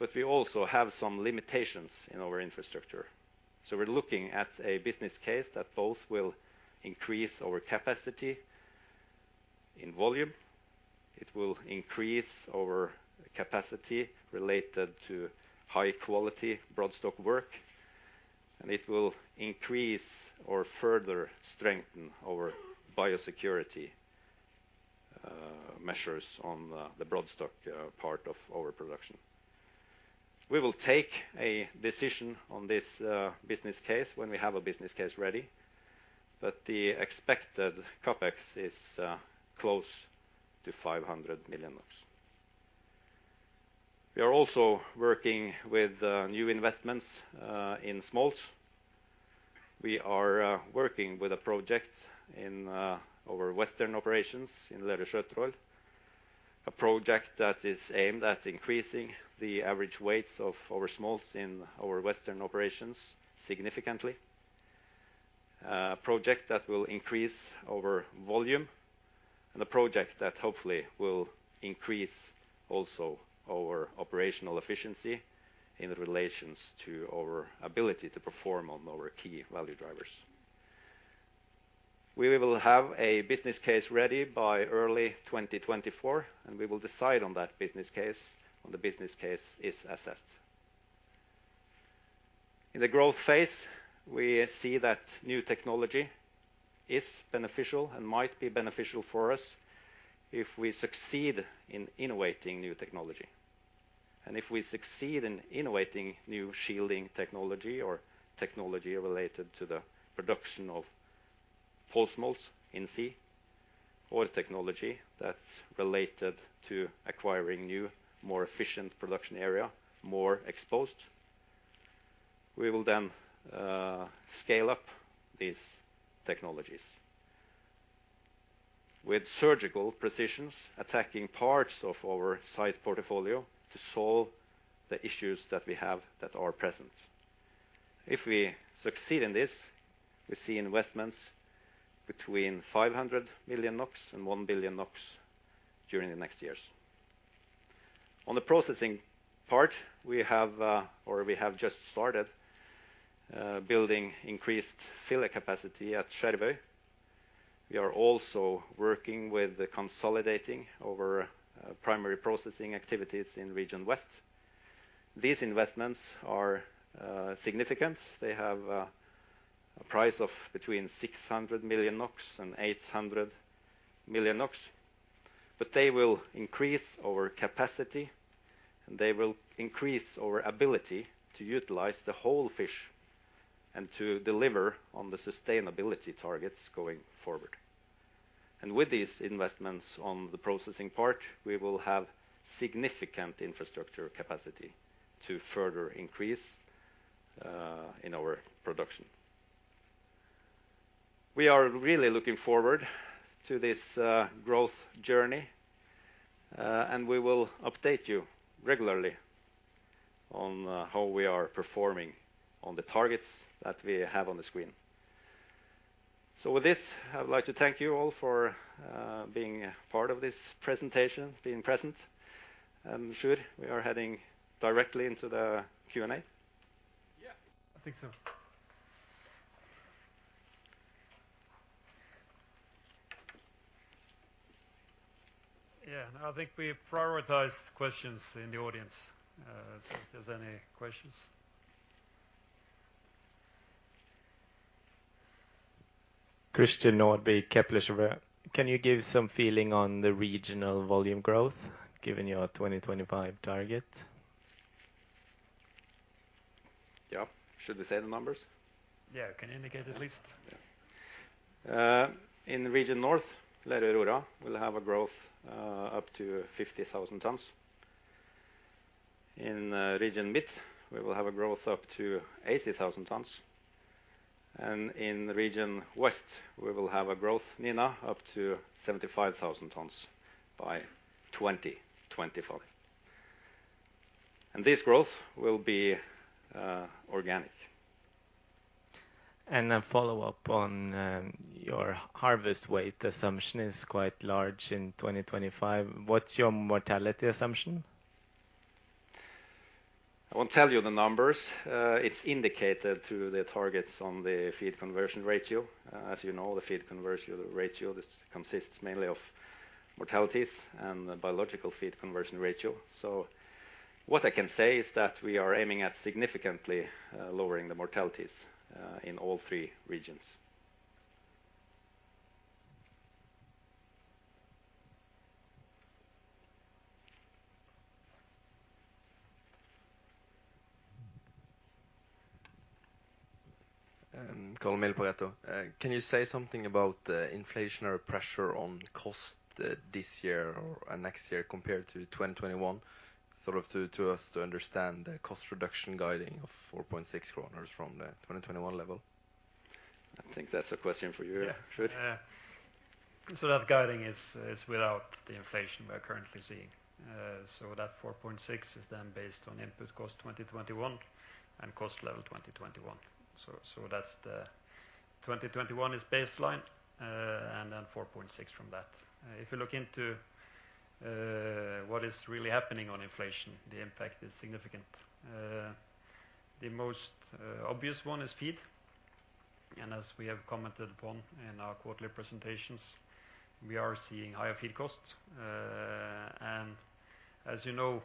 but we also have some limitations in our infrastructure. We're looking at a business case that both will increase our capacity in volume. It will increase our capacity related to high quality broodstock work. It will increase or further strengthen our biosecurity measures on the broodstock part of our production. We will take a decision on this business case when we have a business case ready, but the expected CapEx is close to 500 million. We are also working with new investments in smolts. We are working with the project in our western operations in Lerøy Sjøtroll. A project that is aimed at increasing the average weights of our smolts in our western operations significantly. Project that will increase our volume, and a project that hopefully will increase also our operational efficiency in relations to our ability to perform on our key value drivers. We will have a business case ready by early 2024, and we will decide on that business case when the business case is assessed. In the growth phase, we see that new technology is beneficial and might be beneficial for us if we succeed in innovating new technology. If we succeed in innovating new shielding technology or technology related to the production of post-smolt in sea, or technology that's related to acquiring new, more efficient production area, more exposed, we will then scale up these technologies. With surgical precisions, attacking parts of our site portfolio to solve the issues that we have that are present. If we succeed in this, we see investments between 500 million NOK and 1 billion NOK during the next years. On the processing part, we have just started building increased fillet capacity at Skjervøy. We are also working with consolidating our primary processing activities in Region West. These investments are significant. They have a price of between 600 million NOK and 800 million NOK. They will increase our capacity, and they will increase our ability to utilize the whole fish and to deliver on the sustainability targets going forward. With these investments on the processing part, we will have significant infrastructure capacity to further increase in our production. We are really looking forward to this growth journey, and we will update you regularly on how we are performing on the targets that we have on the screen. With this, I would like to thank you all for being a part of this presentation, being present. Sjur, we are heading directly into the Q&A. Yeah. I think so. Yeah. I think we prioritize questions in the audience, so if there's any questions. Christian Nordby, Kepler Cheuvreux. Can you give some feeling on the regional volume growth, given your 2025 target? Yeah. Should we say the numbers? Yeah. Can you indicate at least? In Region North, Lerøy Aurora will have a growth up to 50,000 tons. In Region Mid, we will have a growth up to 80,000 tons. In Region West, we will have a growth, Nina, up to 75,000 tons by 2024. This growth will be organic. A follow-up on your harvest weight assumption is quite large in 2025. What's your mortality assumption? I won't tell you the numbers. It's indicated through the targets on the feed conversion ratio. As you know, the feed conversion ratio, this consists mainly of mortalities and the biological feed conversion ratio. What I can say is that we are aiming at significantly lowering the mortalities in all three regions. Carl-Emil, Pareto, can you say something about the inflationary pressure on cost this year and next year compared to 2021 to help us understand the cost reduction guidance of 4.6 kroner from the 2021 level? I think that's a question for you... <crosstalk> Yeah. Sjur. That guiding is without the inflation we're currently seeing. That 4.6 is then based on input cost 2021 and cost level 2021. 2021 is baseline, and then 4.6 from that. If you look into what is really happening on inflation, the impact is significant. The most obvious one is feed, and as we have commented upon in our quarterly presentations, we are seeing higher feed costs. As you know,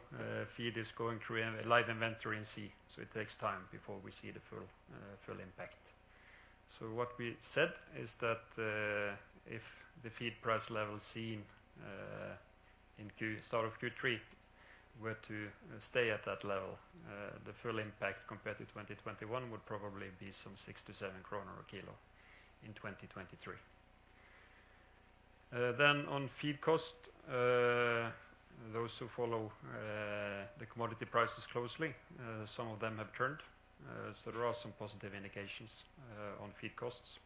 feed is going through a live inventory in sea, so it takes time before we see the full impact. What we said is that if the feed price level seen at the start of third quarter were to stay at that level, the full impact compared to 2021 would probably be some 6 to 7 a kilo in 2023. On feed cost. Those who follow the commodity prices closely, some of them have turned. There are some positive indications on feed costs.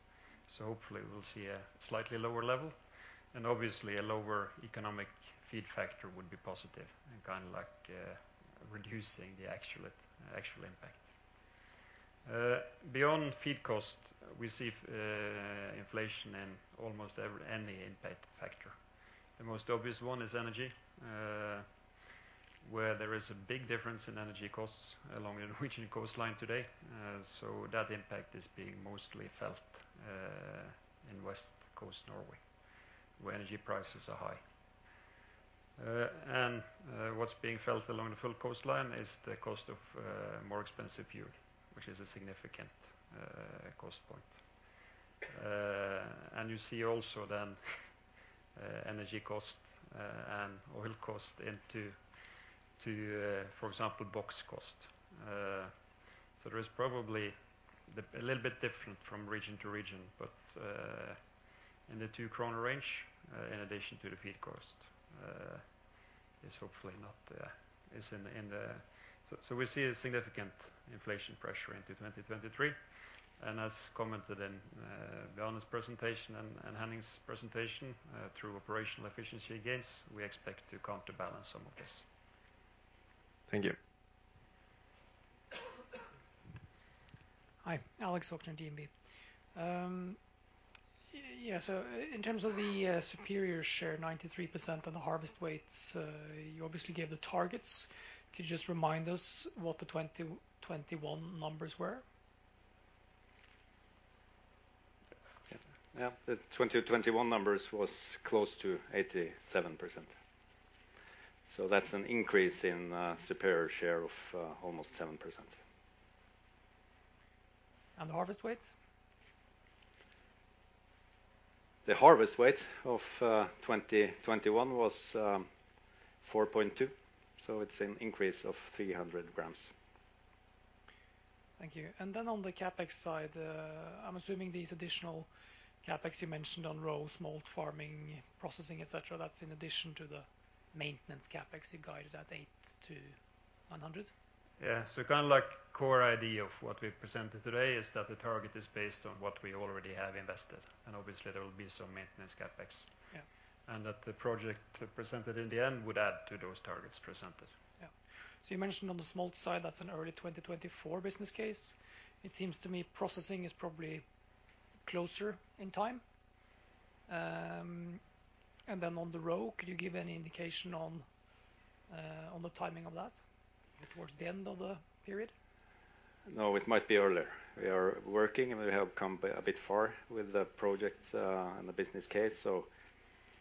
Hopefully we'll see a slightly lower level, and obviously a lower economic feed factor would be positive and kind of like reducing the actual impact. Beyond feed cost, we see inflation in almost any impact factor. The most obvious one is energy, where there is a big difference in energy costs along the Norwegian coastline today. That impact is being mostly felt in West Coast Norway, where energy prices are high. What's being felt along the full coastline is the cost of more expensive urea, which is a significant cost point. You see also then energy cost and oil cost into, too, for example, box cost. There is probably a little bit different from region to region, but in the 2 kroner range in addition to the feed cost. We see a significant inflation pressure into 2023. As commented in Bjørn's presentation and Henning's presentation, through operational efficiency gains, we expect to counterbalance some of this. Thank you. Hi. Alexander Aukner, DNB. Yeah, in terms of the superior share, 93% on the harvest weights, you obviously gave the targets. Could you just remind us what the 2021 numbers were? Yeah. The 2021 numbers was close to 87%. That's an increase in superior share of almost 7%. The harvest weights? The harvest weight of 2021 was 4.2 kg, so it's an increase of 300 g. Thank you. On the CapEx side, I'm assuming these additional CapEx you mentioned on roe, smolt, farming, processing, et cetera, that's in addition to the maintenance CapEx you guided at 8 to 100? Yeah. Kinda like core idea of what we presented today is that the target is based on what we already have invested, and obviously there will be some maintenance CapEx. Yeah. That the project presented in the end would add to those targets presented. You mentioned on the smolt side, that's an early 2024 business case. It seems to me processing is probably closer in time. Then on the roe, could you give any indication on the timing of that? Is it towards the end of the period? No, it might be earlier. We are working, and we have come a bit far with the project, and the business case, so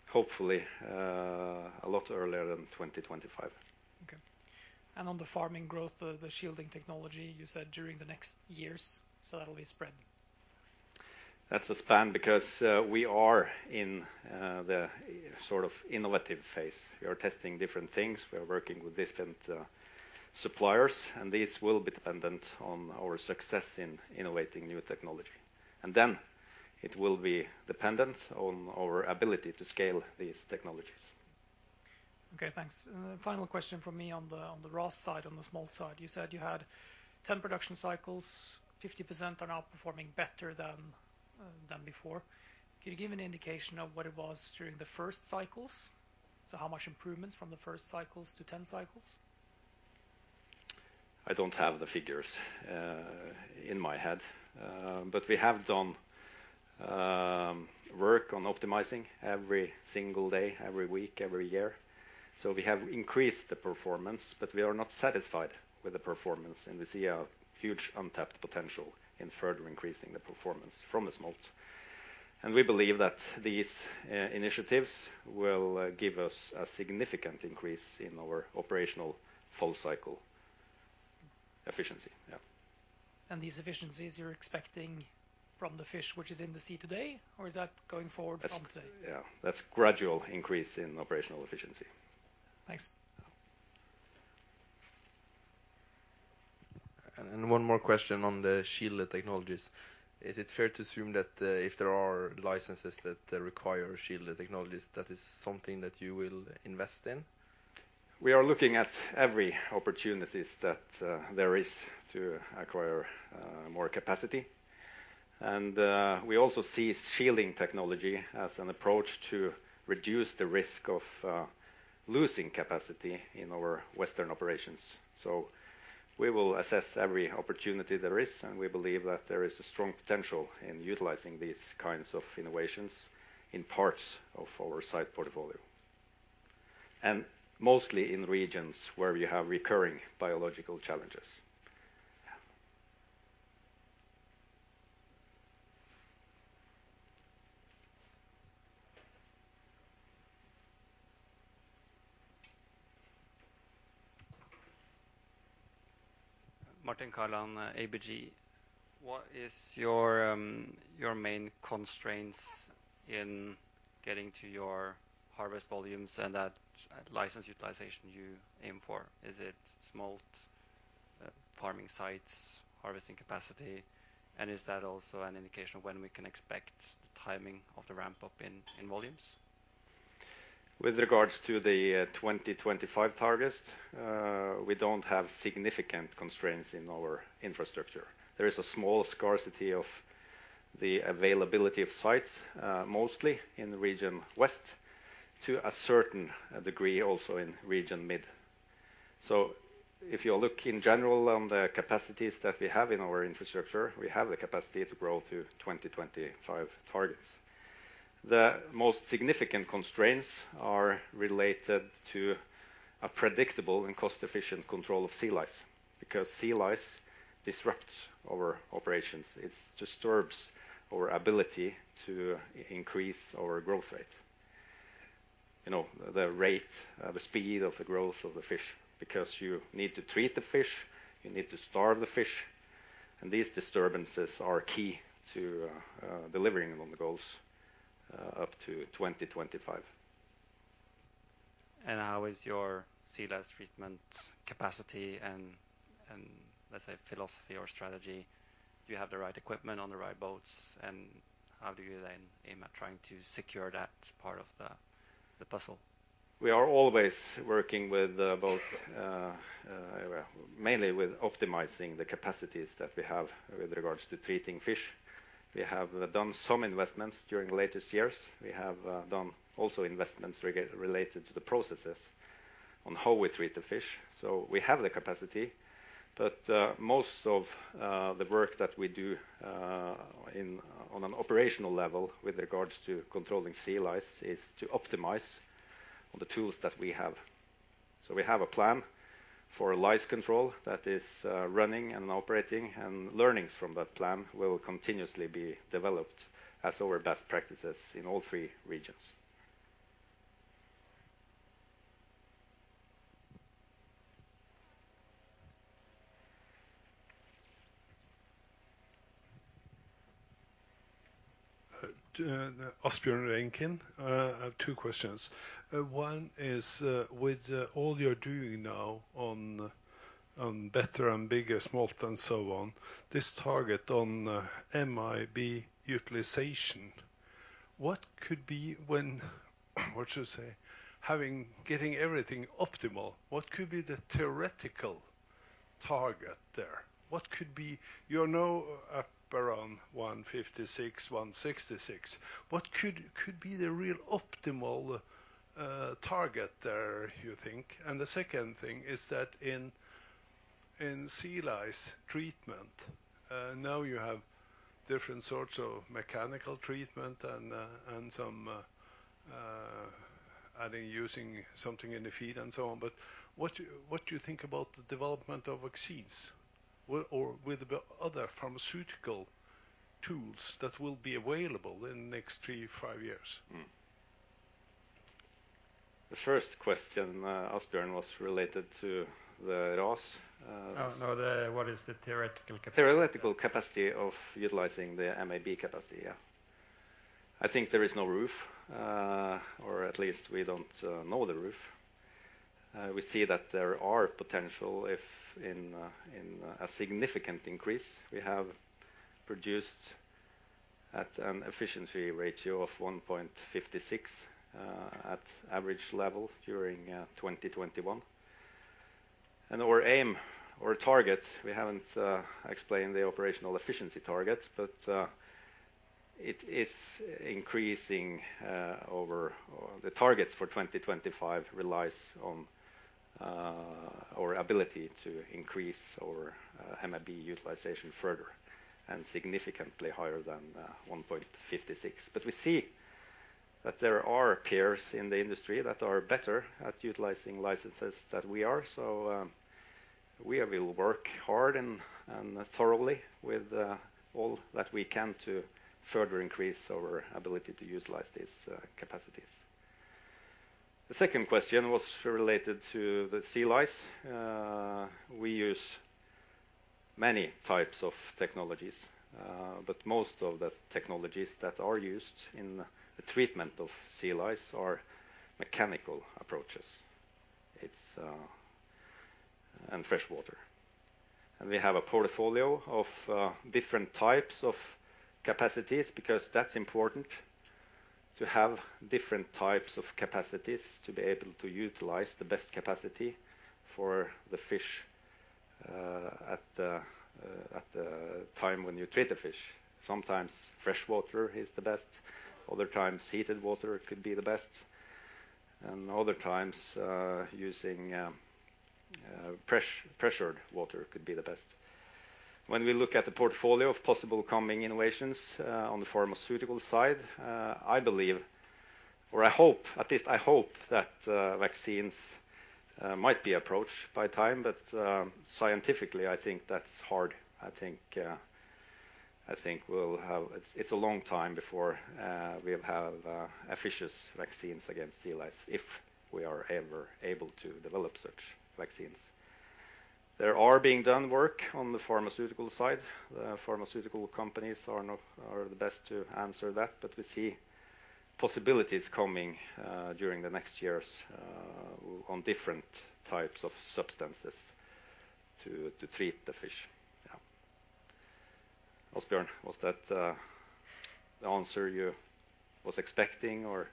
hopefully, a lot earlier than 2025. Okay. On the farming growth, the shielding technology, you said during the next years, so that'll be spread. That's a span because we are in the sort of innovative phase. We are testing different things. We are working with different suppliers, and this will be dependent on our success in innovating new technology. It will be dependent on our ability to scale these technologies. Okay, thanks. Final question from me on the roe side, on the smolt side. You said you had 10 production cycles, 50% are now performing better than before. Could you give an indication of what it was during the first cycles? How much improvements from the first cycles to 10 cycles? I don't have the figures in my head. But we have done work on optimizing every single day, every week, every year. We have increased the performance, but we are not satisfied with the performance, and we see a huge untapped potential in further increasing the performance from the smolt. We believe that these initiatives will give us a significant increase in our operational full cycle efficiency. Yeah. These efficiencies you're expecting from the fish which is in the sea today, or is that going forward from today? Yeah. That's gradual increase in operational efficiency. Thanks. One more question on the shielded technologies. Is it fair to assume that, if there are licenses that require shielded technologies, that is something that you will invest in? We are looking at every opportunities that there is to acquire more capacity. We also see shielding technology as an approach to reduce the risk of losing capacity in our western operations. We will assess every opportunity there is, and we believe that there is a strong potential in utilizing these kinds of innovations in parts of our site portfolio. Mostly in regions where we have recurring biological challenges. Yeah. Martin Kaland, ABG. What is your main constraints in getting to your harvest volumes and that license utilization you aim for? Is it smolt, farming sites, harvesting capacity, and is that also an indication of when we can expect the timing of the ramp up in volumes? With regards to the 2025 targets, we don't have significant constraints in our infrastructure. There is a small scarcity of the availability of sites, mostly in the Region West, to a certain degree, also in Region Mid. If you look in general on the capacities that we have in our infrastructure, we have the capacity to grow to 2025 targets. The most significant constraints are related to a predictable and cost-efficient control of sea lice, because sea lice disrupts our operations. It disturbs our ability to increase our growth rate. You know, the rate, the speed of the growth of the fish, because you need to treat the fish, you need to starve the fish, and these disturbances are key to delivering on the goals up to 2025. How is your sea lice treatment capacity and let's say, philosophy or strategy? Do you have the right equipment on the right boats, and how do you then aim at trying to secure that part of the puzzle? We are always working mainly with optimizing the capacities that we have with regards to treating fish. We have done some investments during the latest years. We have done also investments related to the processes on how we treat the fish. We have the capacity, but most of the work that we do on an operational level with regards to controlling sea lice is to optimize on the tools that we have. We have a plan for lice control that is running and operating, and learnings from that plan will continuously be developed as our best practices in all three regions. Asbjørn Reinkind. I have two questions. One is, with all you're doing now on better and bigger smolt and so on, this target on MAB utilization, what could be when getting everything optimal, what could be the theoretical target there? What could be. You're now up around 156% to 166%. What could be the real optimal target there, you think? The second thing is that in sea lice treatment, now you have different sorts of mechanical treatment and some, I think using something in the feed and so on. But what do you think about the development of vaccines or with the other pharmaceutical tools that will be available in the next three to five years? The first question, Asbjørn, was related to the ROAS... <crosstalk> Oh, no. What is the theoretical capacity? Theoretical capacity of utilizing the MAB capacity. I think there is no roof, or at least we don't know the roof. We see that there are potential for a significant increase. We have produced at an efficiency ratio of 1.56% at average level during 2021. Our aim or target, we haven't explained the operational efficiency target, but it is increasing over. The targets for 2025 relies on our ability to increase our MAB utilization further and significantly higher than 1.56%. We see that there are peers in the industry that are better at utilizing licenses than we are. We will work hard and thoroughly with all that we can to further increase our ability to utilize these capacities. The second question was related to the sea lice. We use many types of technologies, but most of the technologies that are used in the treatment of sea lice are mechanical approaches and freshwater. We have a portfolio of different types of capacities because that's important to have different types of capacities to be able to utilize the best capacity for the fish, at the time when you treat the fish. Sometimes freshwater is the best, other times heated water could be the best, and other times, using pressurized water could be the best. When we look at the portfolio of possible coming innovations, on the pharmaceutical side, I believe or I hope, at least I hope that, vaccines might be approved in time, but scientifically I think that's hard. I think we'll have... It's a long time before we'll have efficient vaccines against sea lice if we are ever able to develop such vaccines. There are being done work on the pharmaceutical side. The pharmaceutical companies are the best to answer that, but we see possibilities coming during the next years on different types of substances to treat the fish. Yeah. Asbjørn, was that the answer you was expecting or?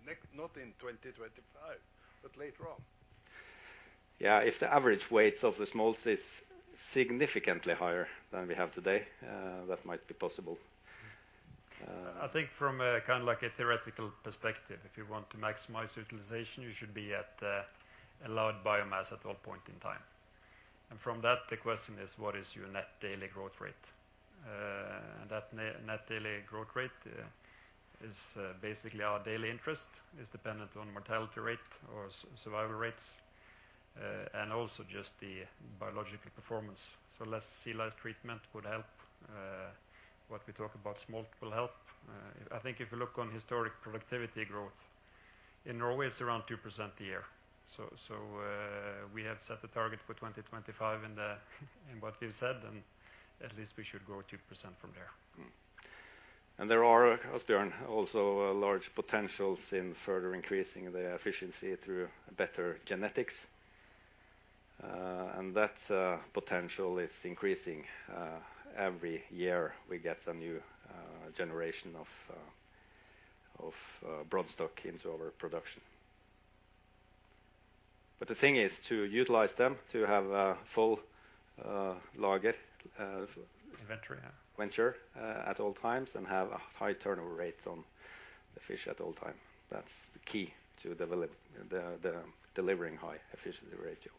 I guess you can be more specific on theoretical MAB utilization and whatever. You will be able to reach 2.5% with the next, not in 2025, but later on. Yeah, if the average weights of the smolts is significantly higher than we have today, that might be possible. I think from a kind of like a theoretical perspective, if you want to maximize utilization, you should be at the allowed biomass at all points in time. From that, the question is what is your net daily growth rate? That net daily growth rate is basically our daily interest and is dependent on mortality rate or survival rates and also just the biological performance. Less sea lice treatment would help. What we talk about smolt will help. I think if you look on historic productivity growth, in Norway it's around 2% a year. We have set the target for 2025 in what we've said, and at least we should grow 2% from there. There are, Asbjørn, also large potentials in further increasing the efficiency through better genetics. That potential is increasing. Every year we get a new generation of broodstock into our production. But the thing is to utilize them to have a full lager. Inventory, yeah. Inventory at all times and have a high turnover rate on the fish at all time. That's the key to develop the delivering high efficiency ratio.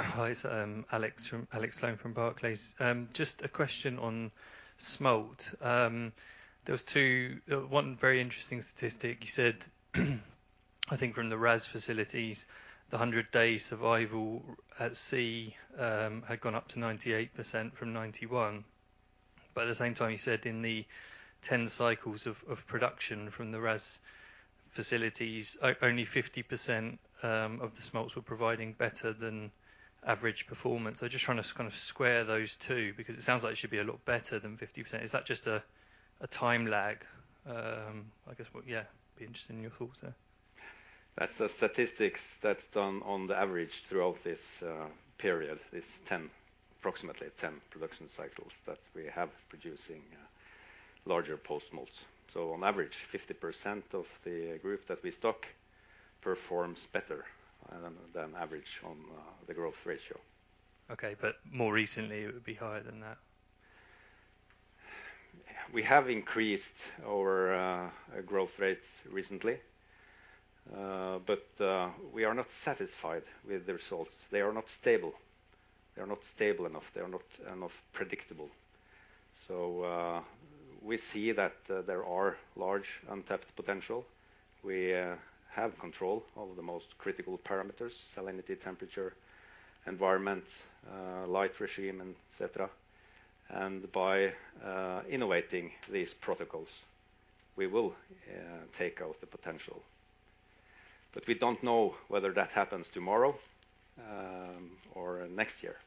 Hi, it's Alex Sloane from Barclays. Just a question on smolt. One very interesting statistic you said, I think from the RAS facilities, the 100-day survival at sea had gone up to 98% from 91%. But at the same time, you said in the 10 cycles of production from the RAS facilities, only 50% of the smolts were providing better than average performance. Just trying to kind of square those two, because it sounds like it should be a lot better than 50%. Is that just a time lag? I guess, yeah, be interested in your thoughts there. That's the statistics that's done on the average throughout this period, approximately 10 production cycles that we have producing larger post-smolts. On average, 50% of the group that we stock performs better than average on the growth ratio. Okay. More recently, it would be higher than that? We have increased our growth rates recently. We are not satisfied with the results. They are not stable. They are not stable enough. They are not enough predictable. We see that there are large, untapped potential. We have control of the most critical parameters, salinity, temperature, environment, light regime, et cetera. By innovating these protocols, we will take out the potential. We don't know whether that happens tomorrow, or next year.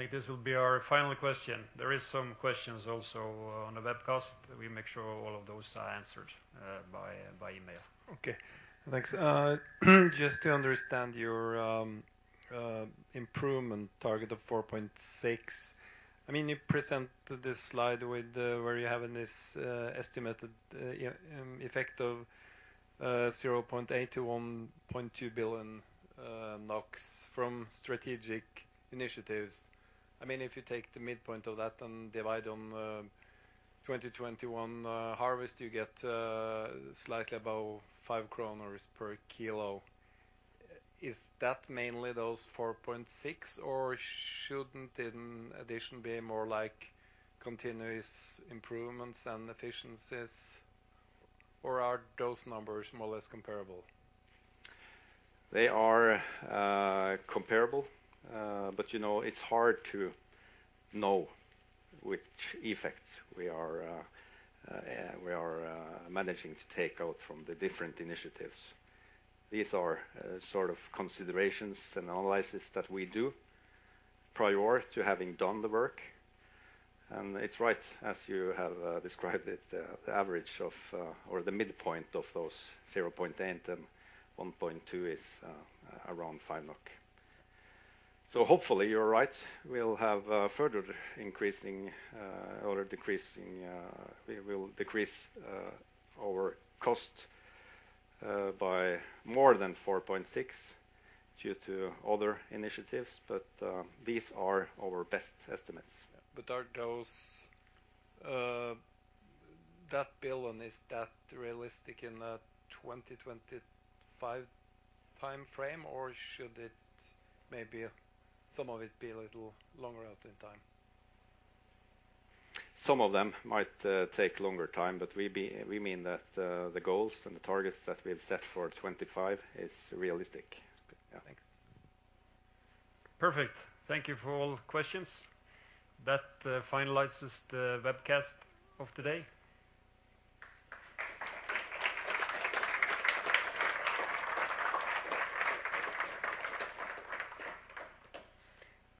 Thanks. I think this will be our final question. There is some questions also on the webcast. We make sure all of those are answered by email. Okay. Thanks. Just to understand your improvement target of 4.6. I mean, you presented this slide with where you have this estimated effect of 0.8 to 1.2 billion from strategic initiatives. I mean, if you take the midpoint of that and divide on 2021 harvest, you get slightly above 5 kroner per kilo. Is that mainly those 4.6 or shouldn't in addition be more like continuous improvements and efficiencies, or are those numbers more or less comparable? They are comparable. But you know, it's hard to know which effects we are managing to take out from the different initiatives. These are sort of considerations and analysis that we do prior to having done the work. It's right as you have described it, the average of or the midpoint of those 0.8 and 1.2 is around 5 NOK. Hopefully, you're right, we'll have further increasing or decreasing, we will decrease our cost by more than 4.6 due to other initiatives. These are our best estimates. Are those that billion realistic in a 2025 timeframe, or should it maybe some of it be a little longer out in time? Some of them might take longer time, but we mean that the goals and the targets that we've set for 2025 is realistic. Okay. Yeah. Thanks. Perfect. Thank you for all the questions. That finalizes the webcast of today.